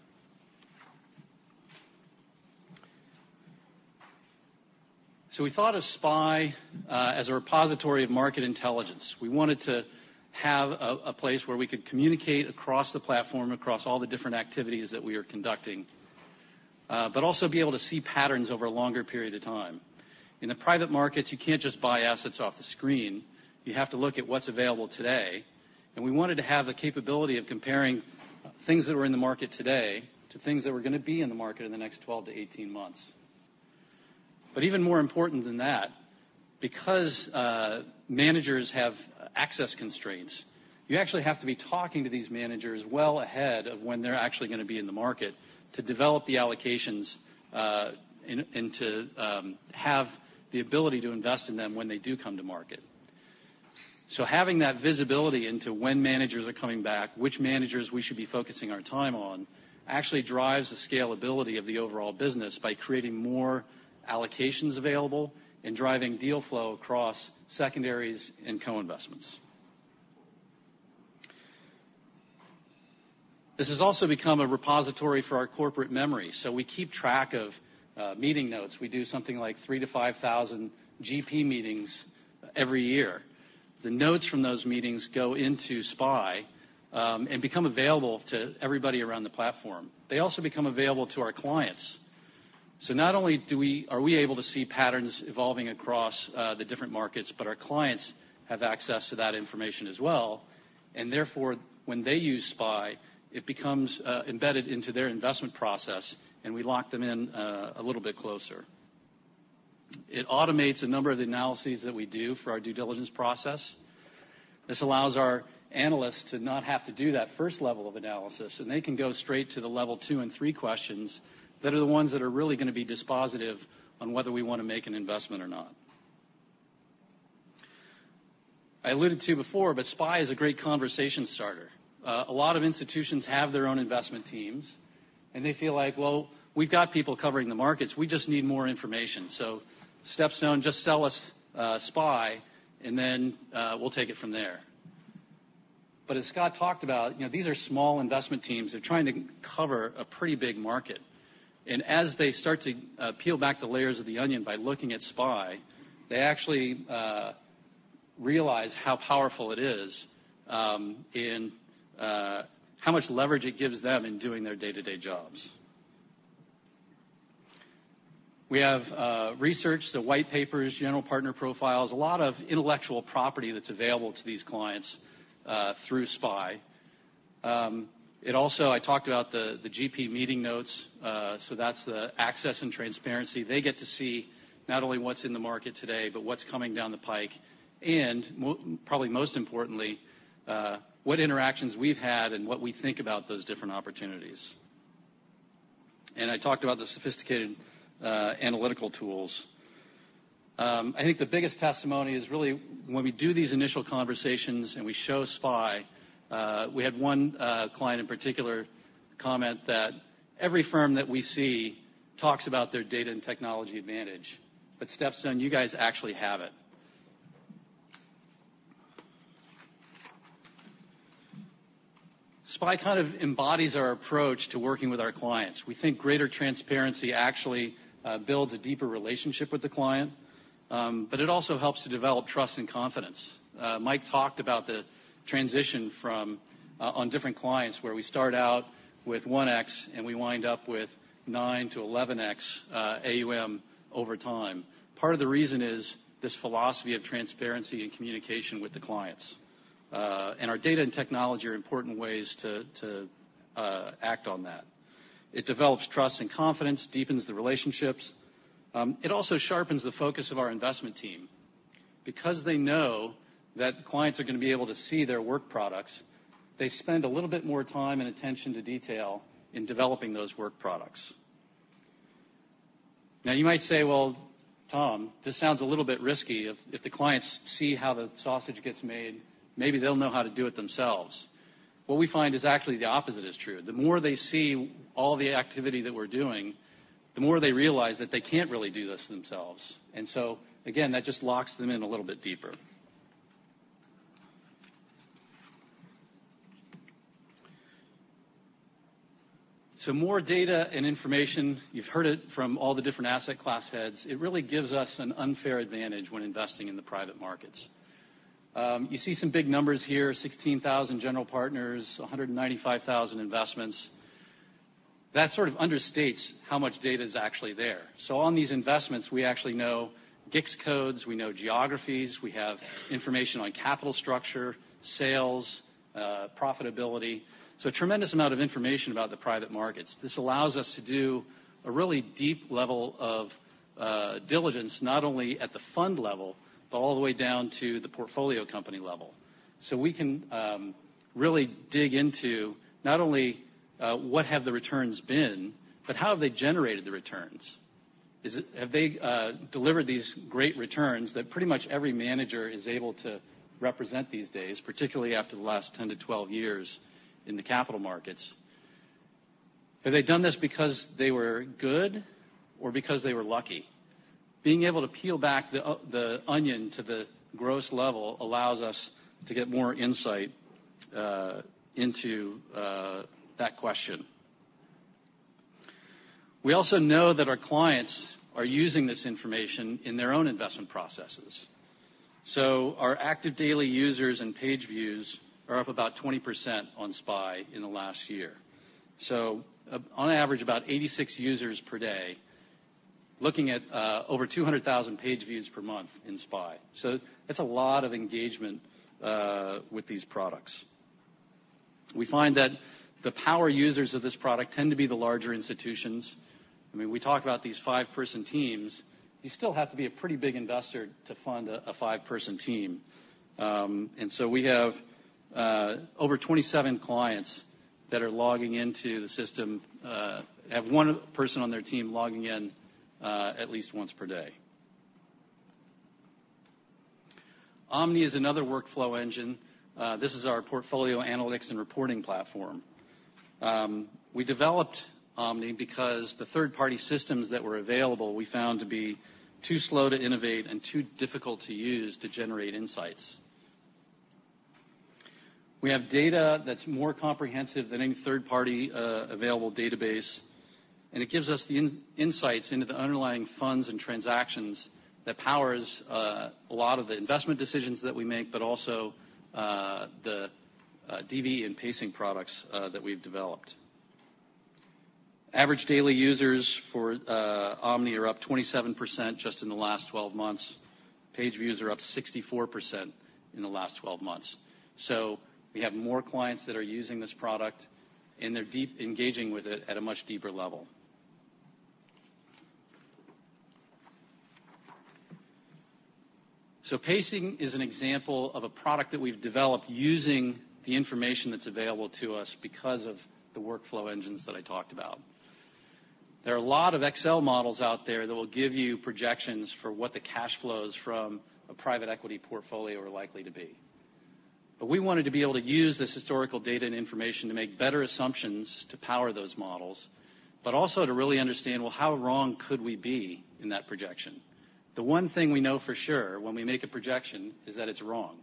We thought of SPI, as a repository of market intelligence. We wanted to have a place where we could communicate across the platform, across all the different activities that we are conducting, but also be able to see patterns over a longer period of time. In the private markets, you can't just buy assets off the screen. You have to look at what's available today, and we wanted to have the capability of comparing things that were in the market today to things that were going to be in the market in the next 12 to 18 months. Even more important than that, because managers have access constraints, you actually have to be talking to these managers well ahead of when they're actually going to be in the market to develop the allocations and to have the ability to invest in them when they do come to market. Having that visibility into when managers are coming back, which managers we should be focusing our time on, actually drives the scalability of the overall business by creating more allocations available and driving deal flow across secondaries and co-investments. This has also become a repository for our corporate memory. We keep track of meeting notes. We do something like 3,000-5,000 GP meetings every year. The notes from those meetings go into SPI and become available to everybody around the platform. They also become available to our clients. Not only are we able to see patterns evolving across the different markets, but our clients have access to that information as well, and therefore, when they use SPI, it becomes embedded into their investment process, and we lock them in a little bit closer. It automates a number of the analyses that we do for our due diligence process. This allows our analysts to not have to do that first level of analysis. They can go straight to the level two and three questions that are the ones that are really going to be dispositive on whether we want to make an investment or not. I alluded to before. SPI is a great conversation starter. A lot of institutions have their own investment teams, and they feel like, "Well, we've got people covering the markets. We just need more information." StepStone, just sell us SPI, and then we'll take it from there. As Scott talked about, you know, these are small investment teams. They're trying to cover a pretty big market. As they start to peel back the layers of the onion by looking at SPI, they actually realize how powerful it is. How much leverage it gives them in doing their day-to-day jobs. We have research, the white papers, general partner profiles, a lot of intellectual property that's available to these clients through SPI. It also, I talked about the GP meeting notes, so that's the access and transparency. They get to see not only what's in the market today, but what's coming down the pike, and probably most importantly, what interactions we've had and what we think about those different opportunities. I talked about the sophisticated analytical tools. I think the biggest testimony is really when we do these initial conversations, and we show SPI, we had one client in particular comment that, "Every firm that we see talks about their data and technology advantage, but StepStone, you guys actually have it." SPI kind of embodies our approach to working with our clients. We think greater transparency actually builds a deeper relationship with the client, but it also helps to develop trust and confidence. Mike talked about the transition from on different clients, where we start out with 1X, and we wind up with 9-11X AUM over time. Part of the reason is this philosophy of transparency and communication with the clients. Our data and technology are important ways to act on that. It develops trust and confidence, deepens the relationships. It also sharpens the focus of our investment team. They know that the clients are going to be able to see their work products, they spend a little bit more time and attention to detail in developing those work products. You might say, "Well, Tom, this sounds a little bit risky. If the clients see how the sausage gets made, maybe they'll know how to do it themselves." What we find is actually the opposite is true. The more they see all the activity that we're doing, the more they realize that they can't really do this themselves. Again, that just locks them in a little bit deeper. More data and information, you've heard it from all the different asset class heads. It really gives us an unfair advantage when investing in the private markets. You see some big numbers here, 16,000 general partners, 195,000 investments. That sort of understates how much data is actually there. On these investments, we actually know GICS codes, we know geographies, we have information on capital structure, sales, profitability, so a tremendous amount of information about the private markets. This allows us to do a really deep level of diligence, not only at the fund level, but all the way down to the portfolio company level. We can really dig into not only what have the returns been, but how have they generated the returns? Have they delivered these great returns that pretty much every manager is able to represent these days, particularly after the last 10-12 years in the capital markets? Have they done this because they were good or because they were lucky? Being able to peel back the onion to the gross level allows us to get more insight into that question. Our active daily users and page views are up about 20% on SPI in the last year. On average, about 86 users per day, looking at over 200,000 page views per month in SPI. That's a lot of engagement with these products. We find that the power users of this product tend to be the larger institutions. I mean, we talk about these five-person teams, you still have to be a pretty big investor to fund a five-person team. We have over 27 clients that are logging into the system, have one person on their team logging in at least once per day. Omni is another workflow engine. This is our portfolio analytics and reporting platform. We developed Omni because the third-party systems that were available, we found to be too slow to innovate and too difficult to use to generate insights. We have data that's more comprehensive than any third-party available database, and it gives us the insights into the underlying funds and transactions that powers a lot of the investment decisions that we make, but also the DVE and Pacing products that we've developed. Average daily users for Omni are up 27% just in the last 12 months. Page views are up 64% in the last 12 months. We have more clients that are using this product, and they're engaging with it at a much deeper level. Pacing is an example of a product that we've developed using the information that's available to us because of the workflow engines that I talked about. There are a lot of Excel models out there that will give you projections for what the cash flows from a private equity portfolio are likely to be. We wanted to be able to use this historical data and information to make better assumptions to power those models, but also to really understand, well, how wrong could we be in that projection? The one thing we know for sure when we make a projection is that it's wrong.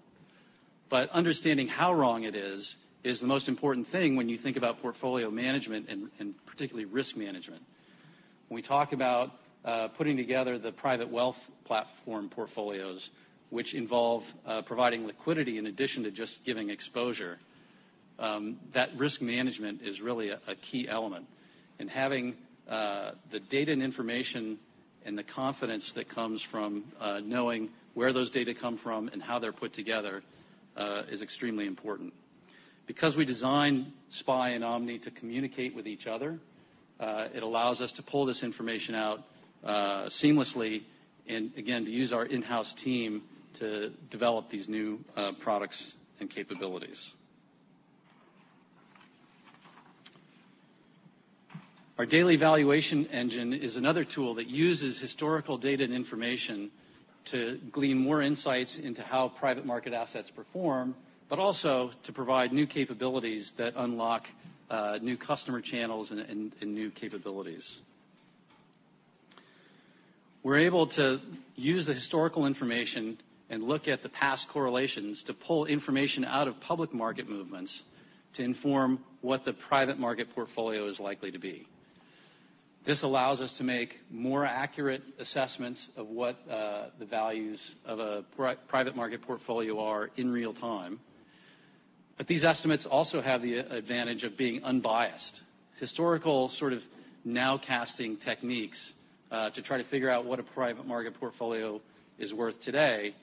Understanding how wrong it is the most important thing when you think about portfolio management and particularly risk management. When we talk about putting together the private wealth platform portfolios, which involve providing liquidity in addition to just giving exposure, that risk management is really a key element. Having the data and information and the confidence that comes from knowing where those data come from and how they're put together, is extremely important. We design SPI and Omni to communicate with each other, it allows us to pull this information out seamlessly and, again, to use our in-house team to develop these new products and capabilities. Our Daily Valuation Engine is another tool that uses historical data and information to glean more insights into how private market assets perform, but also to provide new capabilities that unlock new customer channels and new capabilities. We're able to use the historical information and look at the past correlations to pull information out of public market movements to inform what the private market portfolio is likely to be. This allows us to make more accurate assessments of what the values of a private market portfolio are in real time. These estimates also have the advantage of being unbiased. Historical, sort of, nowcasting techniques to try to figure out what a private market portfolio is worth today,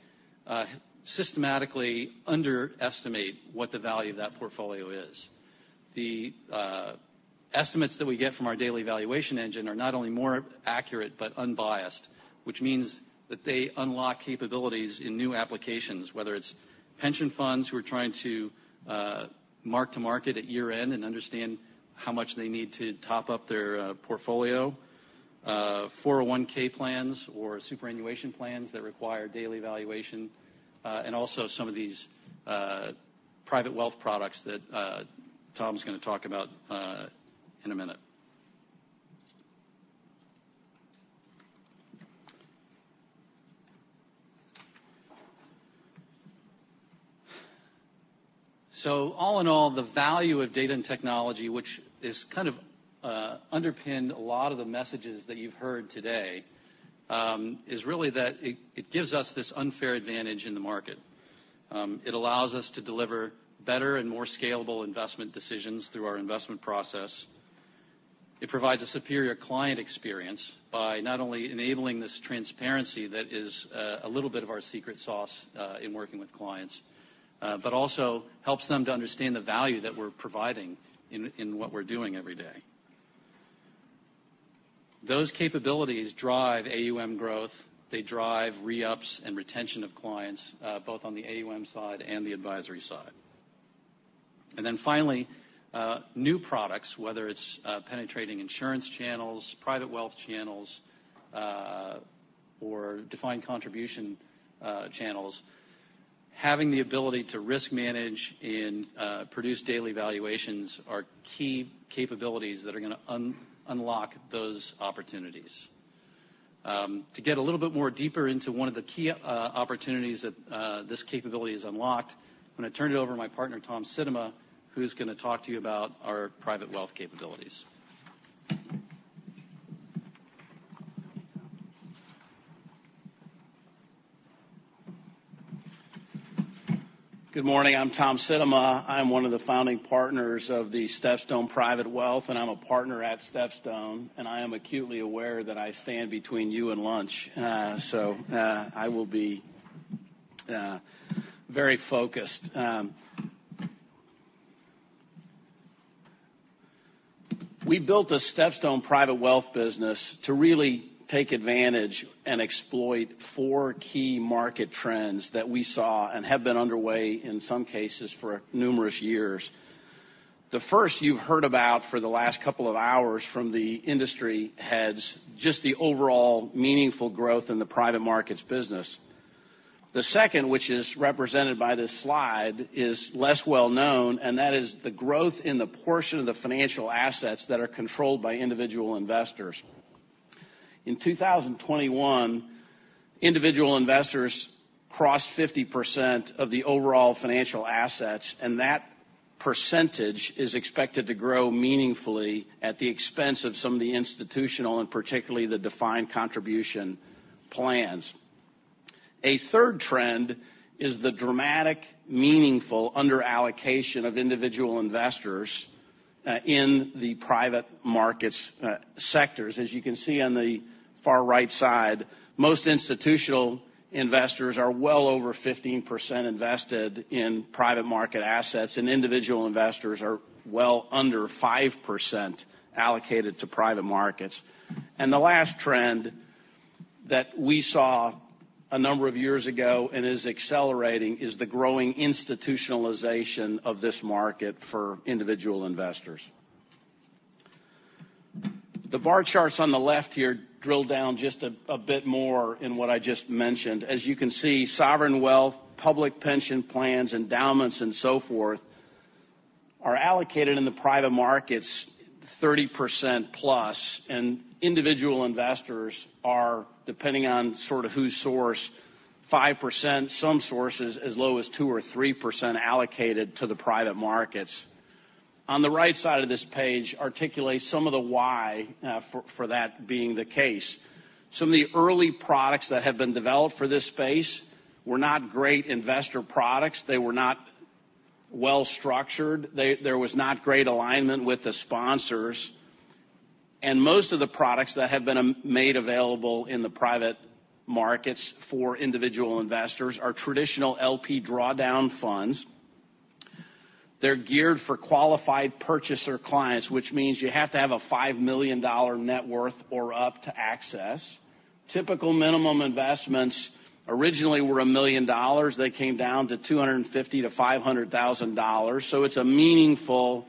systematically underestimate what the value of that portfolio is. The estimates that we get from our Daily Valuation Engine are not only more accurate, but unbiased, which means that they unlock capabilities in new applications. Whether it's pension funds, who are trying to mark to market at year-end and understand how much they need to top up their portfolio, 401(k) plans or superannuation plans that require daily valuation, and also some of these private wealth products that Tom's going to talk about in a minute. All in all, the value of data and technology, which is kind of underpinned a lot of the messages that you've heard today, is really that it gives us this unfair advantage in the market. It allows us to deliver better and more scalable investment decisions through our investment process. It provides a superior client experience by not only enabling this transparency that is a little bit of our secret sauce in working with clients, but also helps them to understand the value that we're providing in what we're doing every day. Those capabilities drive AUM growth. They drive re-ups and retention of clients, both on the AUM side and the advisory side. Finally, new products, whether it's penetrating insurance channels, private wealth channels, or defined contribution channels, having the ability to risk manage and produce daily valuations are key capabilities that are going to unlock those opportunities. to get a little bit more deeper into one of the key opportunities that this capability has unlocked, I'm gonna turn it over to my partner, Tom Sittema, who's gonna talk to you about our Private Wealth capabilities. Good morning. I'm Tom Sittema. I'm one of the founding partners of the StepStone Private Wealth, and I'm a partner at StepStone, and I am acutely aware that I stand between you and lunch. I will be very focused. We built the StepStone Private Wealth business to really take advantage and exploit four key market trends that we saw and have been underway, in some cases, for numerous years. The first you've heard about for the last couple of hours from the industry heads, just the overall meaningful growth in the private markets business. The second, which is represented by this slide, is less well known, and that is the growth in the portion of the financial assets that are controlled by individual investors. In 2021, individual investors crossed 50% of the overall financial assets, and that percentage is expected to grow meaningfully at the expense of some of the institutional and particularly the defined contribution plans. A third trend is the dramatic, meaningful underallocation of individual investors in the private markets sectors. As you can see on the far right side, most institutional investors are well over 15% invested in private market assets, and individual investors are well under 5% allocated to private markets. The last trend that we saw a number of years ago and is accelerating, is the growing institutionalization of this market for individual investors. The bar charts on the left here drill down just a bit more in what I just mentioned. As you can see, sovereign wealth, public pension plans, endowments, and so forth, are allocated in the private markets, 30%+, individual investors are, depending on sort of whose source, 5%, some sources as low as 2% or 3% allocated to the private markets. On the right side of this page, articulates some of the why for that being the case. Some of the early products that have been developed for this space were not great investor products. They were not well structured. There was not great alignment with the sponsors. Most of the products that have been made available in the private markets for individual investors are traditional LP drawdown funds. They're geared for qualified purchaser clients, which means you have to have a $5 million net worth or up to access. Typical minimum investments originally were $1 million. They came down to $250,000-$500,000. It's a meaningful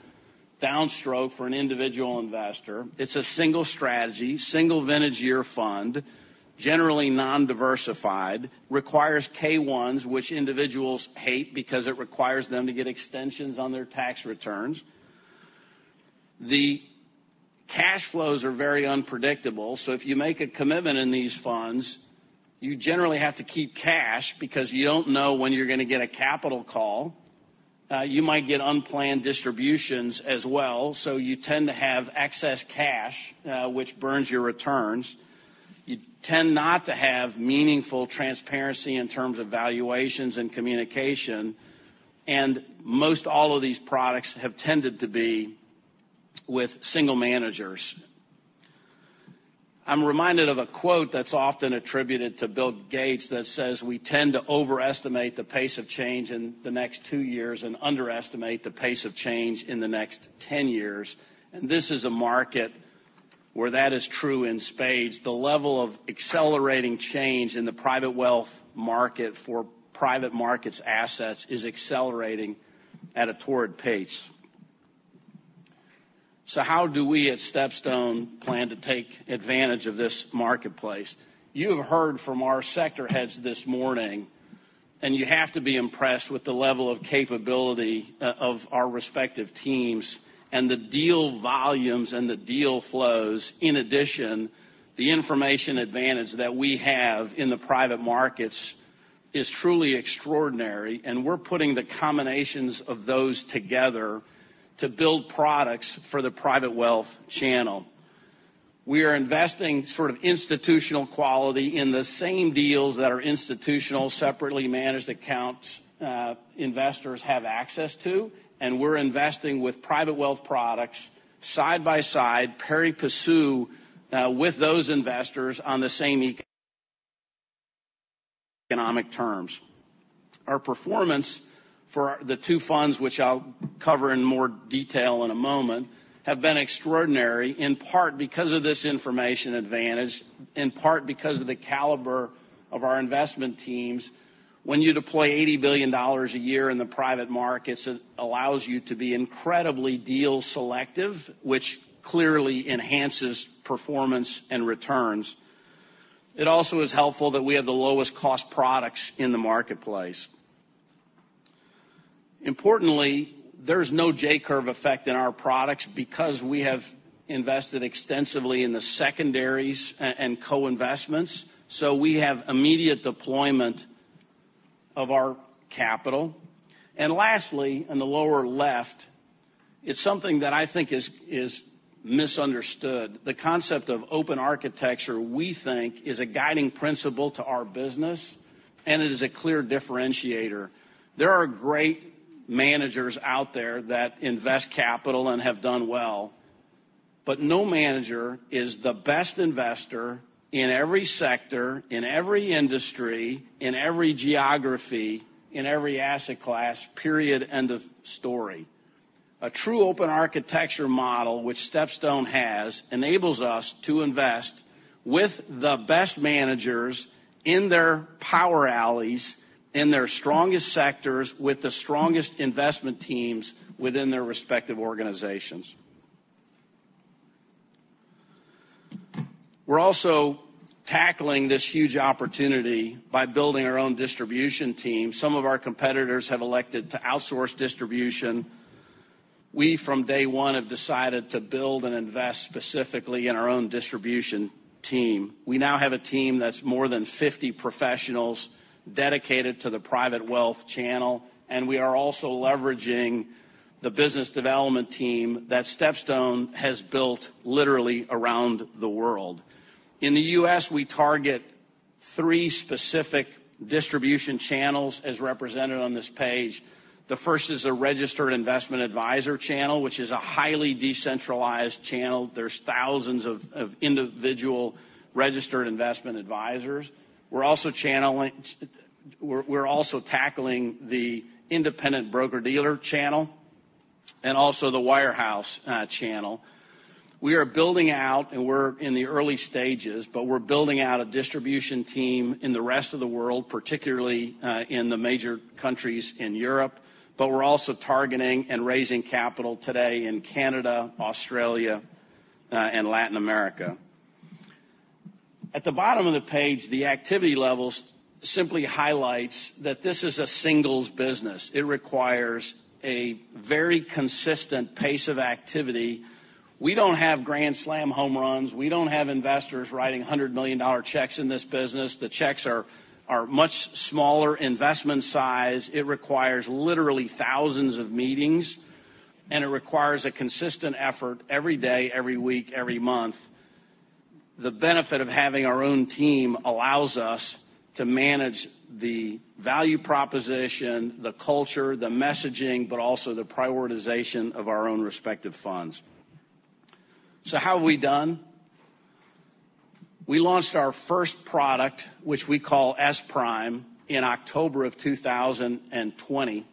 downstroke for an individual investor. It's a single strategy, single vintage year fund, generally non-diversified, requires K-1s, which individuals hate because it requires them to get extensions on their tax returns. The cash flows are very unpredictable, so if you make a commitment in these funds, you generally have to keep cash because you don't know when you're gonna get a capital call. You might get unplanned distributions as well, so you tend to have excess cash, which burns your returns. You tend not to have meaningful transparency in terms of valuations and communication, and most all of these products have tended to be with single managers. I'm reminded of a quote that's often attributed to Bill Gates that says, "We tend to overestimate the pace of change in the next two years and underestimate the pace of change in the next ten years." This is a market where that is true in spades. The level of accelerating change in the private wealth market for private markets assets is accelerating at a torrid pace. How do we, at StepStone, plan to take advantage of this marketplace? You have heard from our sector heads this morning, you have to be impressed with the level of capability of our respective teams and the deal volumes and the deal flows. In addition, the information advantage that we have in the private markets is truly extraordinary, we're putting the combinations of those together to build products for the private wealth channel. We are investing sort of institutional quality in the same deals that are institutional, separately managed accounts, investors have access to, and we're investing with private wealth products side by side, pari passu, with those investors on the same economic terms. Our performance for the two funds, which I'll cover in more detail in a moment, have been extraordinary, in part because of this information advantage, in part because of the caliber of our investment teams. When you deploy $80 billion a year in the private markets, it allows you to be incredibly deal selective, which clearly enhances performance and returns. It also is helpful that we have the lowest cost products in the marketplace. Importantly, there's no J-curve effect in our products because we have invested extensively in the secondaries and co-investments, so we have immediate deployment of our capital. Lastly, in the lower left, is something that I think is misunderstood. The concept of open architecture, we think, is a guiding principle to our business, and it is a clear differentiator. There are great managers out there that invest capital and have done well, but no manager is the best investor in every sector, in every industry, in every geography, in every asset class, period, end of story. A true open architecture model, which StepStone has, enables us to invest with the best managers in their power alleys, in their strongest sectors, with the strongest investment teams within their respective organizations. We're also tackling this huge opportunity by building our own distribution team. Some of our competitors have elected to outsource distribution. We, from day one, have decided to build and invest specifically in our own distribution team. We now have a team that's more than 50 professionals dedicated to the private wealth channel. We are also leveraging the business development team that StepStone has built literally around the world. In the U.S., we target three specific distribution channels as represented on this page. The first is a registered investment adviser channel, which is a highly decentralized channel. There's thousands of individual registered investment advisers. We're also tackling the independent broker-dealer channel and also the wirehouse channel. We are building out, and we're in the early stages, but we're building out a distribution team in the rest of the world, particularly in the major countries in Europe. We're also targeting and raising capital today in Canada, Australia, and Latin America. At the bottom of the page, the activity levels simply highlights that this is a singles business. It requires a very consistent pace of activity. We don't have grand slam home runs. We don't have investors writing $100 million checks in this business. The checks are much smaller investment size. It requires literally thousands of meetings. It requires a consistent effort every day, every week, every month. The benefit of having our own team allows us to manage the value proposition, the culture, the messaging, but also the prioritization of our own respective funds. How have we done? We launched our first product, which we call SPRIM, in October of 2020.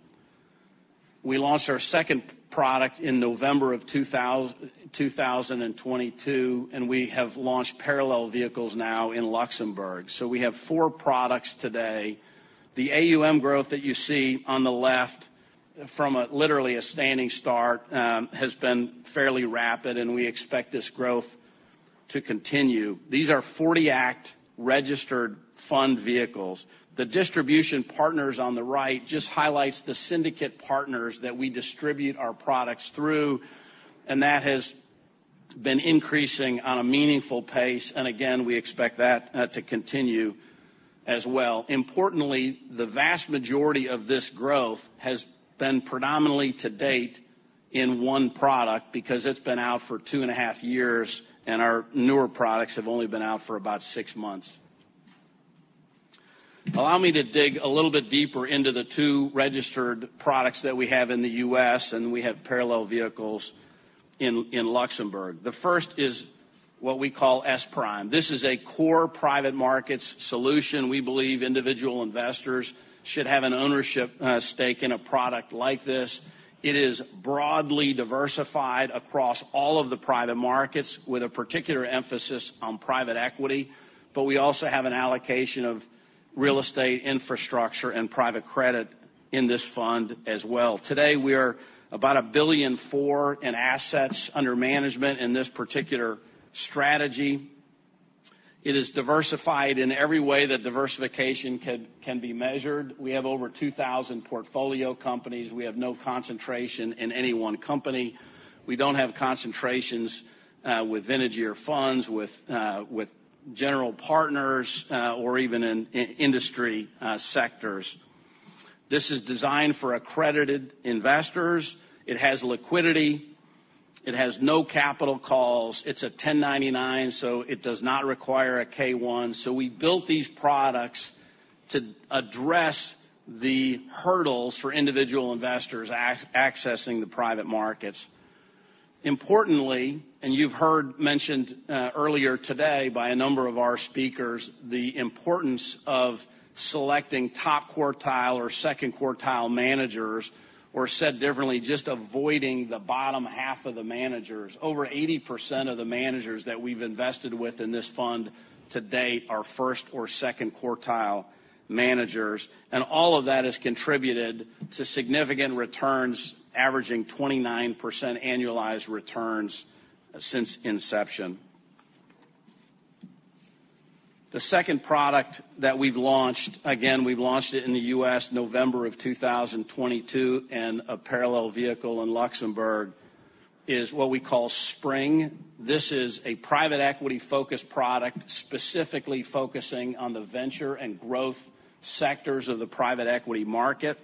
We launched our second product in November of 2022. We have launched parallel vehicles now in Luxembourg. We have four products today. The AUM growth that you see on the left, from a literally a standing start, has been fairly rapid, and we expect this growth to continue. These are '40 Act registered fund vehicles. The distribution partners on the right just highlights the syndicate partners that we distribute our products through, and that has been increasing on a meaningful pace. Again, we expect that to continue as well. Importantly, the vast majority of this growth has been predominantly to date in one product because it's been out for 2.5 years, and our newer products have only been out for about six months. Allow me to dig a little bit deeper into the two registered products that we have in the U.S., and we have parallel vehicles in Luxembourg. The first is what we call SPRIM. This is a core private markets solution. We believe individual investors should have an ownership stake in a product like this. It is broadly diversified across all of the private markets, with a particular emphasis on private equity, but we also have an allocation of real estate, infrastructure, and private credit in this fund as well. Today, we are about $1.4 billion in assets under management in this particular strategy. It is diversified in every way that diversification can be measured. We have over 2,000 portfolio companies. We have no concentration in any one company. We don't have concentrations with vintage year funds, with general partners, or even in industry sectors. This is designed for accredited investors. It has liquidity. It has no capital calls. It's a 1099, so it does not require a K-1. We built these products to address the hurdles for individual investors accessing the private markets. Importantly, you've heard mentioned earlier today by a number of our speakers, the importance of selecting top quartile or second quartile managers, or said differently, just avoiding the bottom half of the managers. Over 80% of the managers that we've invested with in this fund to date are first or second quartile managers, and all of that has contributed to significant returns, averaging 29% annualized returns since inception. The second product that we've launched, again, we've launched it in the US, November of 2022, and a parallel vehicle in Luxembourg, is what we call SPRING. This is a private equity-focused product, specifically focusing on the venture and growth sectors of the private equity market.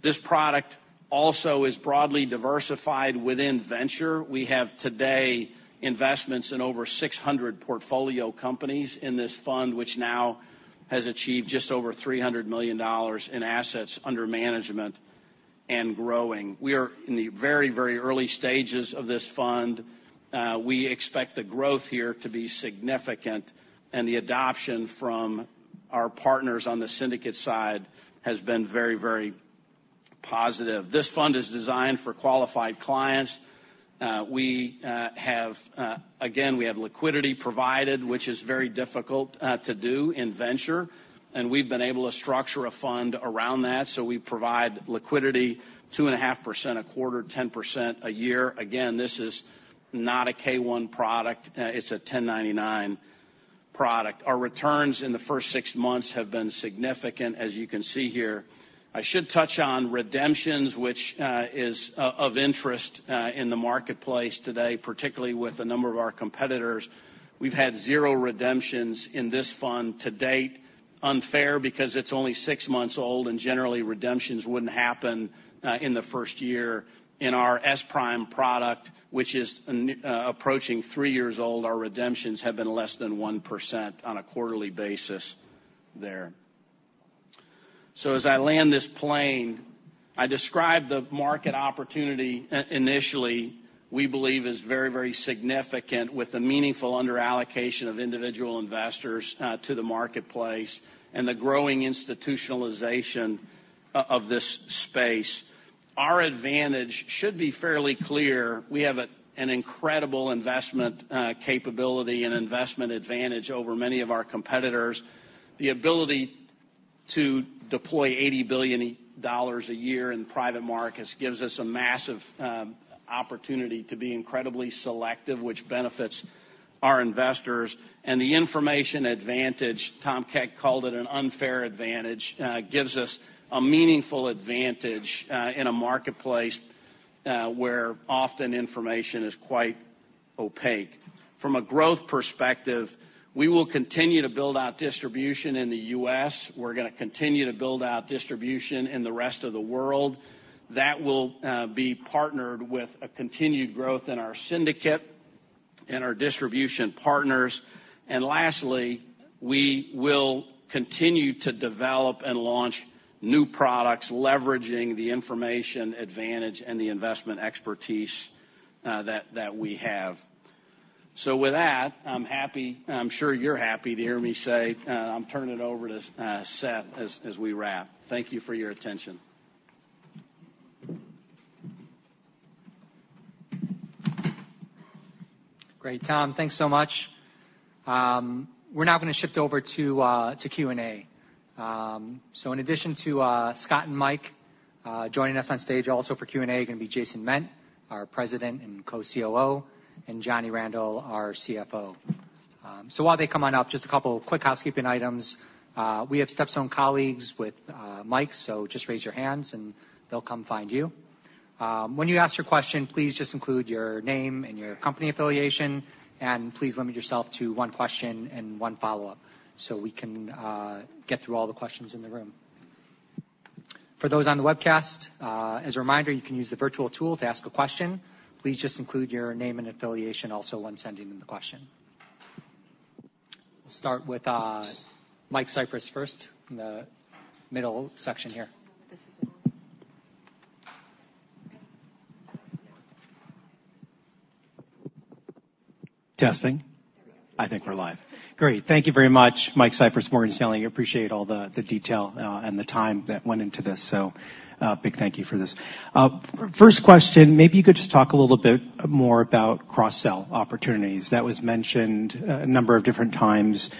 This product also is broadly diversified within venture. We have, today, investments in over 600 portfolio companies in this fund, which now has achieved just over $300 million in assets under management and growing. We are in the very, very early stages of this fund. We expect the growth here to be significant, the adoption from our partners on the syndicate side has been very, very positive. This fund is designed for qualified clients. We have liquidity provided, which is very difficult to do in venture, we've been able to structure a fund around that. We provide liquidity 2.5% a quarter, 10% a year. This is not a K-1 product, it's a 1099 product. Our returns in the first six months have been significant, as you can see here. I should touch on redemptions, which is of interest in the marketplace today, particularly with a number of our competitors. We've had zero redemptions in this fund to date. Unfair, because it's only six months old, and generally, redemptions wouldn't happen in the first year. In our SPRIM product, which is approaching three years old, our redemptions have been less than 1% on a quarterly basis there. As I land this plane, I described the market opportunity initially, we believe is very, very significant, with a meaningful underallocation of individual investors to the marketplace and the growing institutionalization of this space. Our advantage should be fairly clear. We have an incredible investment capability and investment advantage over many of our competitors. The ability to deploy $80 billion a year in private markets gives us a massive opportunity to be incredibly selective, which benefits our investors. The information advantage, Tom Keck called it an unfair advantage, gives us a meaningful advantage in a marketplace where often information is quite opaque. From a growth perspective, we will continue to build out distribution in the U.S. We're gonna continue to build out distribution in the rest of the world. That will be partnered with a continued growth in our syndicate and our distribution partners. Lastly, we will continue to develop and launch new products, leveraging the information advantage and the investment expertise that we have. With that, I'm happy, and I'm sure you're happy to hear me say, I'm turning it over to Seth as we wrap. Thank you for your attention. Great, Tom. Thanks so much. We're now going to shift over to Q&A. In addition to Scott and Mike joining us on stage also for Q&A, are going to be Jason Ment, our President and co-COO, and Johnny Randel, our CFO. While they come on up, just a couple of quick housekeeping items. We have StepStone colleagues with mics, so just raise your hands, and they'll come find you. When you ask your question, please just include your name and your company affiliation, and please limit yourself to one question and one follow-up, so we can get through all the questions in the room. For those on the webcast, as a reminder, you can use the virtual tool to ask a question. Please just include your name and affiliation also when sending in the question. We'll start with Michael Cyprys first, in the middle section here. This is it. Testing. I think we're live. Great. Thank you very much. Michael Cyprys, Morgan Stanley. Appreciate all the detail and the time that went into this, so big thank you for this. First question, maybe you could just talk a little bit more about cross-sell opportunities. That was mentioned a number of different times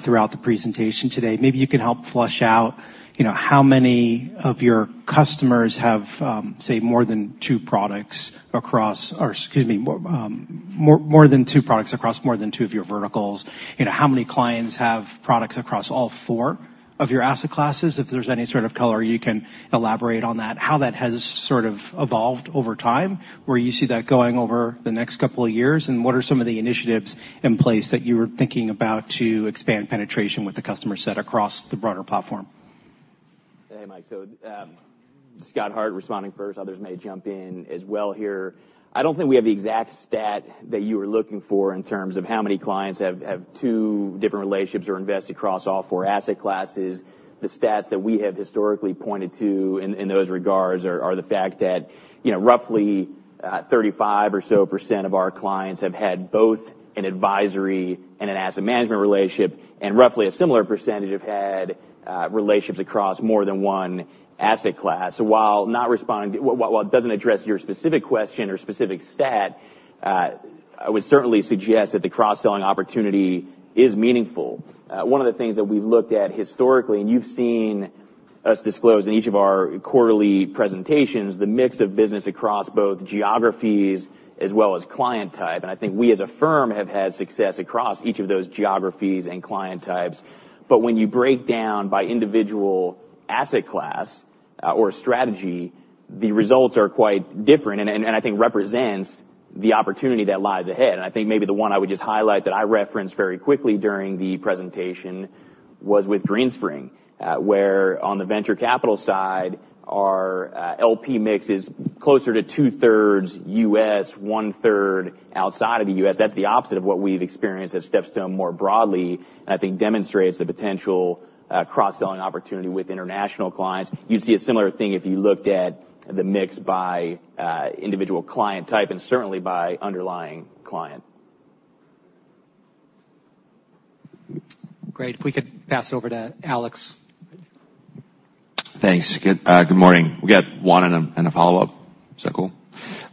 throughout the presentation today. Maybe you could help flush out, you know, how many of your customers have, say, more than two products across... Or excuse me, more than two products across more than two of your verticals. You know, how many clients have products across all four of your asset classes? If there's any sort of color you can elaborate on that, how that has sort of evolved over time, where you see that going over the next couple of years, and what are some of the initiatives in place that you were thinking about to expand penetration with the customer set across the broader platform? Hey, Mike. Scott Hart responding first. Others may jump in as well here. I don't think we have the exact stat that you were looking for in terms of how many clients have two different relationships or invest across all four asset classes. The stats that we have historically pointed to in those regards are the fact that, you know, roughly 35% or so of our clients have had both an advisory and an asset management relationship, and roughly a similar percentage have had relationships across more than one asset class. While it doesn't address your specific question or specific stat, I would certainly suggest that the cross-selling opportunity is meaningful. One of the things that we've looked at historically, and you've seen. us disclose in each of our quarterly presentations, the mix of business across both geographies as well as client type. I think we, as a firm, have had success across each of those geographies and client types. When you break down by individual asset class, or strategy, the results are quite different, and I think represents the opportunity that lies ahead. I think maybe the one I would just highlight that I referenced very quickly during the presentation was with Greenspring, where on the venture capital side, our LP mix is closer to 2/3 U.S., 1/3 outside of the U.S. That's the opposite of what we've experienced at StepStone more broadly, I think demonstrates the potential cross-selling opportunity with international clients. You'd see a similar thing if you looked at the mix by individual client type, and certainly by underlying client. Great. If we could pass it over to Alex. Thanks. Good morning. We got one and a follow-up. Is that cool?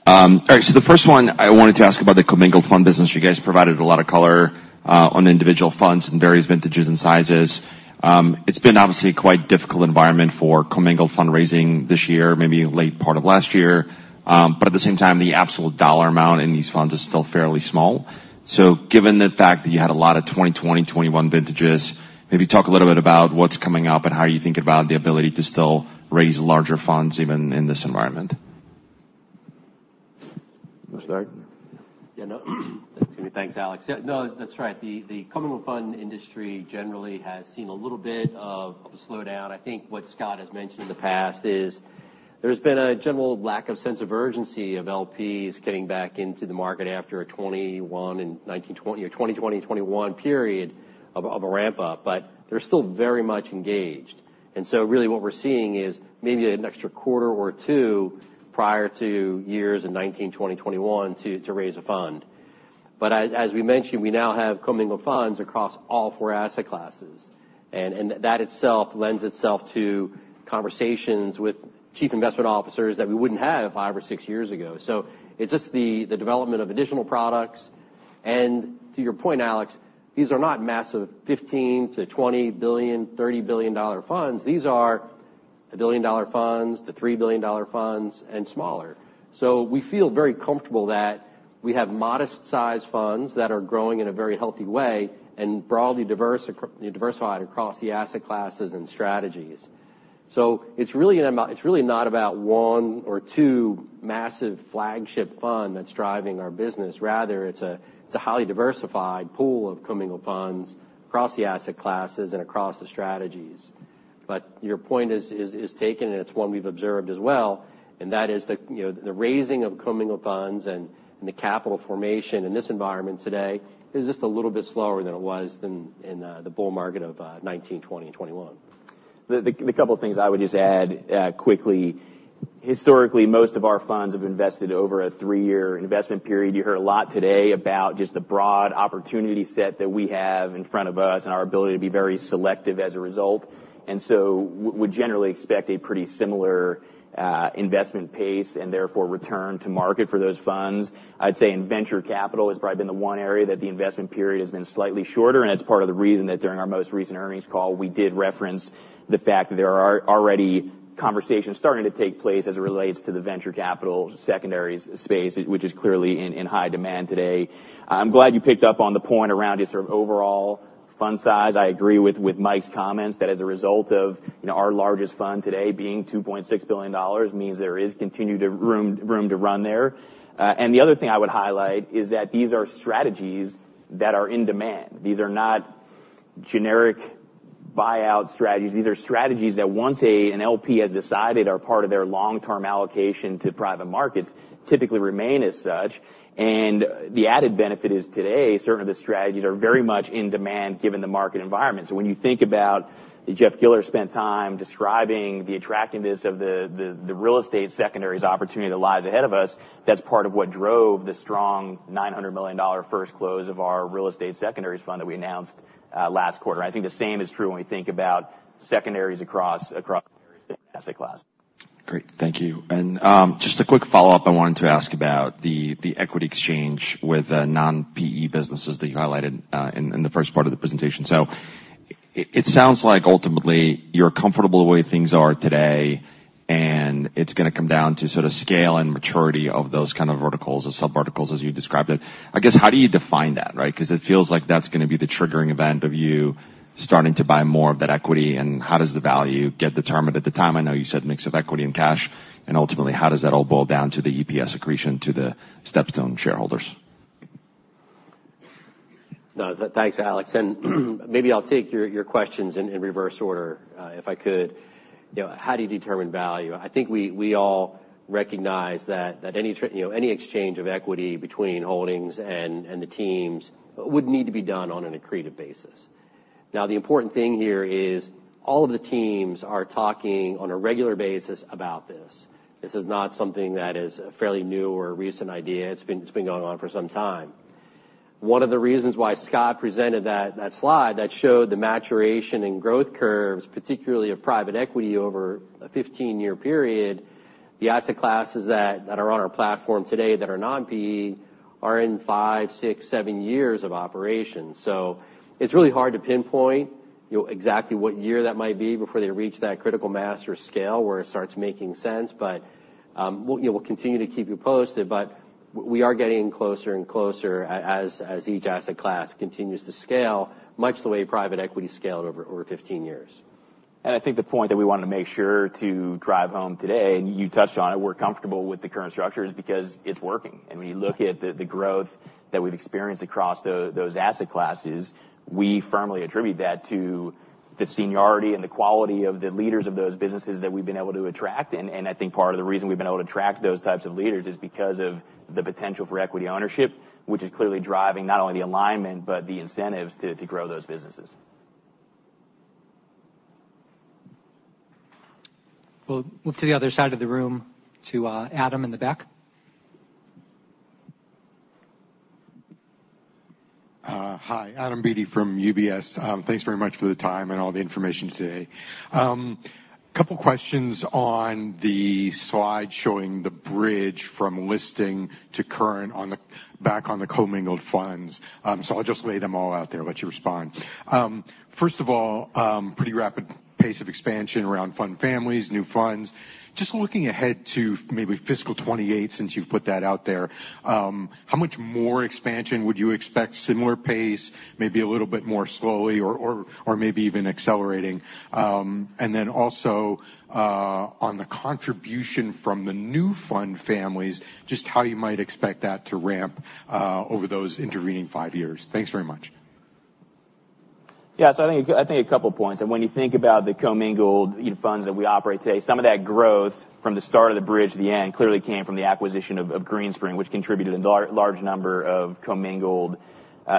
All right, the first one, I wanted to ask about the commingled fund business. You guys provided a lot of color on individual funds in various vintages and sizes. It's been obviously a quite difficult environment for commingled fundraising this year, maybe late part of last year. At the same time, the absolute dollar amount in these funds is still fairly small. Given the fact that you had a lot of 2020, 2021 vintages, maybe talk a little bit about what's coming up and how you think about the ability to still raise larger funds even in this environment. You want to start? Yeah, no. Thanks, Alex. Yeah, no, that's right. The commingled fund industry generally has seen a little bit of a slowdown. I think what Scott has mentioned in the past is there's been a general lack of sense of urgency of LPs getting back into the market after a 2021 and 2020 and 2021 period of a ramp up, they're still very much engaged. Really what we're seeing is maybe an extra quarter or two prior to years in 2019, 2020, 2021 to raise a fund. As we mentioned, we now have commingled funds across all four asset classes, and that itself lends itself to conversations with chief investment officers that we wouldn't have five or six years ago. It's just the development of additional products. To your point, Alex, these are not massive $15 billion-$20 billion, $30 billion funds. These are $1 billion-$3 billion funds and smaller. We feel very comfortable that we have modest-sized funds that are growing in a very healthy way and broadly diversified across the asset classes and strategies. It's really not about one or two massive flagship fund that's driving our business. Rather, it's a highly diversified pool of commingled funds across the asset classes and across the strategies. Your point is taken, and it's one we've observed as well, and that is the, you know, the raising of commingled funds and the capital formation in this environment today is just a little bit slower than it was than in the bull market of 2019, 2020, and 2021. The couple of things I would just add quickly. Historically, most of our funds have invested over a three-year investment period. You heard a lot today about just the broad opportunity set that we have in front of us and our ability to be very selective as a result. We generally expect a pretty similar investment pace and therefore return to market for those funds. I'd say in venture capital, it's probably been the one area that the investment period has been slightly shorter, and that's part of the reason that during our most recent earnings call, we did reference the fact that there are already conversations starting to take place as it relates to the venture capital secondaries space, which is clearly in high demand today. I'm glad you picked up on the point around just sort of overall fund size. I agree with Mike's comments that as a result of our largest fund today being $2.6 billion, means there is continued room to run there. The other thing I would highlight is that these are strategies that are in demand. These are not generic buyout strategies. These are strategies that once an LP has decided are part of their long-term allocation to private markets, typically remain as such. The added benefit is today, certainly the strategies are very much in demand given the market environment. When you think about Jeff Giller spent time describing the attractiveness of the real estate secondaries opportunity that lies ahead of us, that's part of what drove the strong $900 million first close of our real estate secondaries fund that we announced last quarter. I think the same is true when we think about secondaries across the asset class. Great. Thank you. Just a quick follow-up. I wanted to ask about the equity exchange with the non-PE businesses that you highlighted, in the first part of the presentation. It sounds like ultimately, you're comfortable the way things are today, and it's gonna come down to sort of scale and maturity of those kind of verticals or sub verticals, as you described it. I guess, how do you define that, right? Because it feels like that's gonna be the triggering event of you starting to buy more of that equity, and how does the value get determined at the time? I know you said mix of equity and cash, and ultimately, how does that all boil down to the EPS accretion to the StepStone shareholders? No, thanks, Alex. Maybe I'll take your questions in reverse order, if I could. You know, how do you determine value? I think we all recognize that any you know, any exchange of equity between holdings and the teams would need to be done on an accretive basis. The important thing here is all of the teams are talking on a regular basis about this. This is not something that is a fairly new or recent idea. It's been, it's been going on for some time. One of the reasons why Scott presented that slide that showed the maturation and growth curves, particularly of private equity over a 15-year period, the asset classes that are on our platform today that are non-PE are in five, six, seven years of operation. it's really hard to pinpoint, you know, exactly what year that might be before they reach that critical mass or scale where it starts making sense. we'll continue to keep you posted, but we are getting closer and closer as each asset class continues to scale, much the way private equity scaled over 15 years. I think the point that we wanted to make sure to drive home today, and you touched on it, we're comfortable with the current structure, is because it's working. When you look at the growth that we've experienced across those asset classes, we firmly attribute that to the seniority and the quality of the leaders of those businesses that we've been able to attract. I think part of the reason we've been able to attract those types of leaders is because of the potential for equity ownership, which is clearly driving not only the alignment, but the incentives to grow those businesses. We'll move to the other side of the room, to Adam in the back. Hi, Adam Beatty from UBS. Thanks very much for the time and all the information today. Couple questions on the slide showing the bridge from listing to current on the commingled funds. I'll just lay them all out there and let you respond. First of all, pretty rapid pace of expansion around fund families, new funds. Just looking ahead to maybe fiscal 2028, since you've put that out there, how much more expansion would you expect? Similar pace, maybe a little bit more slowly or maybe even accelerating? Also, on the contribution from the new fund families, just how you might expect that to ramp, over those intervening five years. Thanks very much. I think a couple points. When you think about the commingled funds that we operate today, some of that growth from the start of the bridge to the end, clearly came from the acquisition of Greenspring, which contributed a large number of commingled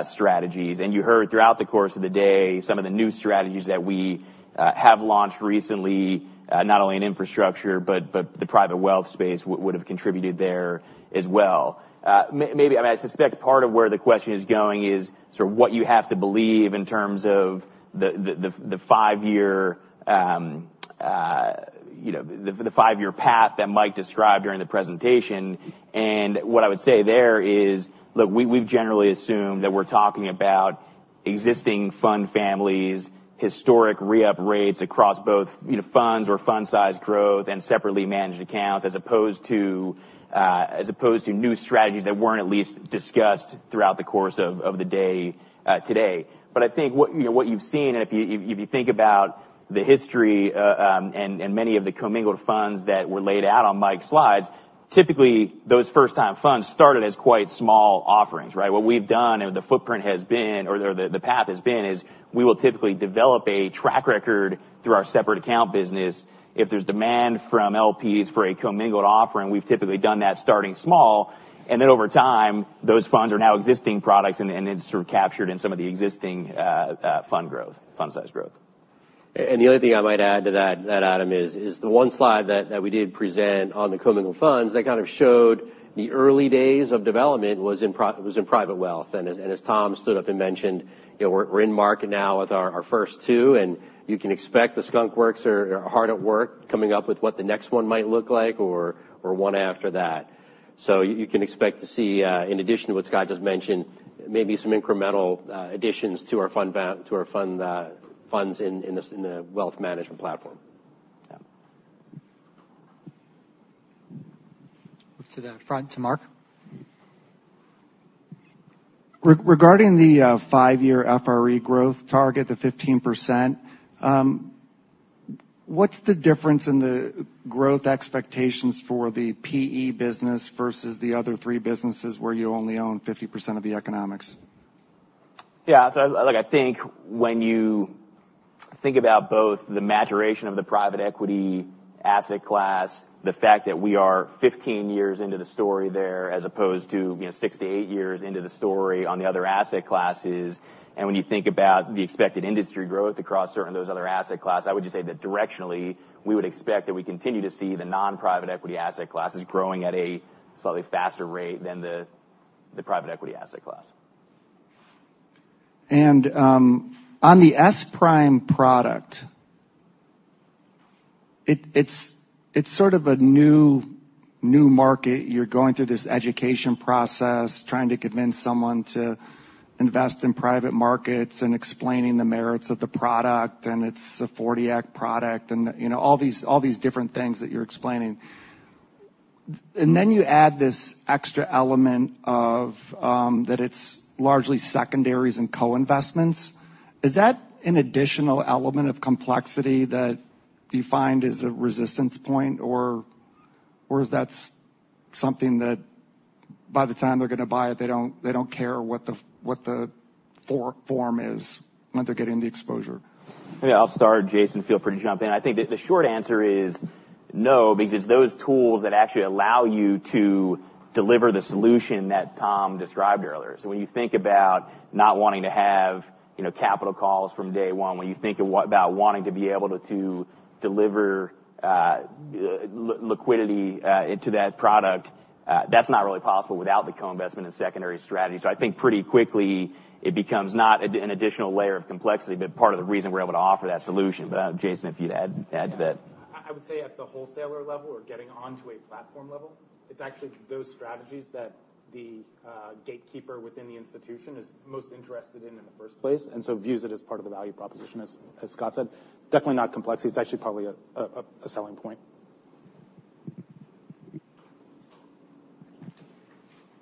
strategies. You heard throughout the course of the day, some of the new strategies that we have launched recently, not only in infrastructure, but the private wealth space would have contributed there as well. I suspect part of where the question is going is sort of what you have to believe in terms of the 5-year, you know, the 5-year path that Mike described during the presentation. What I would say there is, look, we've generally assumed that we're talking about existing fund families, historic re-up rates across both, you know, funds or fund size growth and separately managed accounts, as opposed to, as opposed to new strategies that weren't at least discussed throughout the course of the day today. I think what, you know, what you've seen, and if you, if you think about the history, and many of the commingled funds that were laid out on Mike's slides, typically, those first-time funds started as quite small offerings, right? What we've done, and the footprint has been or the path has been, is we will typically develop a track record through our separate account business. If there's demand from LPs for a commingled offering, we've typically done that starting small, and then over time, those funds are now existing products, and it's sort of captured in some of the existing fund growth, fund size growth. The only thing I might add to that, Adam, is the one slide that we did present on the commingled funds, that kind of showed the early days of development was in private wealth. As Tom Sittema mentioned, you know, we're in market now with our first two, and you can expect the skunk works are hard at work, coming up with what the next one might look like or one after that. You can expect to see, in addition to what Scott just mentioned, maybe some incremental additions to our fund funds in the wealth management platform. Yeah. Move to the front, to Mark. Regarding the 5-year FRE growth target, the 15%, what's the difference in the growth expectations for the PE business versus the other three businesses, where you only own 50% of the economics? Yeah, look, I think when you think about both the maturation of the private equity asset class, the fact that we are 15 years into the story there, as opposed to, you know, 6-8 years into the story on the other asset classes, and when you think about the expected industry growth across certain of those other asset class, I would just say that directionally, we would expect that we continue to see the non-private equity asset classes growing at a slightly faster rate than the private equity asset class. On the SPRIM product, it's sort of a new market. You're going through this education process, trying to convince someone to invest in private markets and explaining the merits of the product, and it's a '40 Act product, and, you know, all these different things that you're explaining. Then you add this extra element of that it's largely secondaries and co-investments. Is that an additional element of complexity that you find is a resistance point, or is that something that by the time they're going to buy it, they don't care what the form is when they're getting the exposure? Yeah, I'll start. Jason, feel free to jump in. I think the short answer is no, because it's those tools that actually allow you to deliver the solution that Tom described earlier. When you think about not wanting to have, you know, capital calls from day one, when you think about wanting to be able to deliver liquidity into that product, that's not really possible without the co-investment and secondary strategy. I think pretty quickly, it becomes not an additional layer of complexity, but part of the reason we're able to offer that solution. Jason, if you'd add to that?... I would say at the wholesaler level or getting onto a platform level, it's actually those strategies that the gatekeeper within the institution is most interested in in the first place, and so views it as part of the value proposition, as Scott said. Definitely not complexity, it's actually probably a selling point.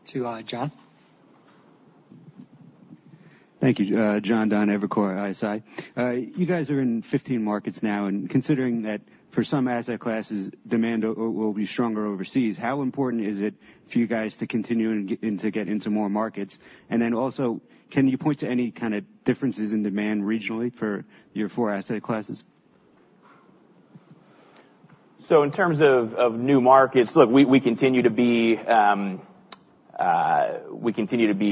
To, John. Thank you. John Dunn, Evercore ISI. You guys are in 15 markets now, and considering that for some asset classes, demand will be stronger overseas, how important is it for you guys to continue and to get into more markets? Also, can you point to any kind of differences in demand regionally for your four asset classes? In terms of new markets, look, we continue to be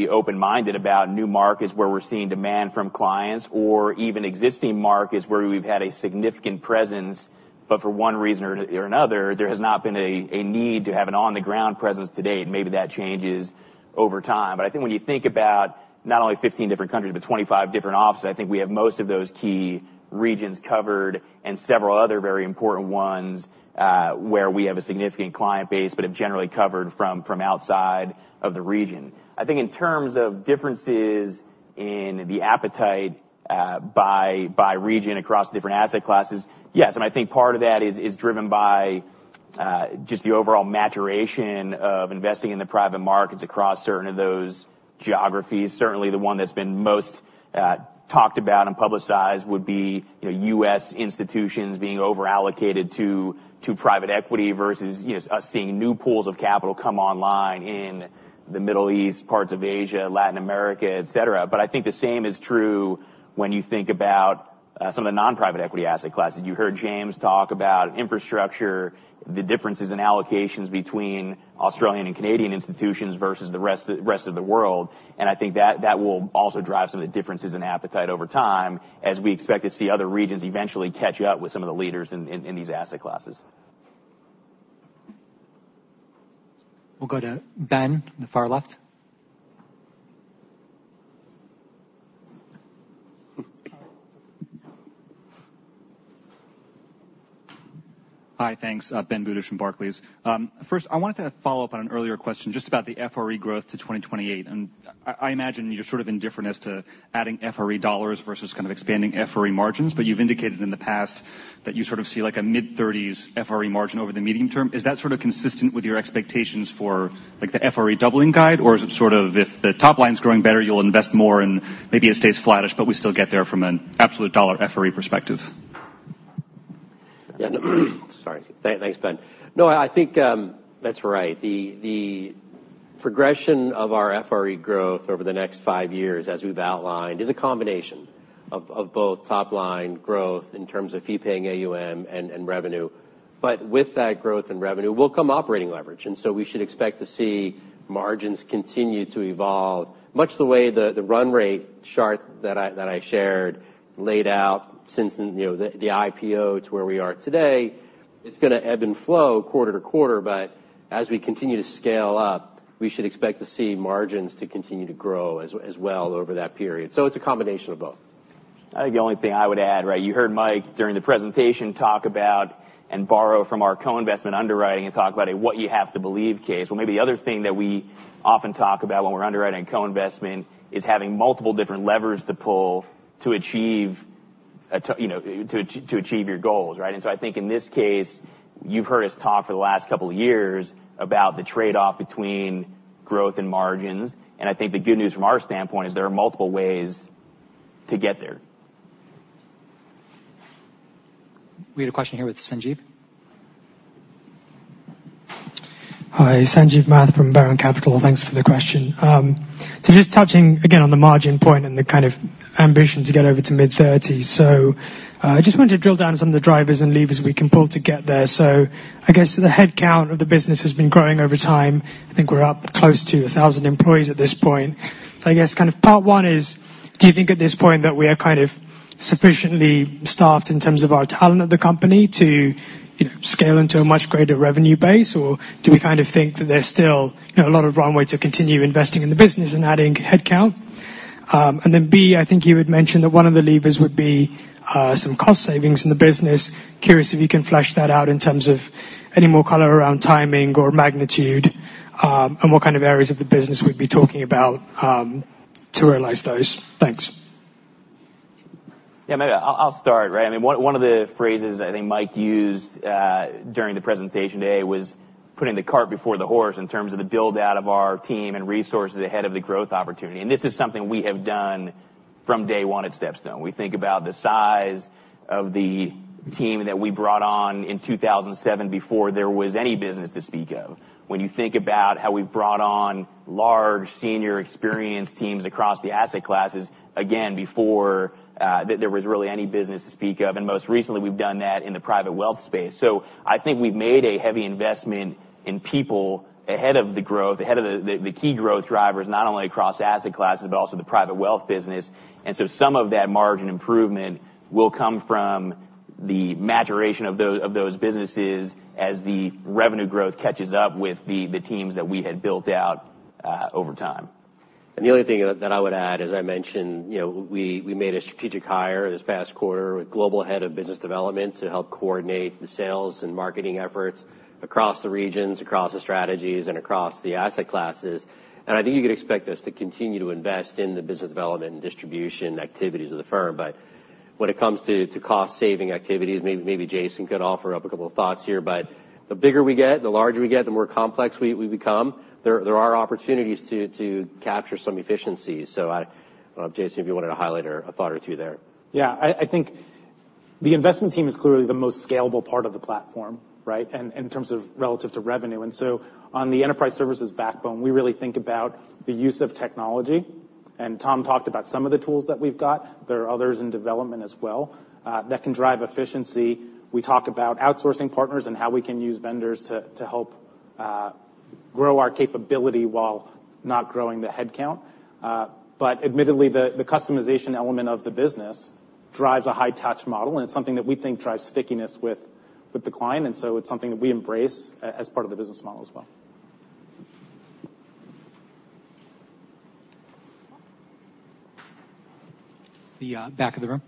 open-minded about new markets where we're seeing demand from clients, or even existing markets where we've had a significant presence, but for one reason or another, there has not been a need to have an on-the-ground presence to date. Maybe that changes over time. I think when you think about not only 15 different countries, but 25 different offices, I think we have most of those key regions covered, and several other very important ones, where we have a significant client base, but have generally covered from outside of the region. I think in terms of differences in the appetite by region across different asset classes, yes. I think part of that is driven by just the overall maturation of investing in the private markets across certain of those geographies. Certainly, the one that's been most talked about and publicized would be, you know, U.S. institutions being over-allocated to private equity versus, you know, us seeing new pools of capital come online in the Middle East, parts of Asia, Latin America, et cetera. I think the same is true when you think about some of the non-private equity asset classes. You heard James talk about infrastructure, the differences in allocations between Australian and Canadian institutions versus the rest of the world. I think that will also drive some of the differences in appetite over time, as we expect to see other regions eventually catch up with some of the leaders in these asset classes. We'll go to Ben, the far left. Hi, thanks. Ben Budish from Barclays. First, I wanted to follow up on an earlier question just about the FRE growth to 2028. I imagine you're sort of indifferent as to adding FRE dollars versus kind of expanding FRE margins. You've indicated in the past that you sort of see like a mid-30s FRE margin over the medium term. Is that sort of consistent with your expectations for, like, the FRE doubling guide? Is it sort of, if the top line's growing better, you'll invest more, and maybe it stays flattish, but we still get there from an absolute dollar FRE perspective? Yeah. Sorry. thanks, Ben. No, I think, that's right. The progression of our FRE growth over the next five years, as we've outlined, is a combination of both top-line growth in terms of fee-paying AUM and revenue. With that growth in revenue, will come operating leverage, and so we should expect to see margins continue to evolve, much the way the run rate chart that I shared laid out since the, you know, the IPO to where we are today. It's gonna ebb and flow quarter to quarter, but as we continue to scale up, we should expect to see margins to continue to grow as well over that period. It's a combination of both. I think the only thing I would add, right? You heard Mike, during the presentation, talk about and borrow from our co-investment underwriting and talk about a what you have to believe case. Well, maybe the other thing that we often talk about when we're underwriting co-investment is having multiple different levers to pull to achieve a you know, to achieve your goals, right? I think in this case, you've heard us talk for the last couple of years about the trade-off between growth and margins, and I think the good news from our standpoint is there are multiple ways to get there. We had a question here with Sanjeev. Hi, Sanjeev Math from Baron Capital. Thanks for the question. Just touching again on the margin point and the kind of ambition to get over to mid-thirties. I just wanted to drill down on some of the drivers and levers we can pull to get there. I guess the headcount of the business has been growing over time. I think we're up close to 1,000 employees at this point. I guess kind of part one is: Do you think at this point that we are kind of sufficiently staffed in terms of our talent at the company to, you know, scale into a much greater revenue base, or do we kind of think that there's still, you know, a lot of runway to continue investing in the business and adding headcount? B, I think you had mentioned that one of the levers would be some cost savings in the business. Curious if you can flesh that out in terms of any more color around timing or magnitude, and what kind of areas of the business we'd be talking about, to realize those? Thanks. Yeah, maybe I'll start, right? I mean, one of the phrases I think Mike used during the presentation today was putting the cart before the horse in terms of the build-out of our team and resources ahead of the growth opportunity. This is something we have done from day one at StepStone. We think about the size of the team that we brought on in 2007 before there was any business to speak of. When you think about how we've brought on large, senior, experienced teams across the asset classes, again, before there was really any business to speak of. Most recently, we've done that in the private wealth space. I think we've made a heavy investment in people ahead of the growth, ahead of the key growth drivers, not only across asset classes, but also the private wealth business. Some of that margin improvement will come from the maturation of those businesses as the revenue growth catches up with the teams that we had built out over time. The only thing that I would add, as I mentioned, you know, we made a strategic hire this past quarter, a global head of business development, to help coordinate the sales and marketing efforts across the regions, across the strategies, and across the asset classes. I think you could expect us to continue to invest in the business development and distribution activities of the firm. When it comes to cost-saving activities, maybe Jason could offer up a couple of thoughts here. The bigger we get, the larger we get, the more complex we become, there are opportunities to capture some efficiencies. Jason, if you wanted to highlight or a thought or two there. Yeah. I think the investment team is clearly the most scalable part of the platform, right? In terms of relative to revenue. On the enterprise services backbone, we really think about the use of technology, and Tom talked about some of the tools that we've got. There are others in development as well, that can drive efficiency. We talk about outsourcing partners and how we can use vendors to help grow our capability while not growing the headcount. Admittedly, the customization element of the business drives a high-touch model, and it's something that we think drives stickiness with the client, and so it's something that we embrace as part of the business model as well. The back of the room.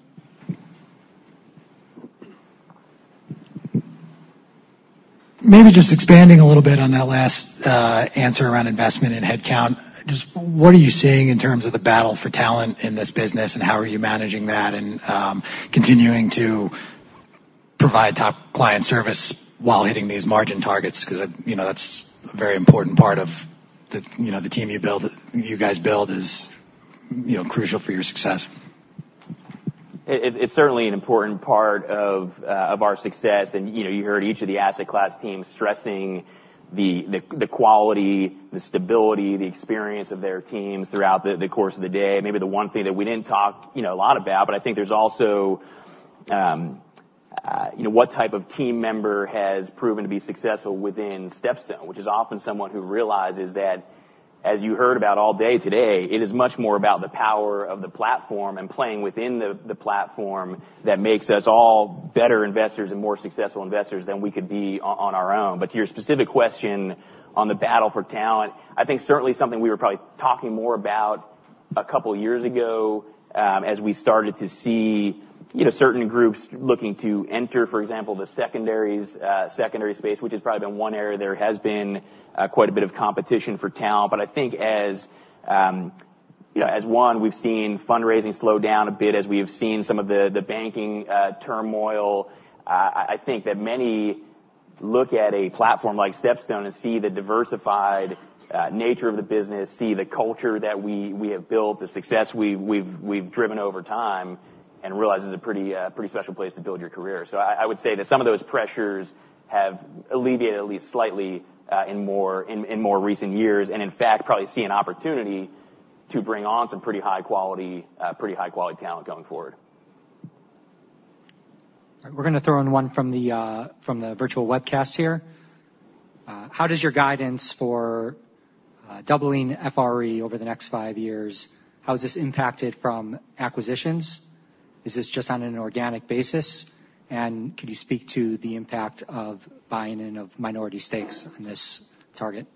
Maybe just expanding a little bit on that last answer around investment and headcount. Just what are you seeing in terms of the battle for talent in this business, and how are you managing that and continuing to provide top client service while hitting these margin targets? Because, you know, that's a very important part of the, you know, the team you guys build is, you know, crucial for your success. It's certainly an important part of our success. You know, you heard each of the asset class teams stressing the quality, the stability, the experience of their teams throughout the course of the day. Maybe the one thing that we didn't talk, you know, a lot about, but I think there's also. You know, what type of team member has proven to be successful within StepStone, which is often someone who realizes that, as you heard about all day today, it is much more about the power of the platform and playing within the platform that makes us all better investors and more successful investors than we could be on our own. To your specific question on the battle for talent, I think certainly something we were probably talking more about a couple of years ago, as we started to see, you know, certain groups looking to enter, for example, the secondaries, secondary space, which has probably been one area there has been quite a bit of competition for talent. I think as, you know, as one, we've seen fundraising slow down a bit, as we have seen some of the banking turmoil. I think that many look at a platform like StepStone and see the diversified nature of the business, see the culture that we have built, the success we've driven over time, and realize it's a pretty special place to build your career. I would say that some of those pressures have alleviated, at least slightly, in more recent years, and in fact, probably see an opportunity to bring on some pretty high quality talent going forward. We're going to throw in one from the from the virtual webcast here. How does your guidance for doubling FRE over the next five years, how is this impacted from acquisitions? Is this just on an organic basis? Can you speak to the impact of buying in of minority stakes in this target?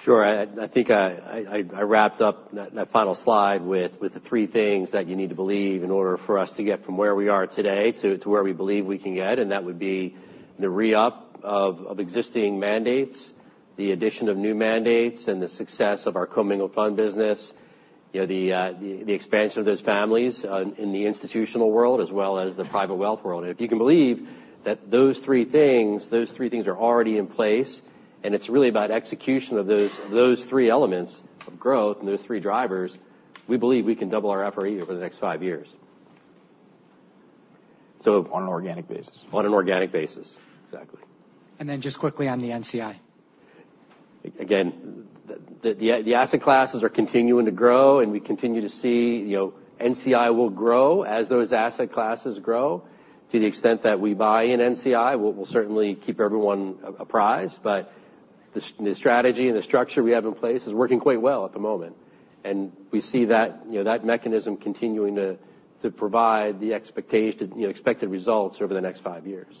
Sure. I think I wrapped up that final slide with the three things that you need to believe in order for us to get from where we are today to where we believe we can get, and that would be the re-up of existing mandates, the addition of new mandates, and the success of our commingled fund business. You know, the expansion of those families in the institutional world, as well as the private wealth world. If you can believe that those three things are already in place, and it's really about execution of those three elements of growth and those three drivers, we believe we can double our FRE over the next five years. So- On an organic basis. On an organic basis, exactly. Just quickly on the NCI. The asset classes are continuing to grow, and we continue to see. You know, NCI will grow as those asset classes grow. To the extent that we buy in NCI, we'll certainly keep everyone apprised. The strategy and the structure we have in place is working quite well at the moment, and we see that, you know, that mechanism continuing to provide the expectation, you know, expected results over the next five years.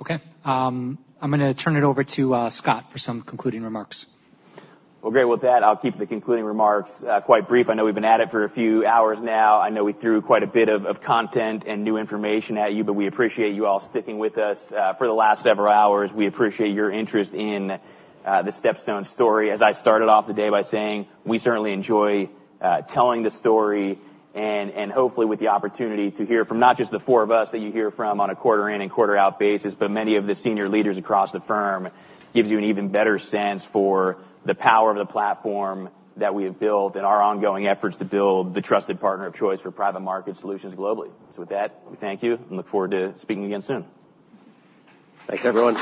Okay, I'm gonna turn it over to Scott, for some concluding remarks. Well, great. With that, I'll keep the concluding remarks quite brief. I know we've been at it for a few hours now. I know we threw quite a bit of content and new information at you. We appreciate you all sticking with us for the last several hours. We appreciate your interest in the StepStone story. As I started off the day by saying, we certainly enjoy telling the story, and hopefully with the opportunity to hear from not just the four of us that you hear from on a quarter in and quarter out basis, but many of the senior leaders across the firm, gives you an even better sense for the power of the platform that we have built and our ongoing efforts to build the trusted partner of choice for private market solutions globally. With that, we thank you and look forward to speaking again soon. Thanks, everyone.